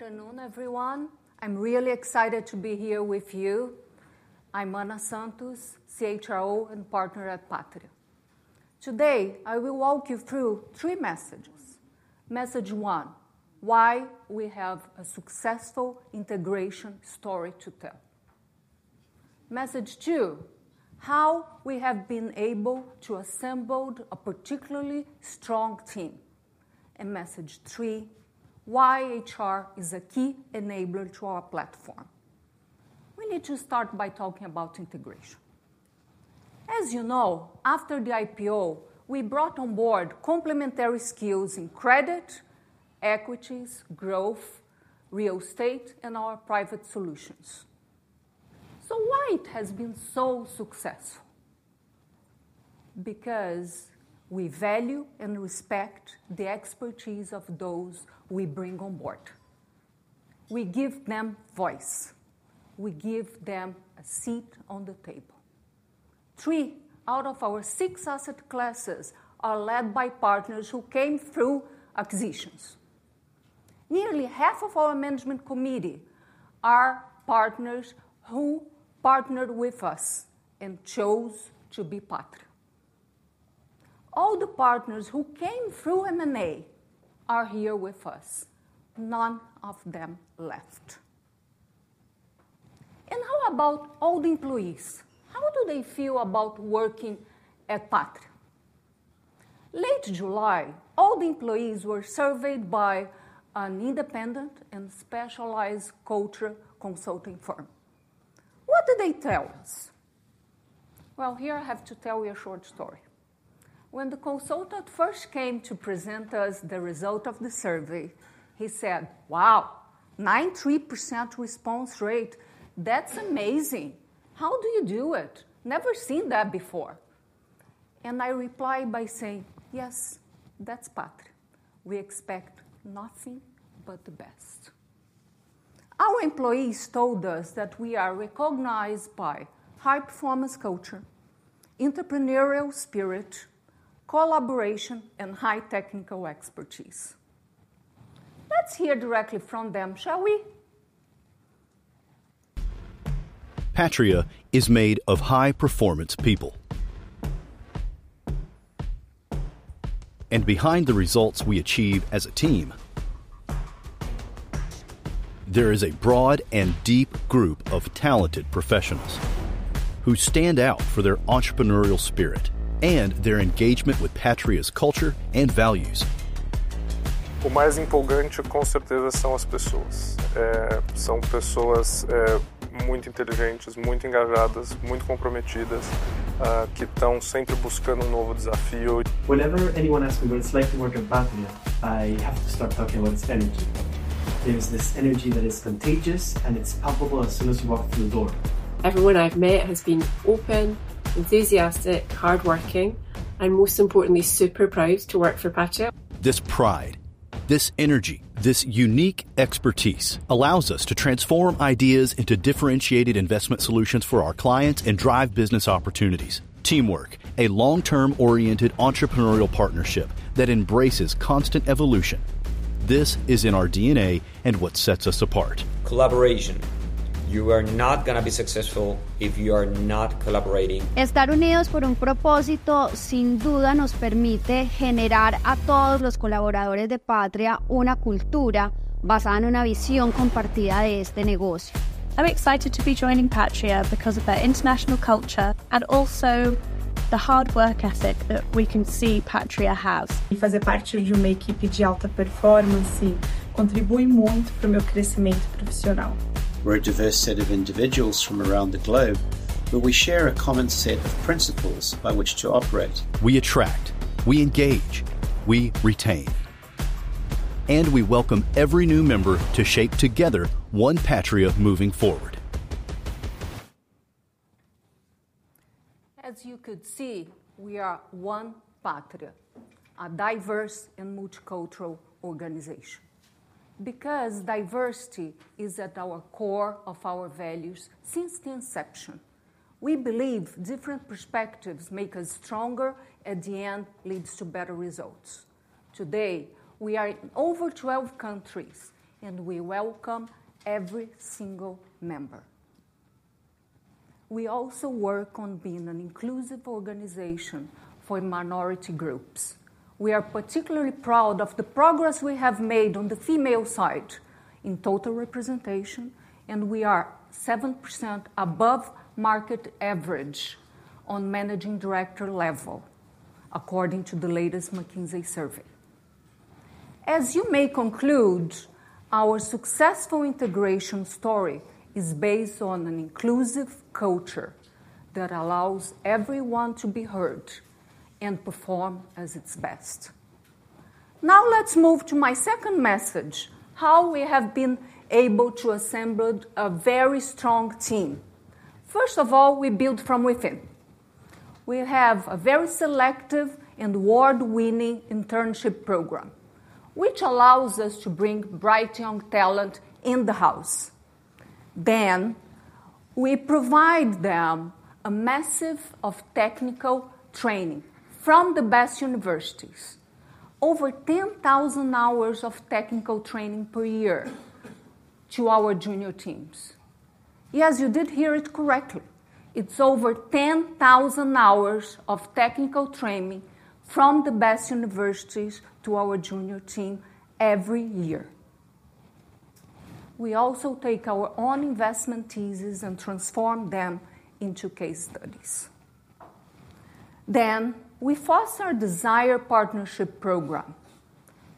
Good afternoon, everyone. I'm really excited to be here with you. I'm Ana Santos, CHRO and partner at Patria. Today, I will walk you through three messages. Message one, why we have a successful integration story to tell. Message two, how we have been able to assemble a particularly strong team. And message three, why HR is a key enabler to our platform. We need to start by talking about integration. As you know, after the IPO, we brought on board complementary skills in credit, equities, growth, real estate, and our private solutions. So why has it been so successful? Because we value and respect the expertise of those we bring on board. We give them voice. We give them a seat on the table. Three out of our six asset classes are led by partners who came through acquisitions. Nearly half of our management committee are partners who partnered with us and chose to be Patria. All the partners who came through M&A are here with us. None of them left. And how about all the employees? How do they feel about working at Patria? Late July, all the employees were surveyed by an independent and specialized culture consulting firm. What did they tell us? Well, here I have to tell you a short story. When the consultant first came to present us the result of the survey, he said, "Wow, 93% response rate. That's amazing. How do you do it? Never seen that before, and I replied by saying, 'Yes, that's Patria. We expect nothing but the best.'" Our employees told us that we are recognized by high performance culture, entrepreneurial spirit, collaboration, and high technical expertise. Let's hear directly from them, shall we? Patria is made of high performance people. And behind the results we achieve as a team, there is a broad and deep group of talented professionals who stand out for their entrepreneurial spirit and their engagement with Patria's culture and values. O mais empolgante, com certeza, são as pessoas. São pessoas muito inteligentes, muito engajadas, muito comprometidas, que estão sempre buscando novo desafio. Whenever anyone asks me what it's like to work at Patria, I have to start talking about its energy. There's this energy that is contagious, and it's palpable as soon as you walk through the door. Everyone I've met has been open, enthusiastic, hardworking, and most importantly, super proud to work for Patria. This pride, this energy, this unique expertise allows us to transform ideas into differentiated investment solutions for our clients and drive business opportunities. Teamwork, a long-term oriented entrepreneurial partnership that embraces constant evolution. This is in our DNA and what sets us apart. Collaboration. You are not going to be successful if you are not collaborating. Estar unidos por un propósito, sin duda, nos permite generar a todos los colaboradores de Patria una cultura basada en una visión compartida de este negocio. I'm excited to be joining Patria because of their international culture and also the hard work ethic that we can see Patria have. Fazer parte de uma equipe de alta performance contribui muito para o meu crescimento profissional. We're a diverse set of individuals from around the globe, but we share a common set of principles by which to operate. We attract, we engage, we retain, and we welcome every new member to shape together one Patria moving forward. As you could see, we are one Patria, a diverse and multicultural organization. Because diversity is at the core of our values since the inception. We believe different perspectives make us stronger. At the end, it leads to better results. Today, we are in over 12 countries, and we welcome every single member. We also work on being an inclusive organization for minority groups. We are particularly proud of the progress we have made on the female side in total representation, and we are 7% above market average on managing director level, according to the latest McKinsey survey. As you may conclude, our successful integration story is based on an inclusive culture that allows everyone to be heard and perform as its best. Now let's move to my second message, how we have been able to assemble a very strong team. First of all, we build from within. We have a very selective and award-winning internship program, which allows us to bring bright young talent in the house. Then, we provide them a massive amount of technical training from the best universities, over 10,000 hours of technical training per year to our junior teams. Yes, you did hear it correctly. It's over 10,000 hours of technical training from the best universities to our junior team every year. We also take our own investment theses and transform them into case studies. Then, we foster a desired partnership program.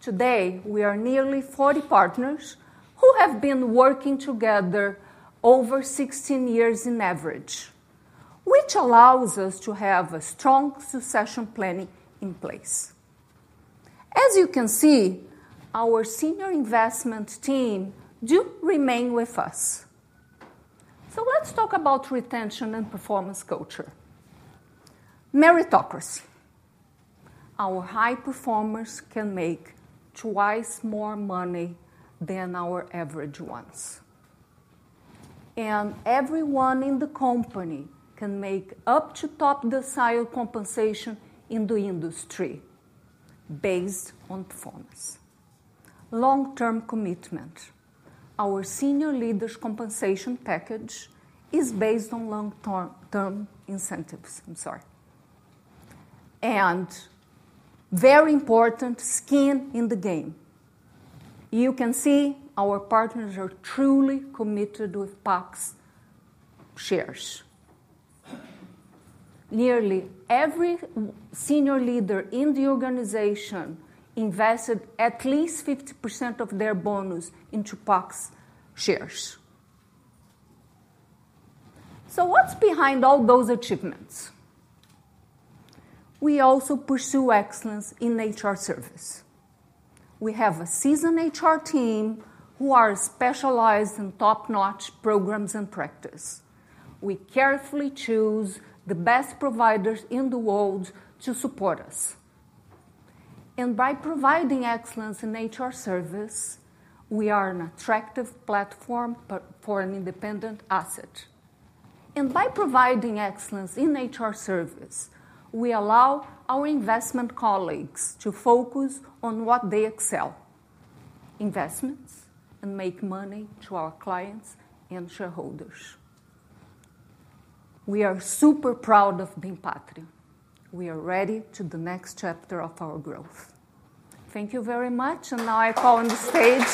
Today, we are nearly 40 partners who have been working together over 16 years in average, which allows us to have a strong succession planning in place. As you can see, our senior investment team does remain with us. So let's talk about retention and performance culture. Meritocracy. Our high performers can make twice more money than our average ones. And everyone in the company can make up to top-scale compensation in the industry based on performance. Long-term commitment. Our senior leaders' compensation package is based on long-term incentives. I'm sorry. And very important skin in the game. You can see our partners are truly committed with PAX's shares. Nearly every senior leader in the organization invested at least 50% of their bonus into PAX's shares. What's behind all those achievements? We also pursue excellence in HR service. We have a seasoned HR team who are specialized in top-notch programs and practice. We carefully choose the best providers in the world to support us. By providing excellence in HR service, we are an attractive platform for an independent asset. By providing excellence in HR service, we allow our investment colleagues to focus on what they excel, investments, and make money to our clients and shareholders. We are super proud of being Patria. We are ready for the next chapter of our growth. Thank you very much. Now I call on the stage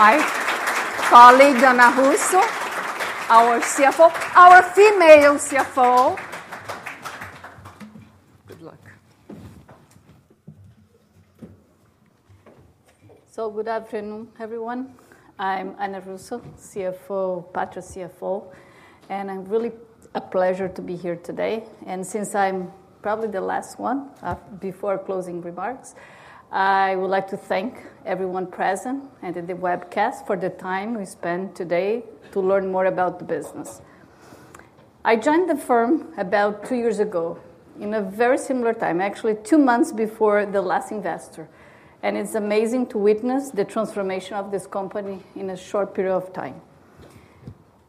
my colleague Ana Russo, our female CFO. Good luck. Good afternoon, everyone. I'm Ana Russo, CFO, Patria CFO. It's really a pleasure to be here today. Since I'm probably the last one before closing remarks, I would like to thank everyone present and the webcast for the time we spent today to learn more about the business. I joined the firm about two years ago in a very similar time, actually two months before the last investor day. It's amazing to witness the transformation of this company in a short period of time.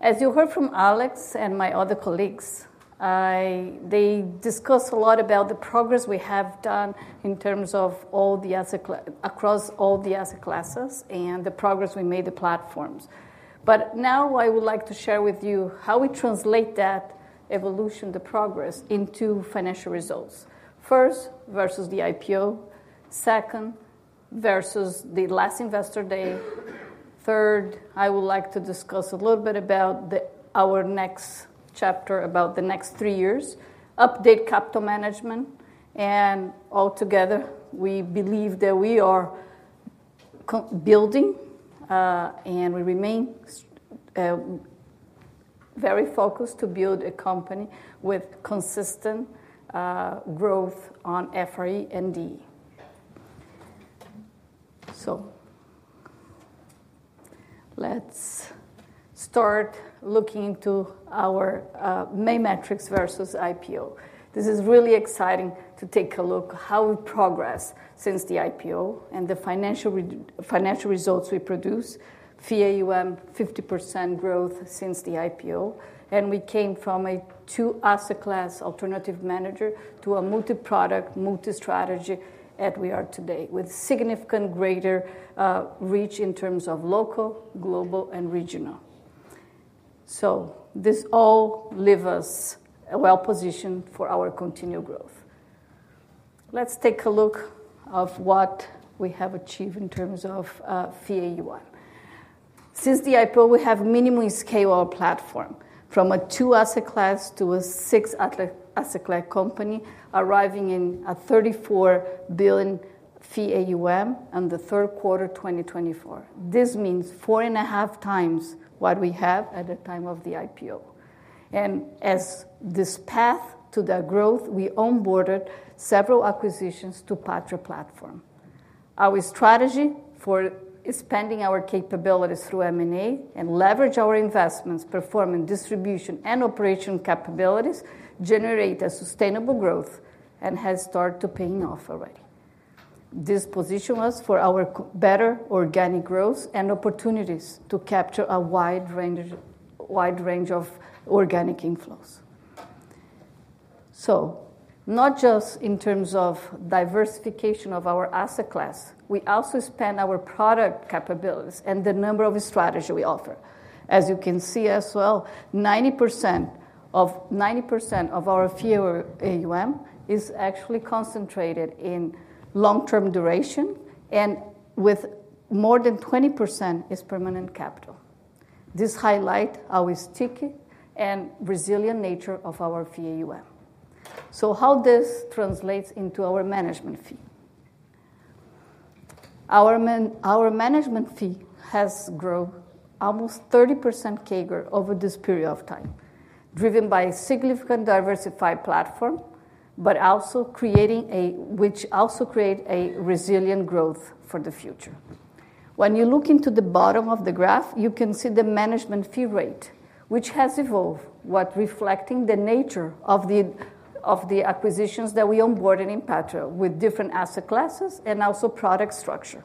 As you heard from Alex and my other colleagues, they discussed a lot about the progress we have done in terms of all the assets across all the asset classes and the progress we made to the platforms. Now I would like to share with you how we translate that evolution, the progress, into financial results. First, versus the IPO. Second, versus the last investor day. Third, I would like to discuss a little bit about our next chapter about the next three years, update capital management. Altogether, we believe that we are building and we remain very focused to build a company with consistent growth on FRE and DE. Let's start looking into our main metrics versus IPO. This is really exciting to take a look at how we progressed since the IPO and the financial results we produce. FEAUM, 50% growth since the IPO. We came from a two-asset class alternative manager to a multi-product, multi-strategy that we are today with significant greater reach in terms of local, global, and regional. This all leaves us well positioned for our continued growth. Let's take a look at what we have achieved in terms of FEAUM. Since the IPO, we have materially scaled our platform from a two-asset class to a six-asset class company, arriving at $34 billion FEAUM in the third quarter of 2024. This means four and a half times what we had at the time of the IPO. And as this path to that growth, we onboarded several acquisitions to Patria platform. Our strategy for expanding our capabilities through M&A and leveraging our investments, performing distribution and operational capabilities, generates sustainable growth and has started to pay off already. This positions us for our better organic growth and opportunities to capture a wide range of organic inflows. So not just in terms of diversification of our asset class, we also expand our product capabilities and the number of strategies we offer. As you can see as well, 90% of our FEAUM is actually concentrated in long-term duration, and more than 20% is permanent capital. This highlights our sticky and resilient nature of our FEAUM. So how does this translate into our management fee? Our management fee has grown almost 30% CAGR over this period of time, driven by a significant diversified platform, but also creating a resilient growth for the future. When you look into the bottom of the graph, you can see the management fee rate, which has evolved, reflecting the nature of the acquisitions that we onboarded in Patria with different asset classes and also product structure.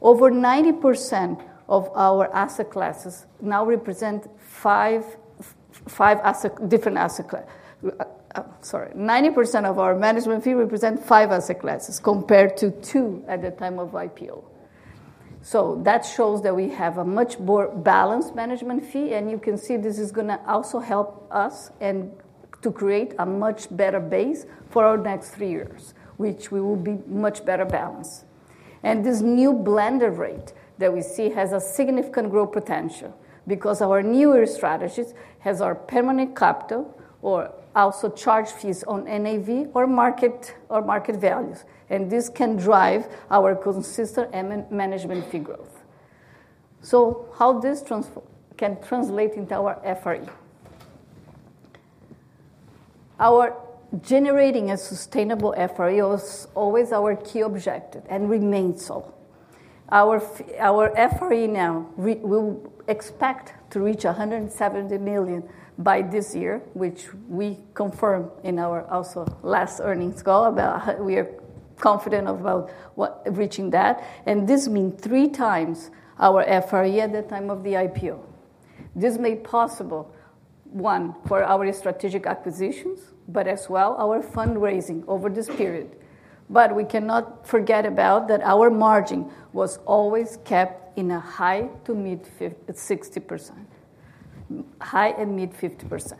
Over 90% of our asset classes now represent five different asset classes. Sorry, 90% of our management fee represents five asset classes compared to two at the time of IPO. So that shows that we have a much more balanced management fee. And you can see this is going to also help us to create a much better base for our next three years, which will be much better balanced. And this new blended rate that we see has a significant growth potential because our newer strategies have our permanent capital or also charge fees on NAV or market values. And this can drive our consistent management fee growth. So how this can translate into our FRE? Generating a sustainable FRE was always our key objective and remains so. Our FRE now, we expect to reach $170 million by this year, which we confirmed in our also last earnings call. We are confident about reaching that. And this means three times our FRE at the time of the IPO. This made possible, one, for our strategic acquisitions, but as well our fundraising over this period. But we cannot forget about that our margin was always kept in a high-to-mid 60%, high- and mid-50%.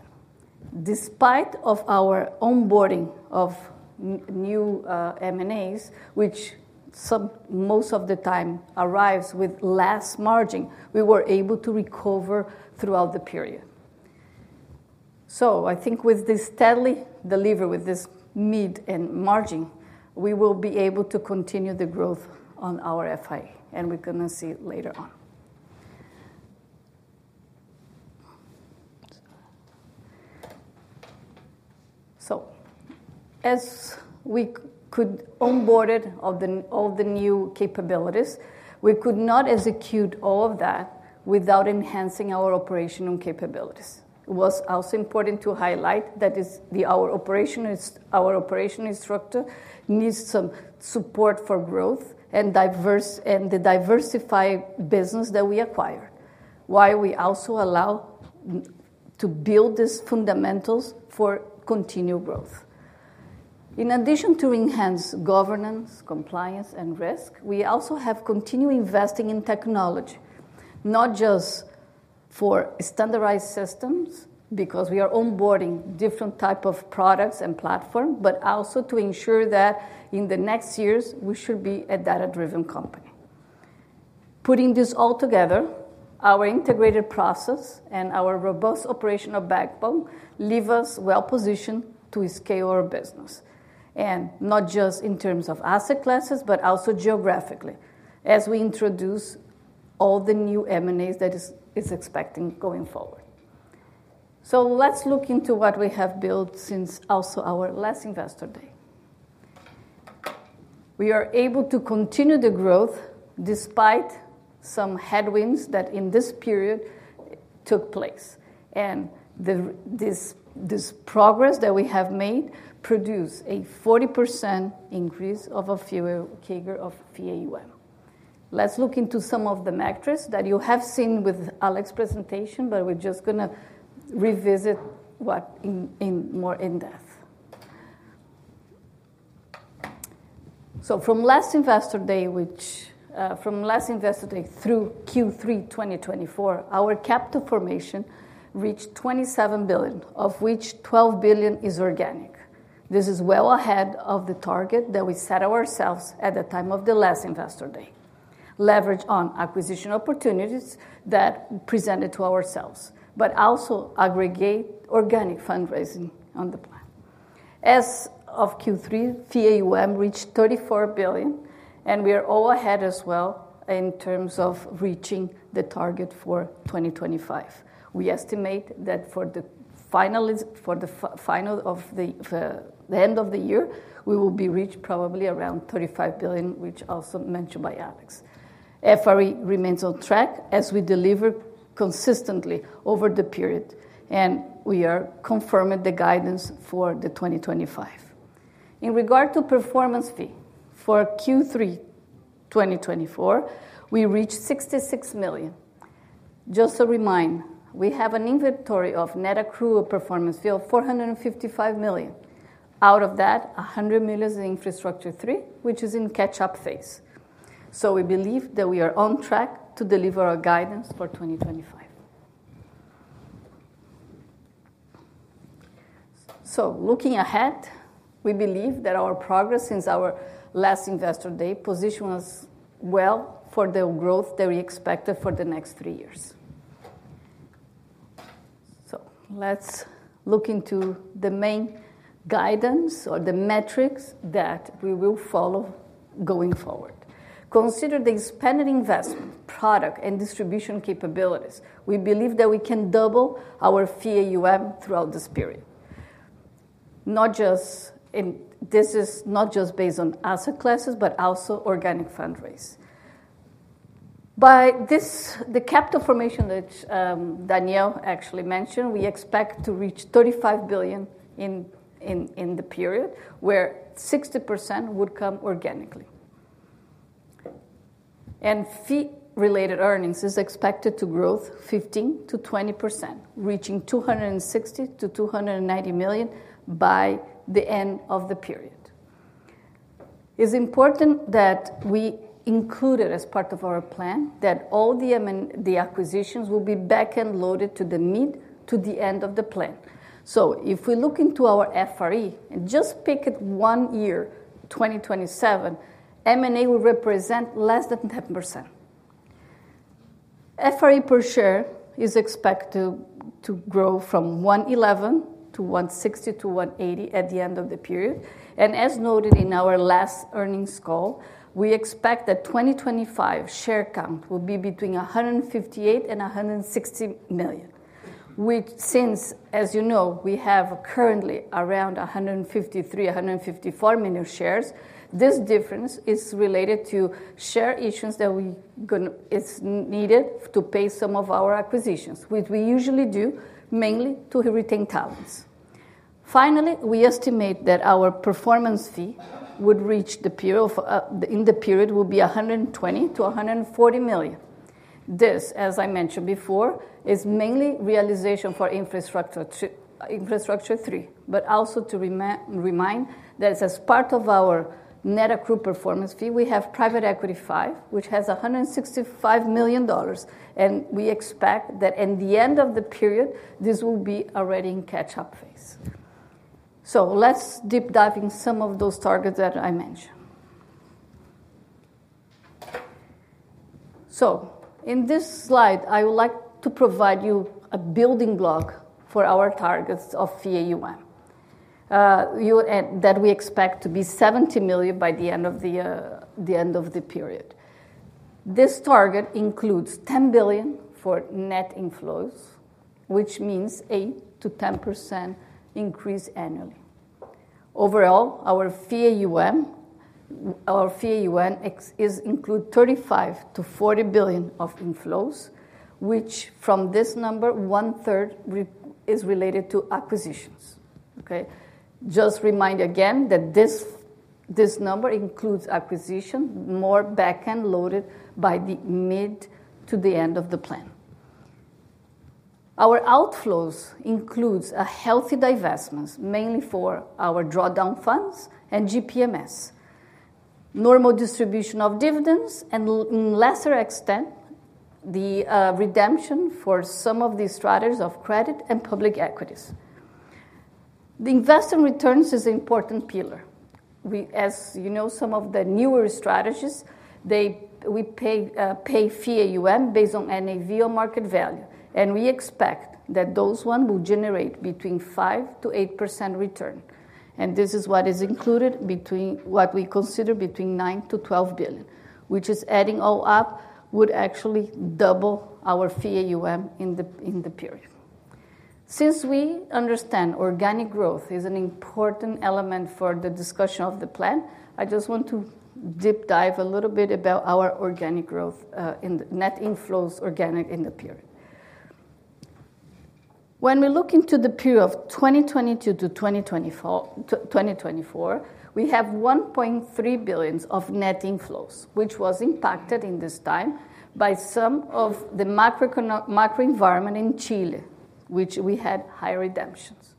Despite our onboarding of new M&As, which most of the time arrives with less margin, we were able to recover throughout the period. So I think with this steady delivery, with this mid and margin, we will be able to continue the growth on our FRE. And we're going to see later on. So as we could onboard all the new capabilities, we could not execute all of that without enhancing our operational capabilities. It was also important to highlight that our operational structure needs some support for growth and the diversified business that we acquired, while we also allow to build these fundamentals for continued growth. In addition to enhancing governance, compliance, and risk, we also have continued investing in technology, not just for standardized systems because we are onboarding different types of products and platforms, but also to ensure that in the next years, we should be a data-driven company. Putting this all together, our integrated process and our robust operational backbone leave us well positioned to scale our business, and not just in terms of asset classes, but also geographically as we introduce all the new M&As that it's expecting going forward. So let's look into what we have built since also our last investor day. We are able to continue the growth despite some headwinds that in this period took place. And this progress that we have made produced a 40% increase of our CAGR of FEAUM. Let's look into some of the metrics that you have seen with Alex's presentation, but we're just going to revisit more in depth. So from last investor day, from last investor day through Q3 2024, our capital formation reached $27 billion, of which $12 billion is organic. This is well ahead of the target that we set ourselves at the time of the last investor day, leveraged on acquisition opportunities that we presented to ourselves, but also aggregate organic fundraising on the plan. As of Q3, FEAUM reached $34 billion, and we are all ahead as well in terms of reaching the target for 2025. We estimate that for the final of the end of the year, we will be reached probably around $35 billion, which was also mentioned by Alex. FRE remains on track as we deliver consistently over the period, and we are confirming the guidance for 2025. In regard to performance fee for Q3 2024, we reached $66 million. Just to remind, we have an inventory of net accrual performance fee of $455 million. Out of that, $100 million is in Infrastructure III, which is in catch-up phase. So we believe that we are on track to deliver our guidance for 2025. So looking ahead, we believe that our progress since our last investor day positions us well for the growth that we expected for the next three years. So let's look into the main guidance or the metrics that we will follow going forward. Consider the expanded investment, product, and distribution capabilities. We believe that we can double our FEAUM throughout this period. This is not just based on asset classes, but also organic fundraising. With this, the capital formation that Daniel actually mentioned, we expect to reach $35 billion in the period, where 60% would come organically. Fee-related earnings is expected to grow 15%-20%, reaching $260-$290 million by the end of the period. It's important that we included as part of our plan that all the acquisitions will be backend loaded to the end of the plan. If we look into our FRE and just pick one year, 2027, M&A will represent less than 10%. FRE per share is expected to grow from 111 to 160-180 at the end of the period. As noted in our last earnings call, we expect that 2025 share count will be between 158 and 160 million. Since, as you know, we have currently around 153-154 million shares, this difference is related to share issues that it's needed to pay some of our acquisitions, which we usually do mainly to retain talents. Finally, we estimate that our performance fee would reach the period will be $120-140 million. This, as I mentioned before, is mainly realization for Infrastructure III, but also to remind that as part of our net accrual performance fee, we have Private Equity IV, which has $165 million, and we expect that at the end of the period, this will be already in catch-up phase. So let's deep dive in some of those targets that I mentioned. So in this slide, I would like to provide you a building block for our targets of FEAUM that we expect to be 70 million by the end of the period. This target includes $10 billion for net inflows, which means 8%-10% increase annually. Overall, our FEAUM is included $35-$40 billion of inflows, which from this number, one third is related to acquisitions. Okay? Just remind you again that this number includes acquisitions more back-end loaded by the mid to the end of the plan. Our outflows include healthy divestments, mainly for our drawdown funds and GPMS, normal distribution of dividends, and in lesser extent, the redemption for some of the strategies of credit and public equities. The investment returns is an important pillar. As you know, some of the newer strategies, we base FEAUM based on NAV or market value. And we expect that those ones will generate between 5%-8% return. And this is what is included between what we consider between $9-$12 billion, which is adding all up would actually double our FEAUM in the period. Since we understand organic growth is an important element for the discussion of the plan, I just want to deep dive a little bit about our organic growth, net inflows organic in the period. When we look into the period of 2022 to 2024, we have $1.3 billion of net inflows, which was impacted in this time by some of the macro environment in Chile, which we had high redemptions.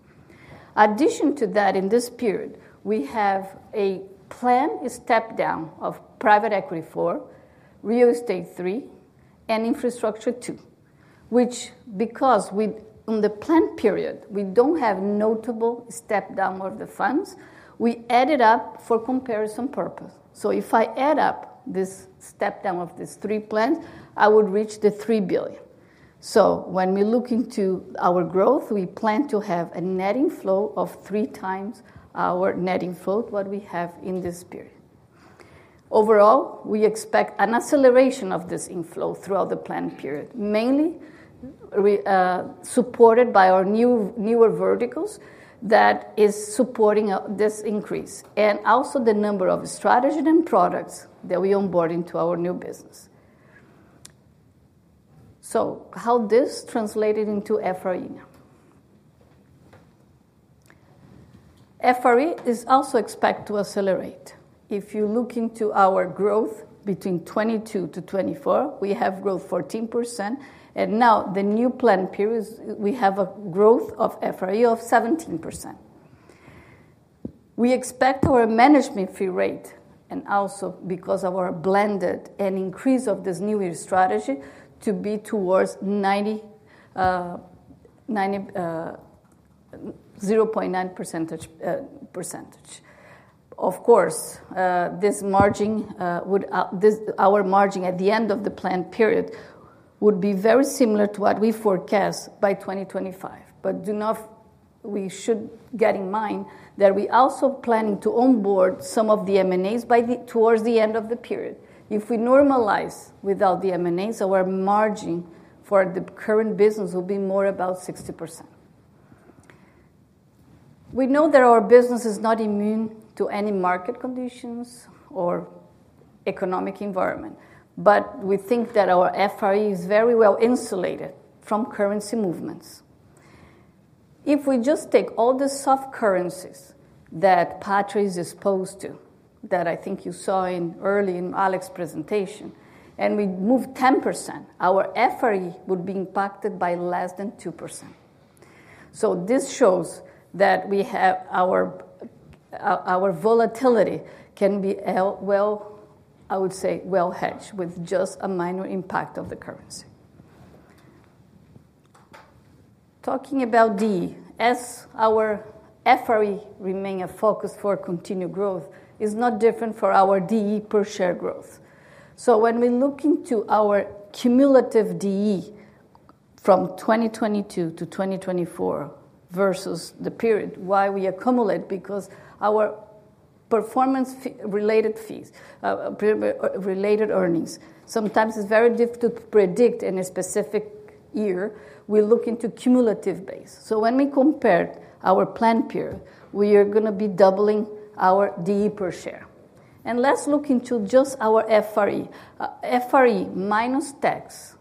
In addition to that, in this period, we have a plan step-down of Private Equity IV, Real Estate III, and Infrastructure II, which because in the planned period, we don't have notable step-down of the funds, we added up for comparison purposes. If I add up this step-down of these three plans, I would reach the $3 billion. When we look into our growth, we plan to have a net inflow of three times our net inflow of what we have in this period. Overall, we expect an acceleration of this inflow throughout the planned period, mainly supported by our newer verticals that are supporting this increase, and also the number of strategies and products that we onboard into our new business. How this translated into FRE now? FRE is also expected to accelerate. If you look into our growth between 2022 to 2024, we have growth 14%. And now the new planned period, we have a growth of FRE of 17%. We expect our management fee rate, and also because of our blended and increase of this new year strategy, to be towards 0.9%. Of course, our margin at the end of the planned period would be very similar to what we forecast by 2025. But we should bear in mind that we are also planning to onboard some of the M&As towards the end of the period. If we normalize without the M&As, our margin for the current business will be more about 60%. We know that our business is not immune to any market conditions or economic environment, but we think that our FRE is very well insulated from currency movements. If we just take all the soft currencies that Patria is exposed to, that I think you saw early in Alex's presentation, and we move 10%, our FRE would be impacted by less than 2%. So this shows that our volatility can be, I would say, well hedged with just a minor impact of the currency. Talking about DE, as our FRE remains a focus for continued growth, it is not different for our DE per share growth. So when we look into our cumulative DE from 2022 to 2024 versus the period, why we accumulate? Because our performance-related earnings, sometimes it's very difficult to predict in a specific year. We look into cumulative basis. So when we compare our planned period, we are going to be doubling our DE per share. And let's look into just our FRE. FRE minus tax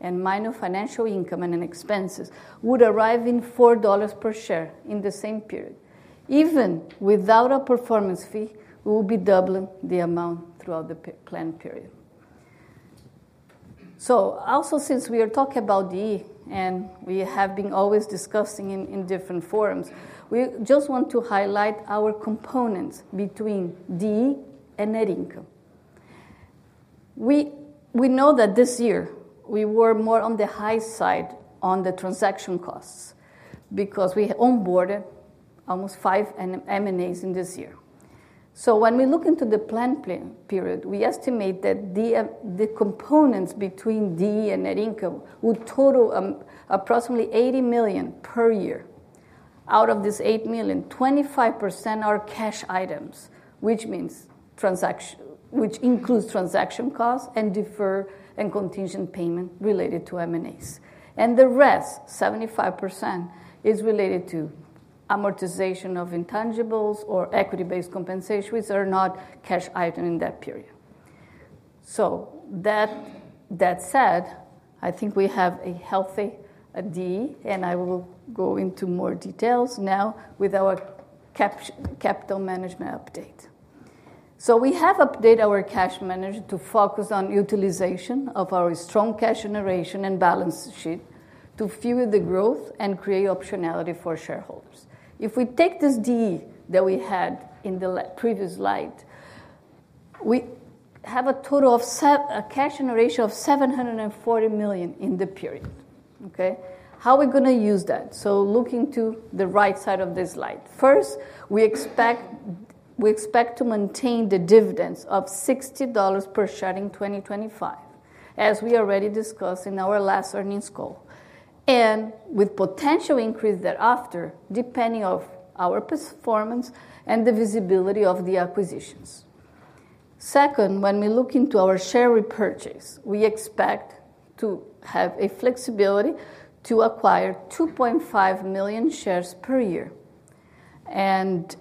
and minus financial income and expenses would arrive in $4 per share in the same period. Even without a performance fee, we will be doubling the amount throughout the planned period. So also since we are talking about DE, and we have been always discussing in different forums, we just want to highlight our components between DE and net income. We know that this year we were more on the high side on the transaction costs because we onboarded almost five M&As in this year. So when we look into the planned period, we estimate that the components between DE and net income would total approximately $80 million per year. Out of this $8 million, 25% are cash items, which includes transaction costs and deferred and contingent payment related to M&As. And the rest, 75%, is related to amortization of intangibles or equity-based compensation, which are not cash items in that period. So that said, I think we have a healthy DE, and I will go into more details now with our capital management update. So we have updated our cash management to focus on utilization of our strong cash generation and balance sheet to fuel the growth and create optionality for shareholders. If we take this DE that we had in the previous slide, we have a total of cash generation of $740 million in the period. Okay? How are we going to use that? So, looking to the right side of this slide. First, we expect to maintain the dividends of $60 per share in 2025, as we already discussed in our last earnings call, and with potential increase thereafter, depending on our performance and the visibility of the acquisitions. Second, when we look into our share repurchase, we expect to have a flexibility to acquire 2.5 million shares per year, and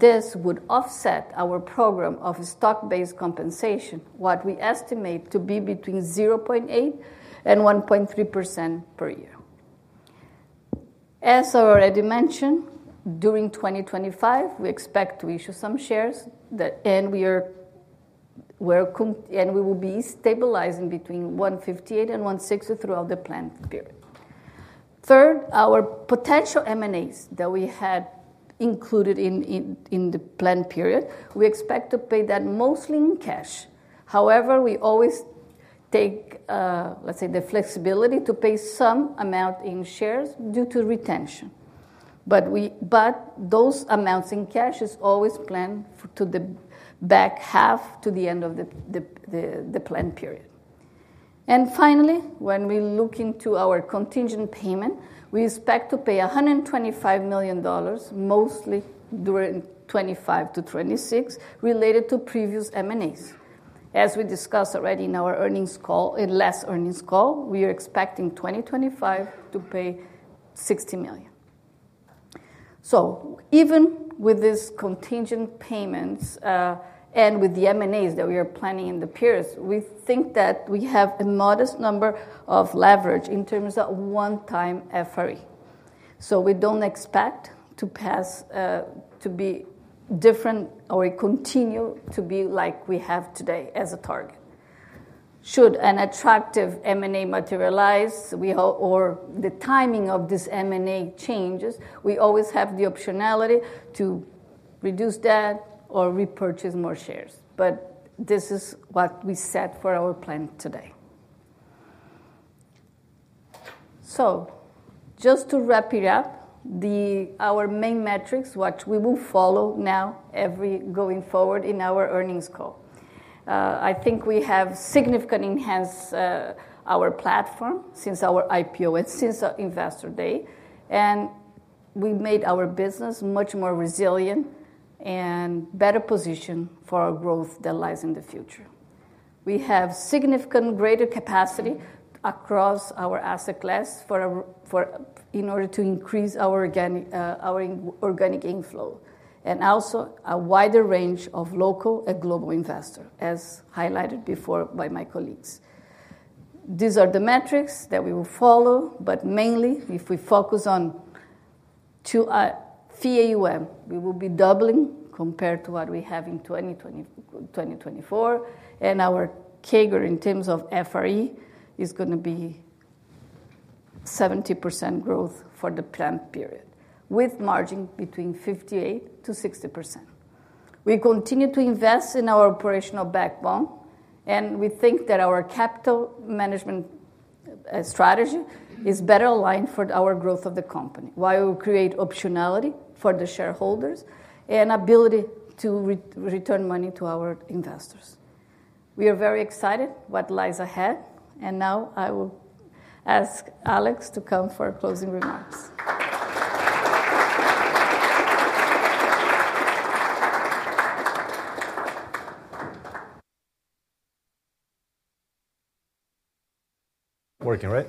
this would offset our program of stock-based compensation, what we estimate to be between 0.8%-1.3% per year. As I already mentioned, during 2025, we expect to issue some shares, and we will be stabilizing between 158 and 160 throughout the planned period. Third, our potential M&As that we had included in the planned period, we expect to pay that mostly in cash. However, we always take, let's say, the flexibility to pay some amount in shares due to retention. But those amounts in cash are always planned to the back half to the end of the planned period. And finally, when we look into our contingent payment, we expect to pay $125 million, mostly during 2025 to 2026, related to previous M&As. As we discussed already in our last earnings call, we are expecting 2025 to pay $60 million. So even with these contingent payments and with the M&As that we are planning in the periods, we think that we have a modest number of leverage in terms of one-time FRE. So we don't expect to pass to be different or continue to be like we have today as a target. Should an attractive M&A materialize or the timing of this M&A changes, we always have the optionality to reduce that or repurchase more shares. But this is what we set for our plan today. So just to wrap it up, our main metrics, which we will follow now going forward in our earnings call, I think we have significantly enhanced our platform since our IPO and since our investor day, and we made our business much more resilient and better positioned for our growth that lies in the future. We have significant greater capacity across our asset class in order to increase our organic inflow and also a wider range of local and global investors, as highlighted before by my colleagues. These are the metrics that we will follow, but mainly, if we focus on FEAUM, we will be doubling compared to what we have in 2024. Our CAGR in terms of FRE is going to be 70% growth for the planned period, with margin between 58% to 60%. We continue to invest in our operational backbone, and we think that our capital management strategy is better aligned for our growth of the company, while we create optionality for the shareholders and ability to return money to our investors. We are very excited about what lies ahead. And now I will ask Alex to come for closing remarks. Working, right?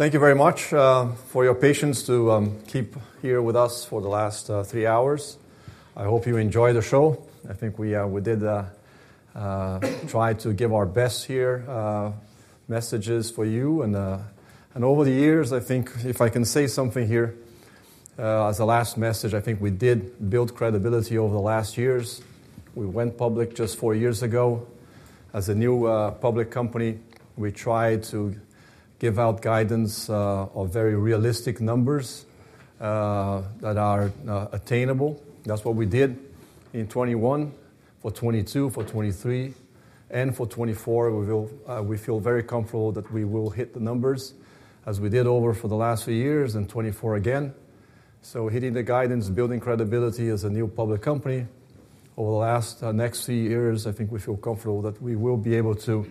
Thank you very much for your patience to keep here with us for the last three hours. I hope you enjoyed the show. I think we did try to give our best here messages for you. And over the years, I think if I can say something here as a last message, I think we did build credibility over the last years. We went public just four years ago. As a new public company, we tried to give out guidance of very realistic numbers that are attainable. That's what we did in 2021, for 2022, for 2023, and for 2024. We feel very comfortable that we will hit the numbers as we did over the last few years and 2024 again. So hitting the guidance, building credibility as a new public company over the next few years, I think we feel comfortable that we will be able to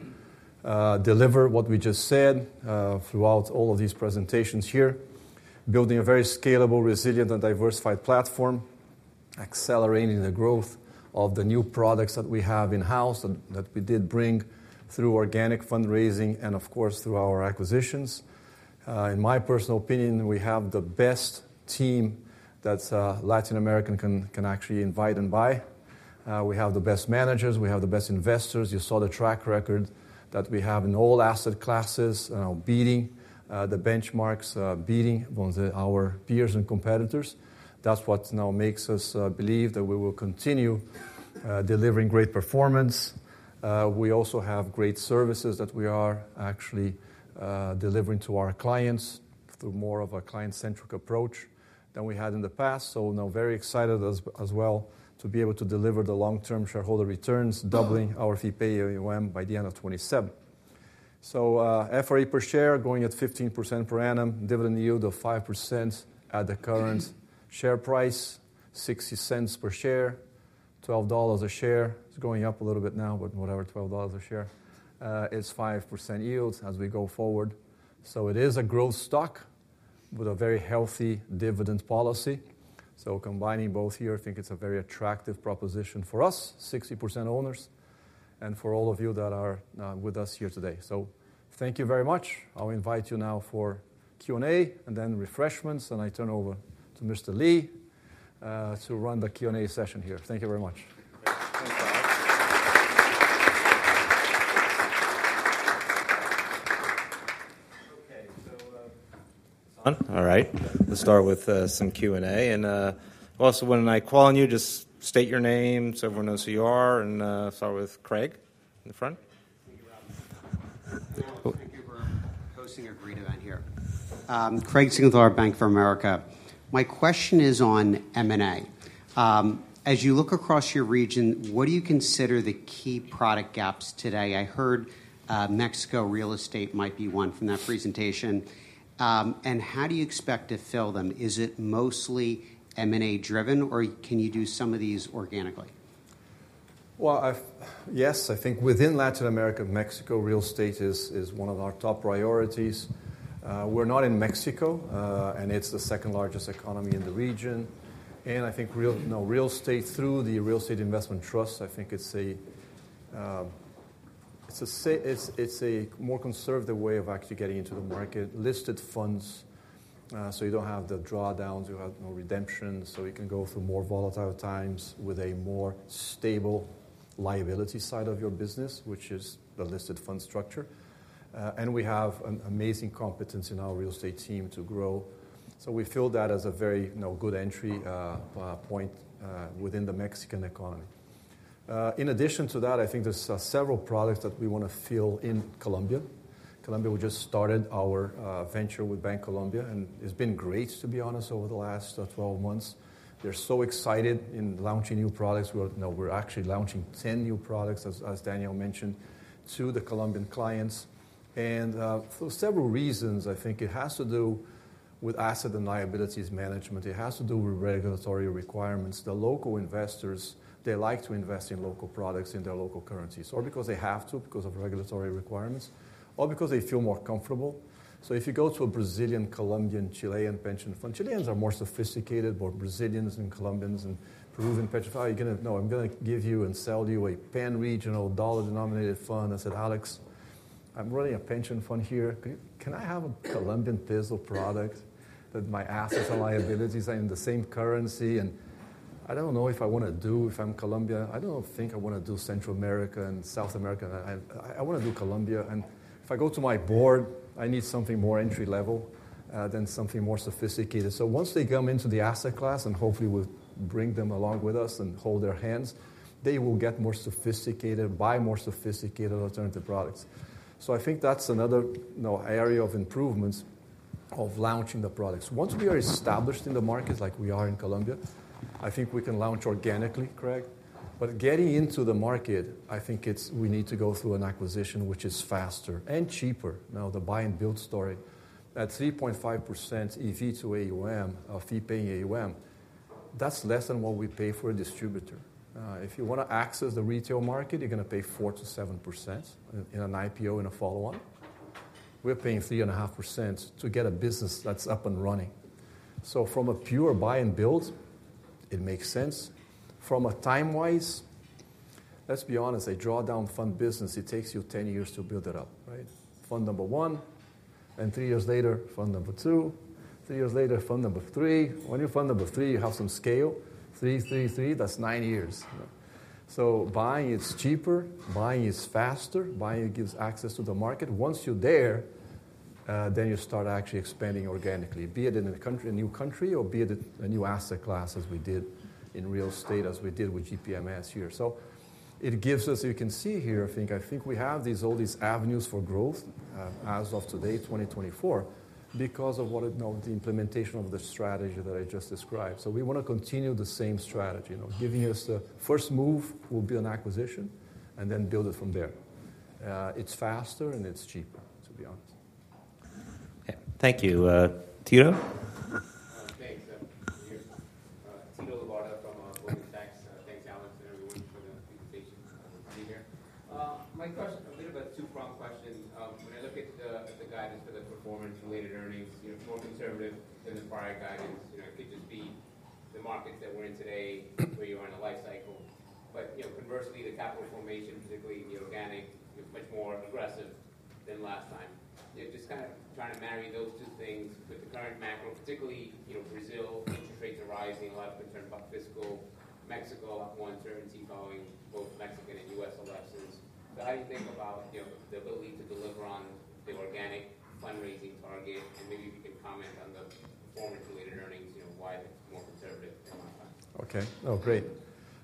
deliver what we just said throughout all of these presentations here, building a very scalable, resilient, and diversified platform, accelerating the growth of the new products that we have in-house that we did bring through organic fundraising and, of course, through our acquisitions. In my personal opinion, we have the best team that Latin America can actually invite and buy. We have the best managers. We have the best investors. You saw the track record that we have in all asset classes, beating the benchmarks, beating our peers and competitors. That's what now makes us believe that we will continue delivering great performance. We also have great services that we are actually delivering to our clients through more of a client-centric approach than we had in the past. So we're now very excited as well to be able to deliver the long-term shareholder returns, doubling our Fee-Paying AUM by the end of 2027. So FRE per share going at 15% per annum, dividend yield of 5% at the current share price, $0.60 per share, $12 a share. It's going up a little bit now, but whatever, $12 a share. It's 5% yield as we go forward. So it is a growth stock with a very healthy dividend policy. So combining both here, I think it's a very attractive proposition for us, 60% owners, and for all of you that are with us here today. So thank you very much. I'll invite you now for Q&A and then refreshments, and I turn over to Mr. Lee to run the Q&A session here. Thank you very much. Thanks, Alex. Okay, so. All right. Let's start with some Q&A. And also, when I call on you, just state your name so everyone knows who you are. And start with Craig in the front. Thank you for hosting a great event here. Craig Siegenthaler, Bank of America. My question is on M&A. As you look across your region, what do you consider the key product gaps today? I heard Mexico real estate might be one from that presentation. And how do you expect to fill them? Is it mostly M&A-driven, or can you do some of these organically? Well, yes, I think within Latin America, Mexico real estate is one of our top priorities. We're not in Mexico, and it's the second largest economy in the region. And I think real estate through the real estate investment trust, I think it's a more conservative way of actually getting into the market, listed funds. So you don't have the drawdowns. You have no redemptions. So you can go through more volatile times with a more stable liability side of your business, which is the listed fund structure. And we have an amazing competence in our real estate team to grow. So we feel that as a very good entry point within the Mexican economy. In addition to that, I think there's several products that we want to fill in Colombia. Colombia just started our venture with Bancolombia, and it's been great, to be honest, over the last 12 months. They're so excited in launching new products. We're actually launching 10 new products, as Daniel mentioned, to the Colombian clients, and for several reasons, I think it has to do with asset and liabilities management. It has to do with regulatory requirements. The local investors, they like to invest in local products in their local currencies, or because they have to, because of regulatory requirements, or because they feel more comfortable, so if you go to a Brazilian, Colombian, Chilean pension fund, Chileans are more sophisticated, but Brazilians and Colombians and Peruvian pension funds, no, I'm going to give you and sell you a pan-regional dollar-denominated fund. I said, "Alex, I'm running a pension fund here. Can I have a Colombian piece of product that my assets and liabilities are in the same currency?" And I don't know if I want to do, if I'm Colombian, I don't think I want to do Central America and South America. I want to do Colombia. And if I go to my board, I need something more entry-level than something more sophisticated. So once they come into the asset class, and hopefully we'll bring them along with us and hold their hands, they will get more sophisticated, buy more sophisticated alternative products. So I think that's another area of improvements of launching the products. Once we are established in the market, like we are in Colombia, I think we can launch organically, correct? But getting into the market, I think we need to go through an acquisition, which is faster and cheaper. Now, the buy-and-build story, that 3.5% EV to AUM, fee-paying AUM, that's less than what we pay for a distributor. If you want to access the retail market, you're going to pay 4%-7% in an IPO and a follow-on. We're paying 3.5% to get a business that's up and running. So from a pure buy-and-build, it makes sense. From a time-wise, let's be honest, a drawdown fund business, it takes you 10 years to build it up, right? Fund I, and three years later, Fund II, three years later, fund number three. When you're fund number three, you have some scale. Three, three, three, that's nine years. So buying, it's cheaper. Buying, it's faster. Buying, it gives access to the market. Once you're there, then you start actually expanding organically, be it in a new country or be it a new asset class, as we did in real estate, as we did with GPMS here. So it gives us, you can see here, I think we have all these avenues for growth as of today, 2024, because of the implementation of the strategy that I just described. So we want to continue the same strategy. Giving us the first move will be an acquisition and then build it from there. It's faster and it's cheaper, to be honest. Yeah. Thank you. Tito? Thanks. Tito Labarta from Goldman Sachs. Thanks, Alex, and everyone for the presentation and being here. My question, a bit of a two-pronged question. When I look at the guidance for the performance-related earnings, more conservative than the prior guidance, it could just be the markets that we're in today where you're on a life cycle. But conversely, the capital formation, particularly in the organic, is much more aggressive than last time. Just kind of trying to marry those two things with the current macro, particularly Brazil. Interest rates are rising, a lot of concern about fiscal. Mexico, a lot more uncertainty following both Mexican and U.S. elections. So how do you think about the ability to deliver on the organic fundraising target? And maybe if you can comment on the performance-related earnings, why it's more conservative than last time? Okay. Oh, great.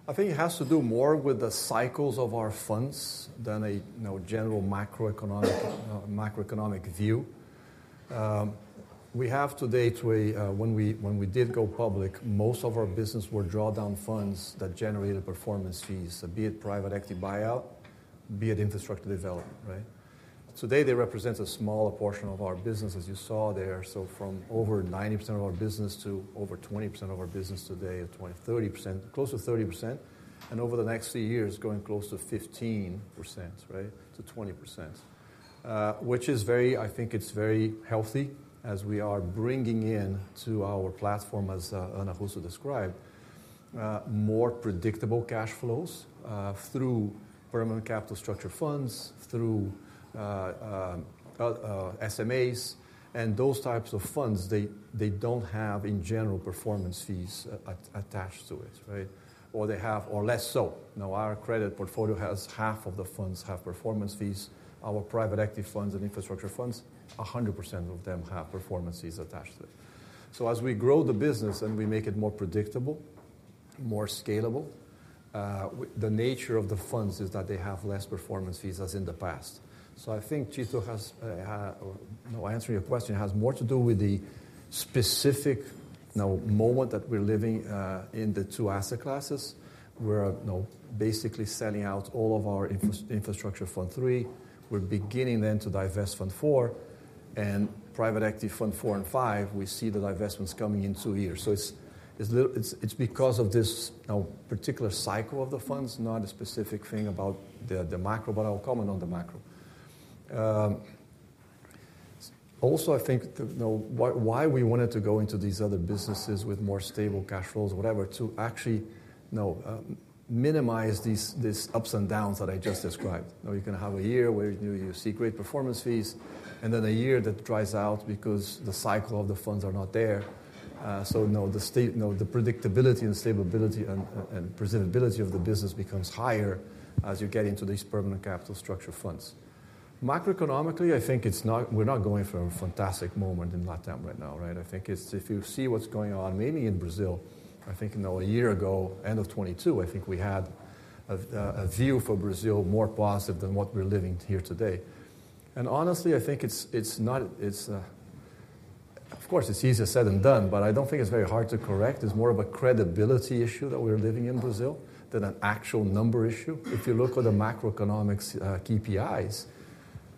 I think it has to do more with the cycles of our funds than a general macroeconomic view. We have today, when we did go public, most of our business were drawdown funds that generated performance fees, be it private equity buyout, be it infrastructure development, right? Today, they represent a smaller portion of our business, as you saw there. So from over 90% of our business to over 20% of our business today at 20-30%, close to 30%, and over the next few years, going close to 15%-20%, right, which is very, I think it's very healthy as we are bringing in, to our platform, as Ana Russo described, more predictable cash flows through permanent capital structure funds, through SMAs, and those types of funds, they don't have, in general, performance fees attached to it, right? Or they have, or less so. Now, our credit portfolio has half of the funds have performance fees. Our private equity funds and infrastructure funds, 100% of them have performance fees attached to it. So as we grow the business and we make it more predictable, more scalable, the nature of the funds is that they have less performance fees as in the past. So I think, Tito, answering your question, has more to do with the specific moment that we're living in the two asset classes. We're basically selling out all of our Infrastructure Fund III. We're beginning then to divest Fund IV and Private Equity Fund IV and V. We see the divestments coming in two years. So it's because of this particular cycle of the funds, not a specific thing about the macro, but I'll comment on the macro. Also, I think why we wanted to go into these other businesses with more stable cash flows, whatever, to actually minimize these ups and downs that I just described. You can have a year where you see great performance fees and then a year that dries out because the cycle of the funds are not there. So the predictability and stability and sustainability of the business becomes higher as you get into these permanent capital structure funds. Macroeconomically, I think we're not in a fantastic moment in Latin America right now, right? I think if you see what's going on, mainly in Brazil, I think a year ago, end of 2022, I think we had a view for Brazil more positive than what we're living here today. And honestly, I think it's not, of course, it's easier said than done, but I don't think it's very hard to correct. It's more of a credibility issue that we're living in Brazil than an actual number issue. If you look at the macroeconomic KPIs,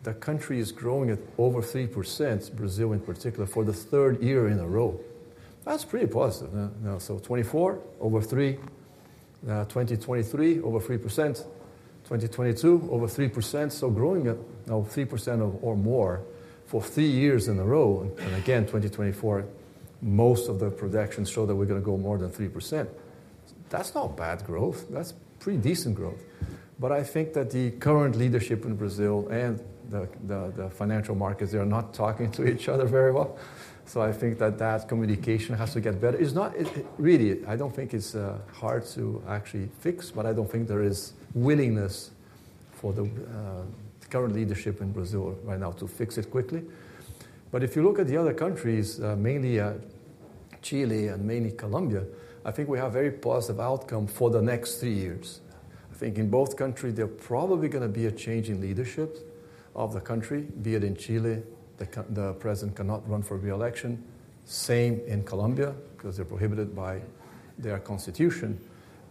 the country is growing at over 3%, Brazil in particular, for the third year in a row. That's pretty positive. So 2024, over 3%. 2023, over 3%. 2022, over 3%. So growing at now 3% or more for three years in a row. And again, 2024, most of the projections show that we're going to go more than 3%. That's not bad growth. That's pretty decent growth. But I think that the current leadership in Brazil and the financial markets, they're not talking to each other very well. So I think that that communication has to get better. It's not really. I don't think it's hard to actually fix, but I don't think there is willingness for the current leadership in Brazil right now to fix it quickly. But if you look at the other countries, mainly Chile and mainly Colombia, I think we have very positive outcomes for the next three years. I think in both countries, there are probably going to be a change in leadership of the country, be it in Chile, the president cannot run for reelection, same in Colombia because they're prohibited by their constitution.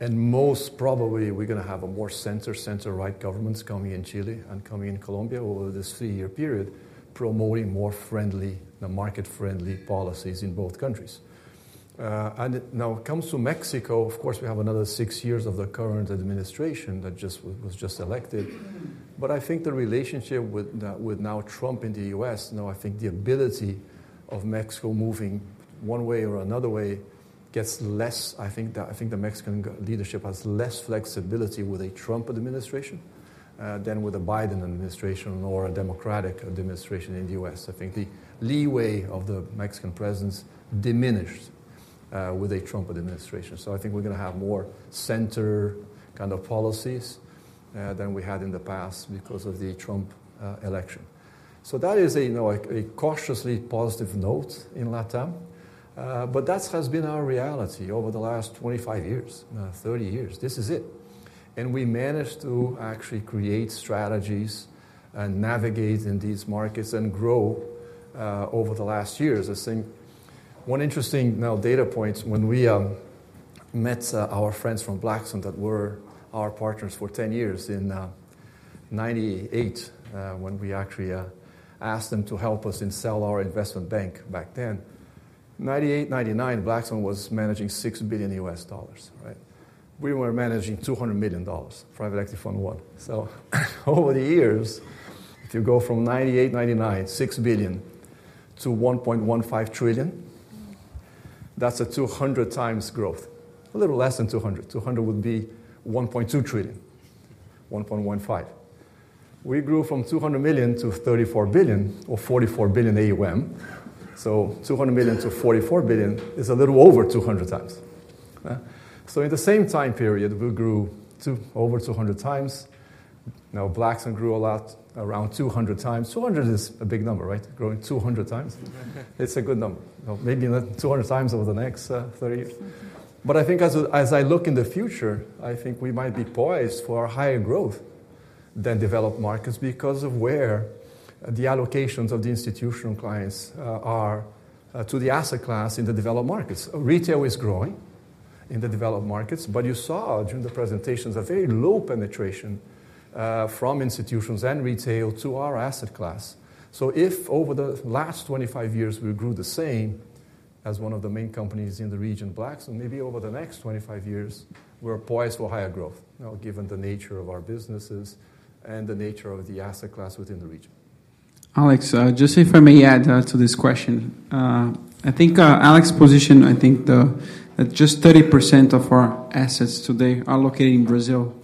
And most probably, we're going to have more center-right governments coming in Chile and coming in Colombia over this three-year period, promoting more market-friendly policies in both countries. And now it comes to Mexico, of course, we have another six years of the current administration that just was elected. But I think the relationship with now Trump in the U.S., now I think the ability of Mexico moving one way or another way gets less. I think the Mexican leadership has less flexibility with a Trump administration than with a Biden administration or a Democratic administration in the U.S. I think the leeway of the Mexican presidents diminished with a Trump administration. So I think we're going to have more center kind of policies than we had in the past because of the Trump election. So that is a cautiously positive note in LatAm. But that has been our reality over the last 25 years, 30 years. This is it, and we managed to actually create strategies and navigate in these markets and grow over the last years. I think one interesting data point when we met our friends from Blackstone that were our partners for 10 years in 1998, when we actually asked them to help us to sell our investment bank back then, 1998, 1999, Blackstone was managing $6 billion, right? We were managing $200 million, Private Equity Fund I. So over the years, if you go from 1998, 1999, $6 billion to $1.15 trillion, that's a 200 times growth. A little less than 200. 200 would be $1.2 trillion, 1.15. We grew from $200 million to $34 billion or $44 billion AUM. So $200 million to $44 billion is a little over 200 times. So in the same time period, we grew over 200 times. Now Blackstone grew a lot around 200 times. 200 is a big number, right? Growing 200 times. It's a good number. Maybe 200 times over the next 30 years. But I think as I look in the future, I think we might be poised for higher growth than developed markets because of where the allocations of the institutional clients are to the asset class in the developed markets. Retail is growing in the developed markets, but you saw during the presentations a very low penetration from institutions and retail to our asset class. So if over the last 25 years, we grew the same as one of the main companies in the region, Blackstone, maybe over the next 25 years, we're poised for higher growth, given the nature of our businesses and the nature of the asset class within the region. Alex, just say from your end to this question. I think Alex's position, I think that just 30% of our assets today are located in Brazil,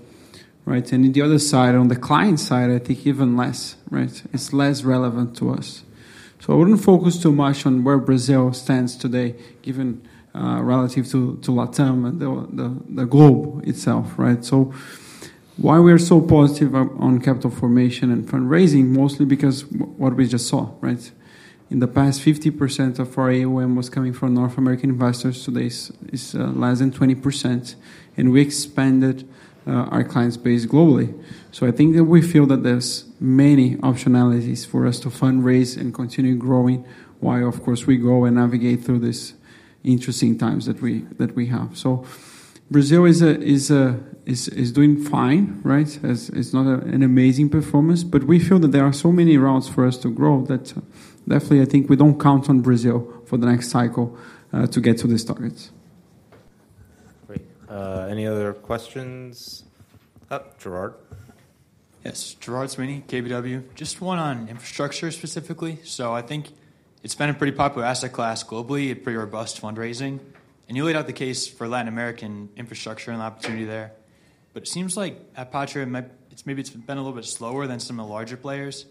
right? And on the other side, on the client side, I think even less, right? It's less relevant to us. So I wouldn't focus too much on where Brazil stands today, given relative to LatAm and the globe itself, right? So why we are so positive on capital formation and fundraising, mostly because what we just saw, right? In the past, 50% of our AUM was coming from North American investors. Today, it's less than 20%, and we expanded our clients' base globally. So I think that we feel that there's many optionalities for us to fundraise and continue growing while, of course, we go and navigate through these interesting times that we have. So Brazil is doing fine, right? It's not an amazing performance, but we feel that there are so many routes for us to grow that definitely I think we don't count on Brazil for the next cycle to get to these targets. Great. Any other questions? Gerard? Yes. Gerard Sweeney, KBW. Just one on infrastructure specifically. So I think it's been a pretty popular asset class globally, pretty robust fundraising. And you laid out the case for Latin American infrastructure and opportunity there. But it seems like a pace, maybe it's been a little bit slower than some of the larger players.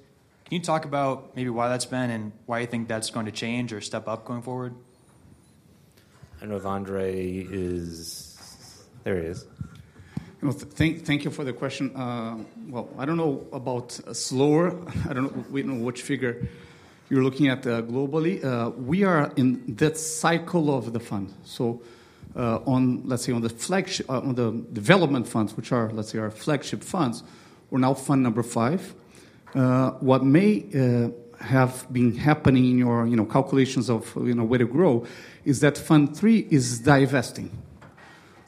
Can you talk about maybe why that's been and why you think that's going to change or step up going forward? I know Andre is. There he is. Thank you for the question. Well, I don't know about slower. I don't know which figure you're looking at globally. We are in the cycle of the fund. So let's say on the development funds, which are, let's say, our flagship funds, we're now Fund V. What may have been happening in your calculations of where to grow is that Fund III is divesting.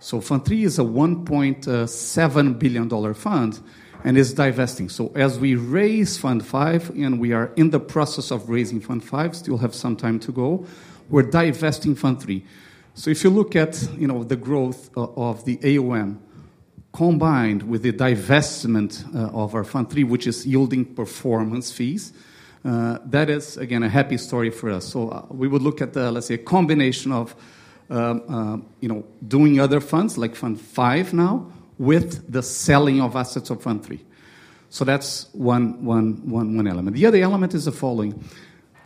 So Fund III is a $1.7 billion fund and is divesting. So as we raise fund five and we are in the process of raising Fund V, still have some time to go, we're divesting Fund III. So if you look at the growth of the AUM combined with the divestment of our Fund III, which is yielding performance fees, that is, again, a happy story for us. So we would look at, let's say, a combination of doing other funds like Fund V now with the selling of assets of Fund III. So that's one element. The other element is the following.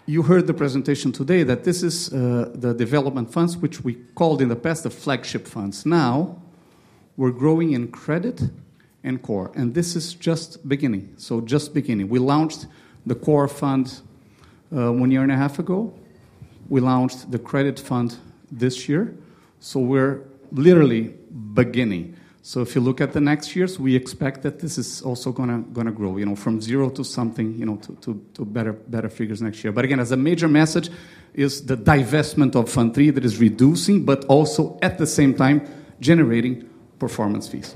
You heard the presentation today that this is the development funds, which we called in the past the flagship funds. Now we're growing in credit and core. And this is just beginning. So just beginning. We launched the core fund one year and a half ago. We launched the credit fund this year. So we're literally beginning. So if you look at the next years, we expect that this is also going to grow from zero to something to better figures next year. But again, as a major message is the divestment of Fund III that is reducing, but also at the same time generating performance fees.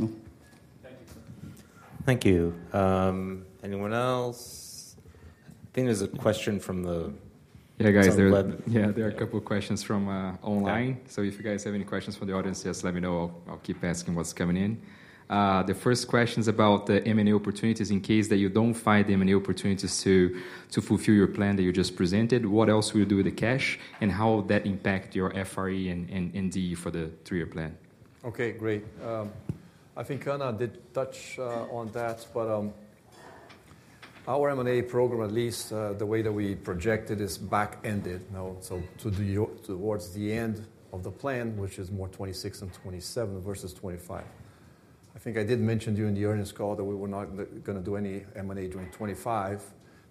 Thank you. Thank you. Anyone else? I think there's a question from the. Yeah, guys. Yeah, there are a couple of questions from online. So if you guys have any questions from the audience, just let me know. I'll keep asking what's coming in. The first question is about the M&A opportunities in case that you don't find the M&A opportunities to fulfill your plan that you just presented. What else will you do with the cash and how will that impact your FRE and DE for the three-year plan? Okay, great. I think Ana did touch on that, but our M&A program, at least the way that we projected is back-ended, so towards the end of the plan, which is more 2026 and 2027 versus 2025. I think I did mention during the earnings call that we were not going to do any M&A during 2025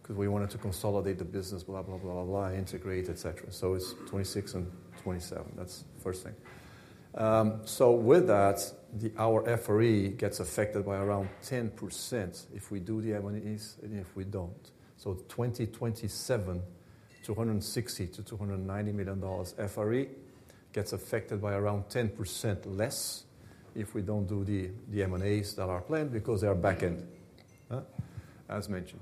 because we wanted to consolidate the business, blah, blah, blah, blah, blah, integrate, etc., so it's 2026 and 2027. That's the first thing. With that, our FRE gets affected by around 10% if we do the M&As and if we don't. In 2027, $260-$290 million FRE gets affected by around 10% less if we don't do the M&As that are planned because they are back-ended, as mentioned.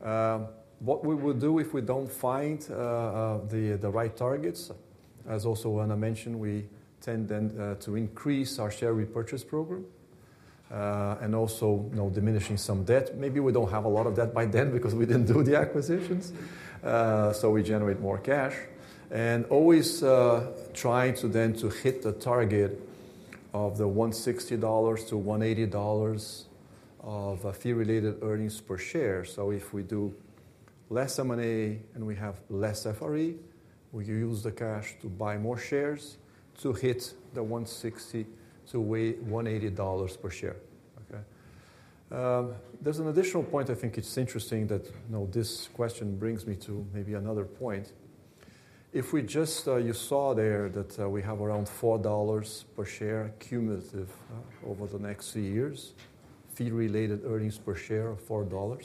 What we will do if we don't find the right targets, as also Ana mentioned, we tend then to increase our share repurchase program and also diminishing some debt. Maybe we don't have a lot of debt by then because we didn't do the acquisitions. We generate more cash and always trying to then hit the target of the $160-$180 of fee-related earnings per share. If we do less M&A and we have less FRE, we use the cash to buy more shares to hit the $160-$180 per share. There's an additional point I think it's interesting that this question brings me to maybe another point. If we just, you saw there that we have around $4 per share cumulative over the next three years, fee-related earnings per share of $4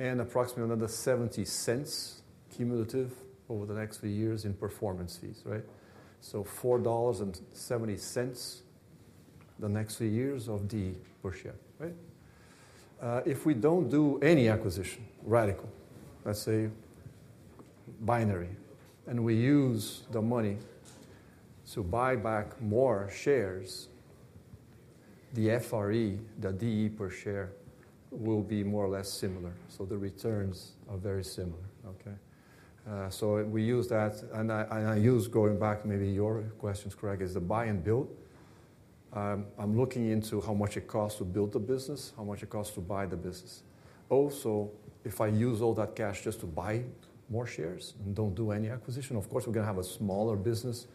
and approximately another $0.70 cumulative over the next three years in performance fees, right? So $4 and $0.70 the next three years of DE per share, right? If we don't do any acquisition, radical, let's say binary, and we use the money to buy back more shares, the FRE, the DE per share will be more or less similar. So the returns are very similar. So we use that. And I use, going back, maybe your question is correct, is the buy and build. I'm looking into how much it costs to build the business, how much it costs to buy the business. Also, if I use all that cash just to buy more shares and don't do any acquisition, of course, we're going to have a smaller business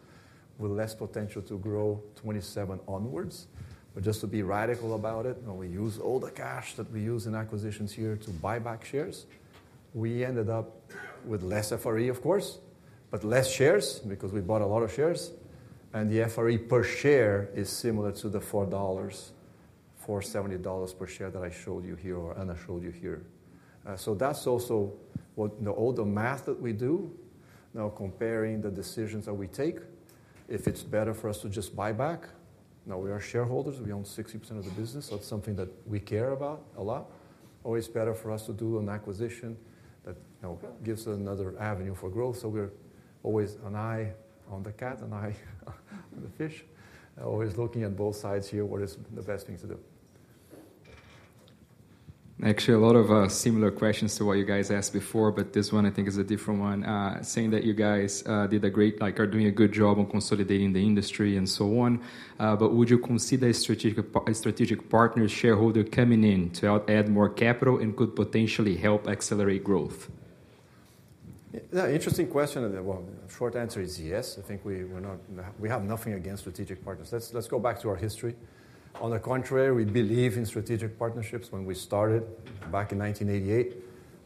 with less potential to grow 2027 onwards, but just to be radical about it, we use all the cash that we use in acquisitions here to buy back shares. We ended up with less FRE, of course, but less shares because we bought a lot of shares, and the FRE per share is similar to the $4 for $70 per share that I showed you here or Anna showed you here, so that's also the older math that we do. Now, comparing the decisions that we take, if it's better for us to just buy back, now we are shareholders. We own 60% of the business. That's something that we care about a lot. Always better for us to do an acquisition that gives us another avenue for growth. So we're always an eye on the cat and an eye on the fish, always looking at both sides here, what is the best thing to do. Actually, a lot of similar questions to what you guys asked before, but this one I think is a different one. Saying that you guys did a great, are doing a good job on consolidating the industry and so on. But would you consider a strategic partner shareholder coming in to add more capital and could potentially help accelerate growth? Interesting question. The short answer is yes. I think we have nothing against strategic partners. Let's go back to our history. On the contrary, we believe in strategic partnerships. When we started back in 1988,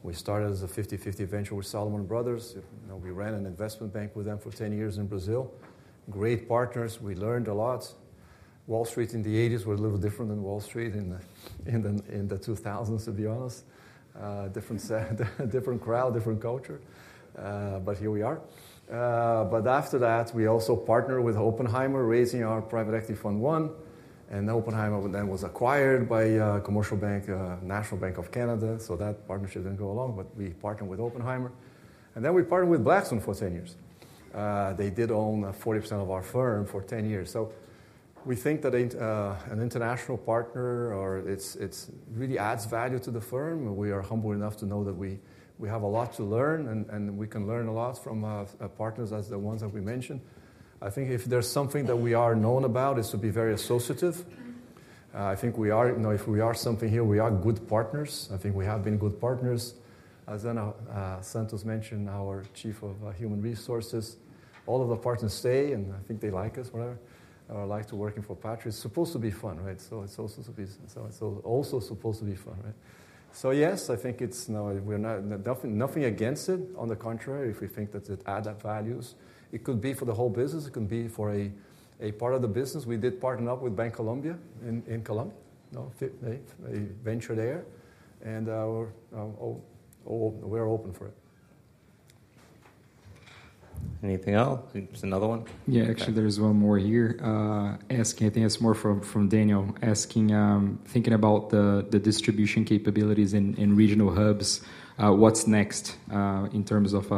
we started as a 50/50 venture with Salomon Brothers. We ran an investment bank with them for 10 years in Brazil. Great partners. We learned a lot. Wall Street in the 1980s was a little different than Wall Street in the 2000s, to be honest. Different crowd, different culture. But here we are. But after that, we also partnered with Oppenheimer, raising our private equity fund one. And Oppenheimer then was acquired by a commercial bank, National Bank of Canada. So that partnership didn't go along, but we partnered with Oppenheimer. And then we partnered with Blackstone for 10 years. They did own 40% of our firm for 10 years. So we think that an international partner really adds value to the firm. We are humble enough to know that we have a lot to learn and we can learn a lot from partners as the ones that we mentioned. I think if there's something that we are known about, it's to be very associative. I think if we are something here, we are good partners. I think we have been good partners. As Ana Santos mentioned, our Chief Human Resources Officer, all of the partners say, and I think they like us, whatever, or like working for Patria. It's supposed to be fun, right? So it's also supposed to be fun. So yes, I think nothing against it. On the contrary, if we think that it adds value, it could be for the whole business. It could be for a part of the business. We did partner up with Bancolombia in Colombia, a venture there. And we're open for it. Anything else? Just another one? Yeah, actually there's one more here. Asking, I think it's more from Daniel. Asking, thinking about the distribution capabilities and regional hubs, what's next in terms of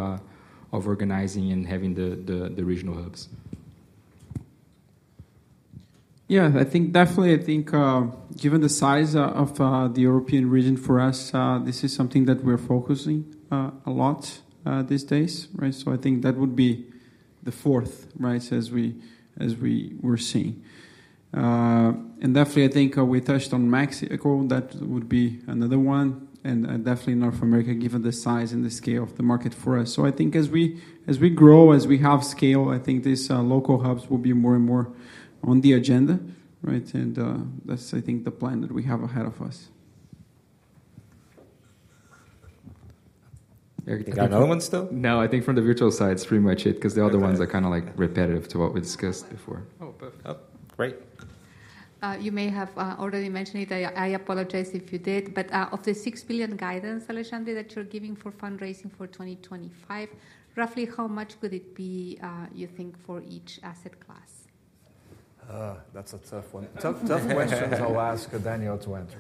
organizing and having the regional hubs? Yeah, I think definitely, I think given the size of the European region for us, this is something that we're focusing a lot these days. So I think that would be the fourth, right, as we were seeing. And definitely, I think we touched on Mexico. That would be another one. And definitely North America, given the size and the scale of the market for us. So I think as we grow, as we have scale, I think these local hubs will be more and more on the agenda. And that's, I think, the plan that we have ahead of us. Eric, did you have another one still? No, I think from the virtual side, it's pretty much it because the other ones are kind of repetitive to what we discussed before. Oh, perfect. Great. You may have already mentioned it. I apologize if you did. But of the $6 billion guidance, Alexandre, that you're giving for fundraising for 2025, roughly how much could it be, you think, for each asset class? That's a tough one. Tough questions I'll ask Daniel to answer.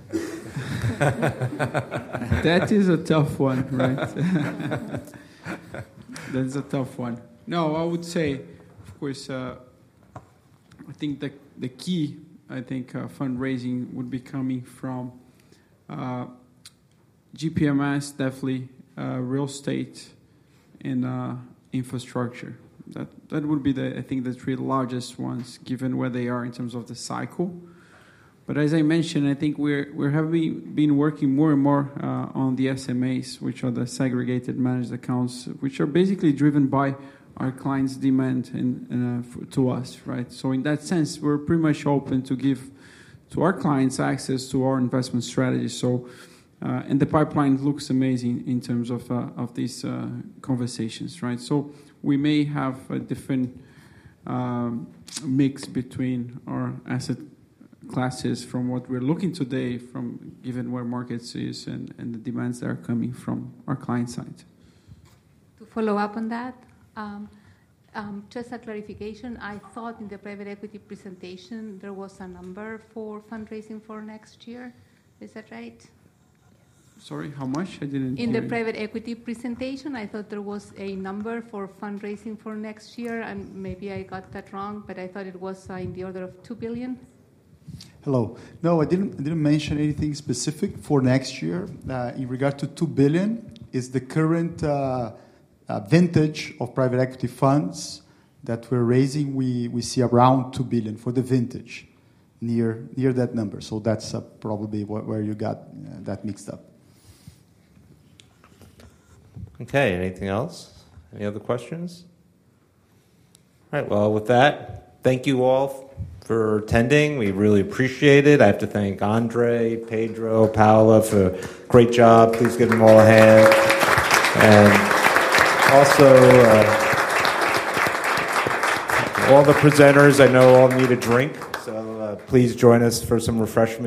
That is a tough one, right? That's a tough one. No, I would say, of course, I think the key, I think, fundraising would be coming from GPMS, definitely real estate and infrastructure. That would be, I think, the three largest ones given where they are in terms of the cycle. But as I mentioned, I think we're having been working more and more on the SMAs, which are the separately managed accounts, which are basically driven by our clients' demand to us. So in that sense, we're pretty much open to give our clients access to our investment strategy. And the pipeline looks amazing in terms of these conversations. So we may have a different mix between our asset classes from what we're looking today, given where markets are and the demands that are coming from our client side. To follow up on that, just a clarification. I thought in the private equity presentation, there was a number for fundraising for next year. Is that right? Sorry, how much? I didn't hear. In the private equity presentation, I thought there was a number for fundraising for next year. And maybe I got that wrong, but I thought it was in the order of $2 billion. Hello. No, I didn't mention anything specific for next year. In regard to $2 billion, it's the current vintage of private equity funds that we're raising. We see around $2 billion for the vintage, near that number. So that's probably where you got that mixed up. Okay, anything else? Any other questions? All right, well, with that, thank you all for attending. We really appreciate it. I have to thank Andre, Pedro, Paola for a great job. Please give them all a hand. And also, all the presenters, I know all need a drink. So please join us for some refreshments.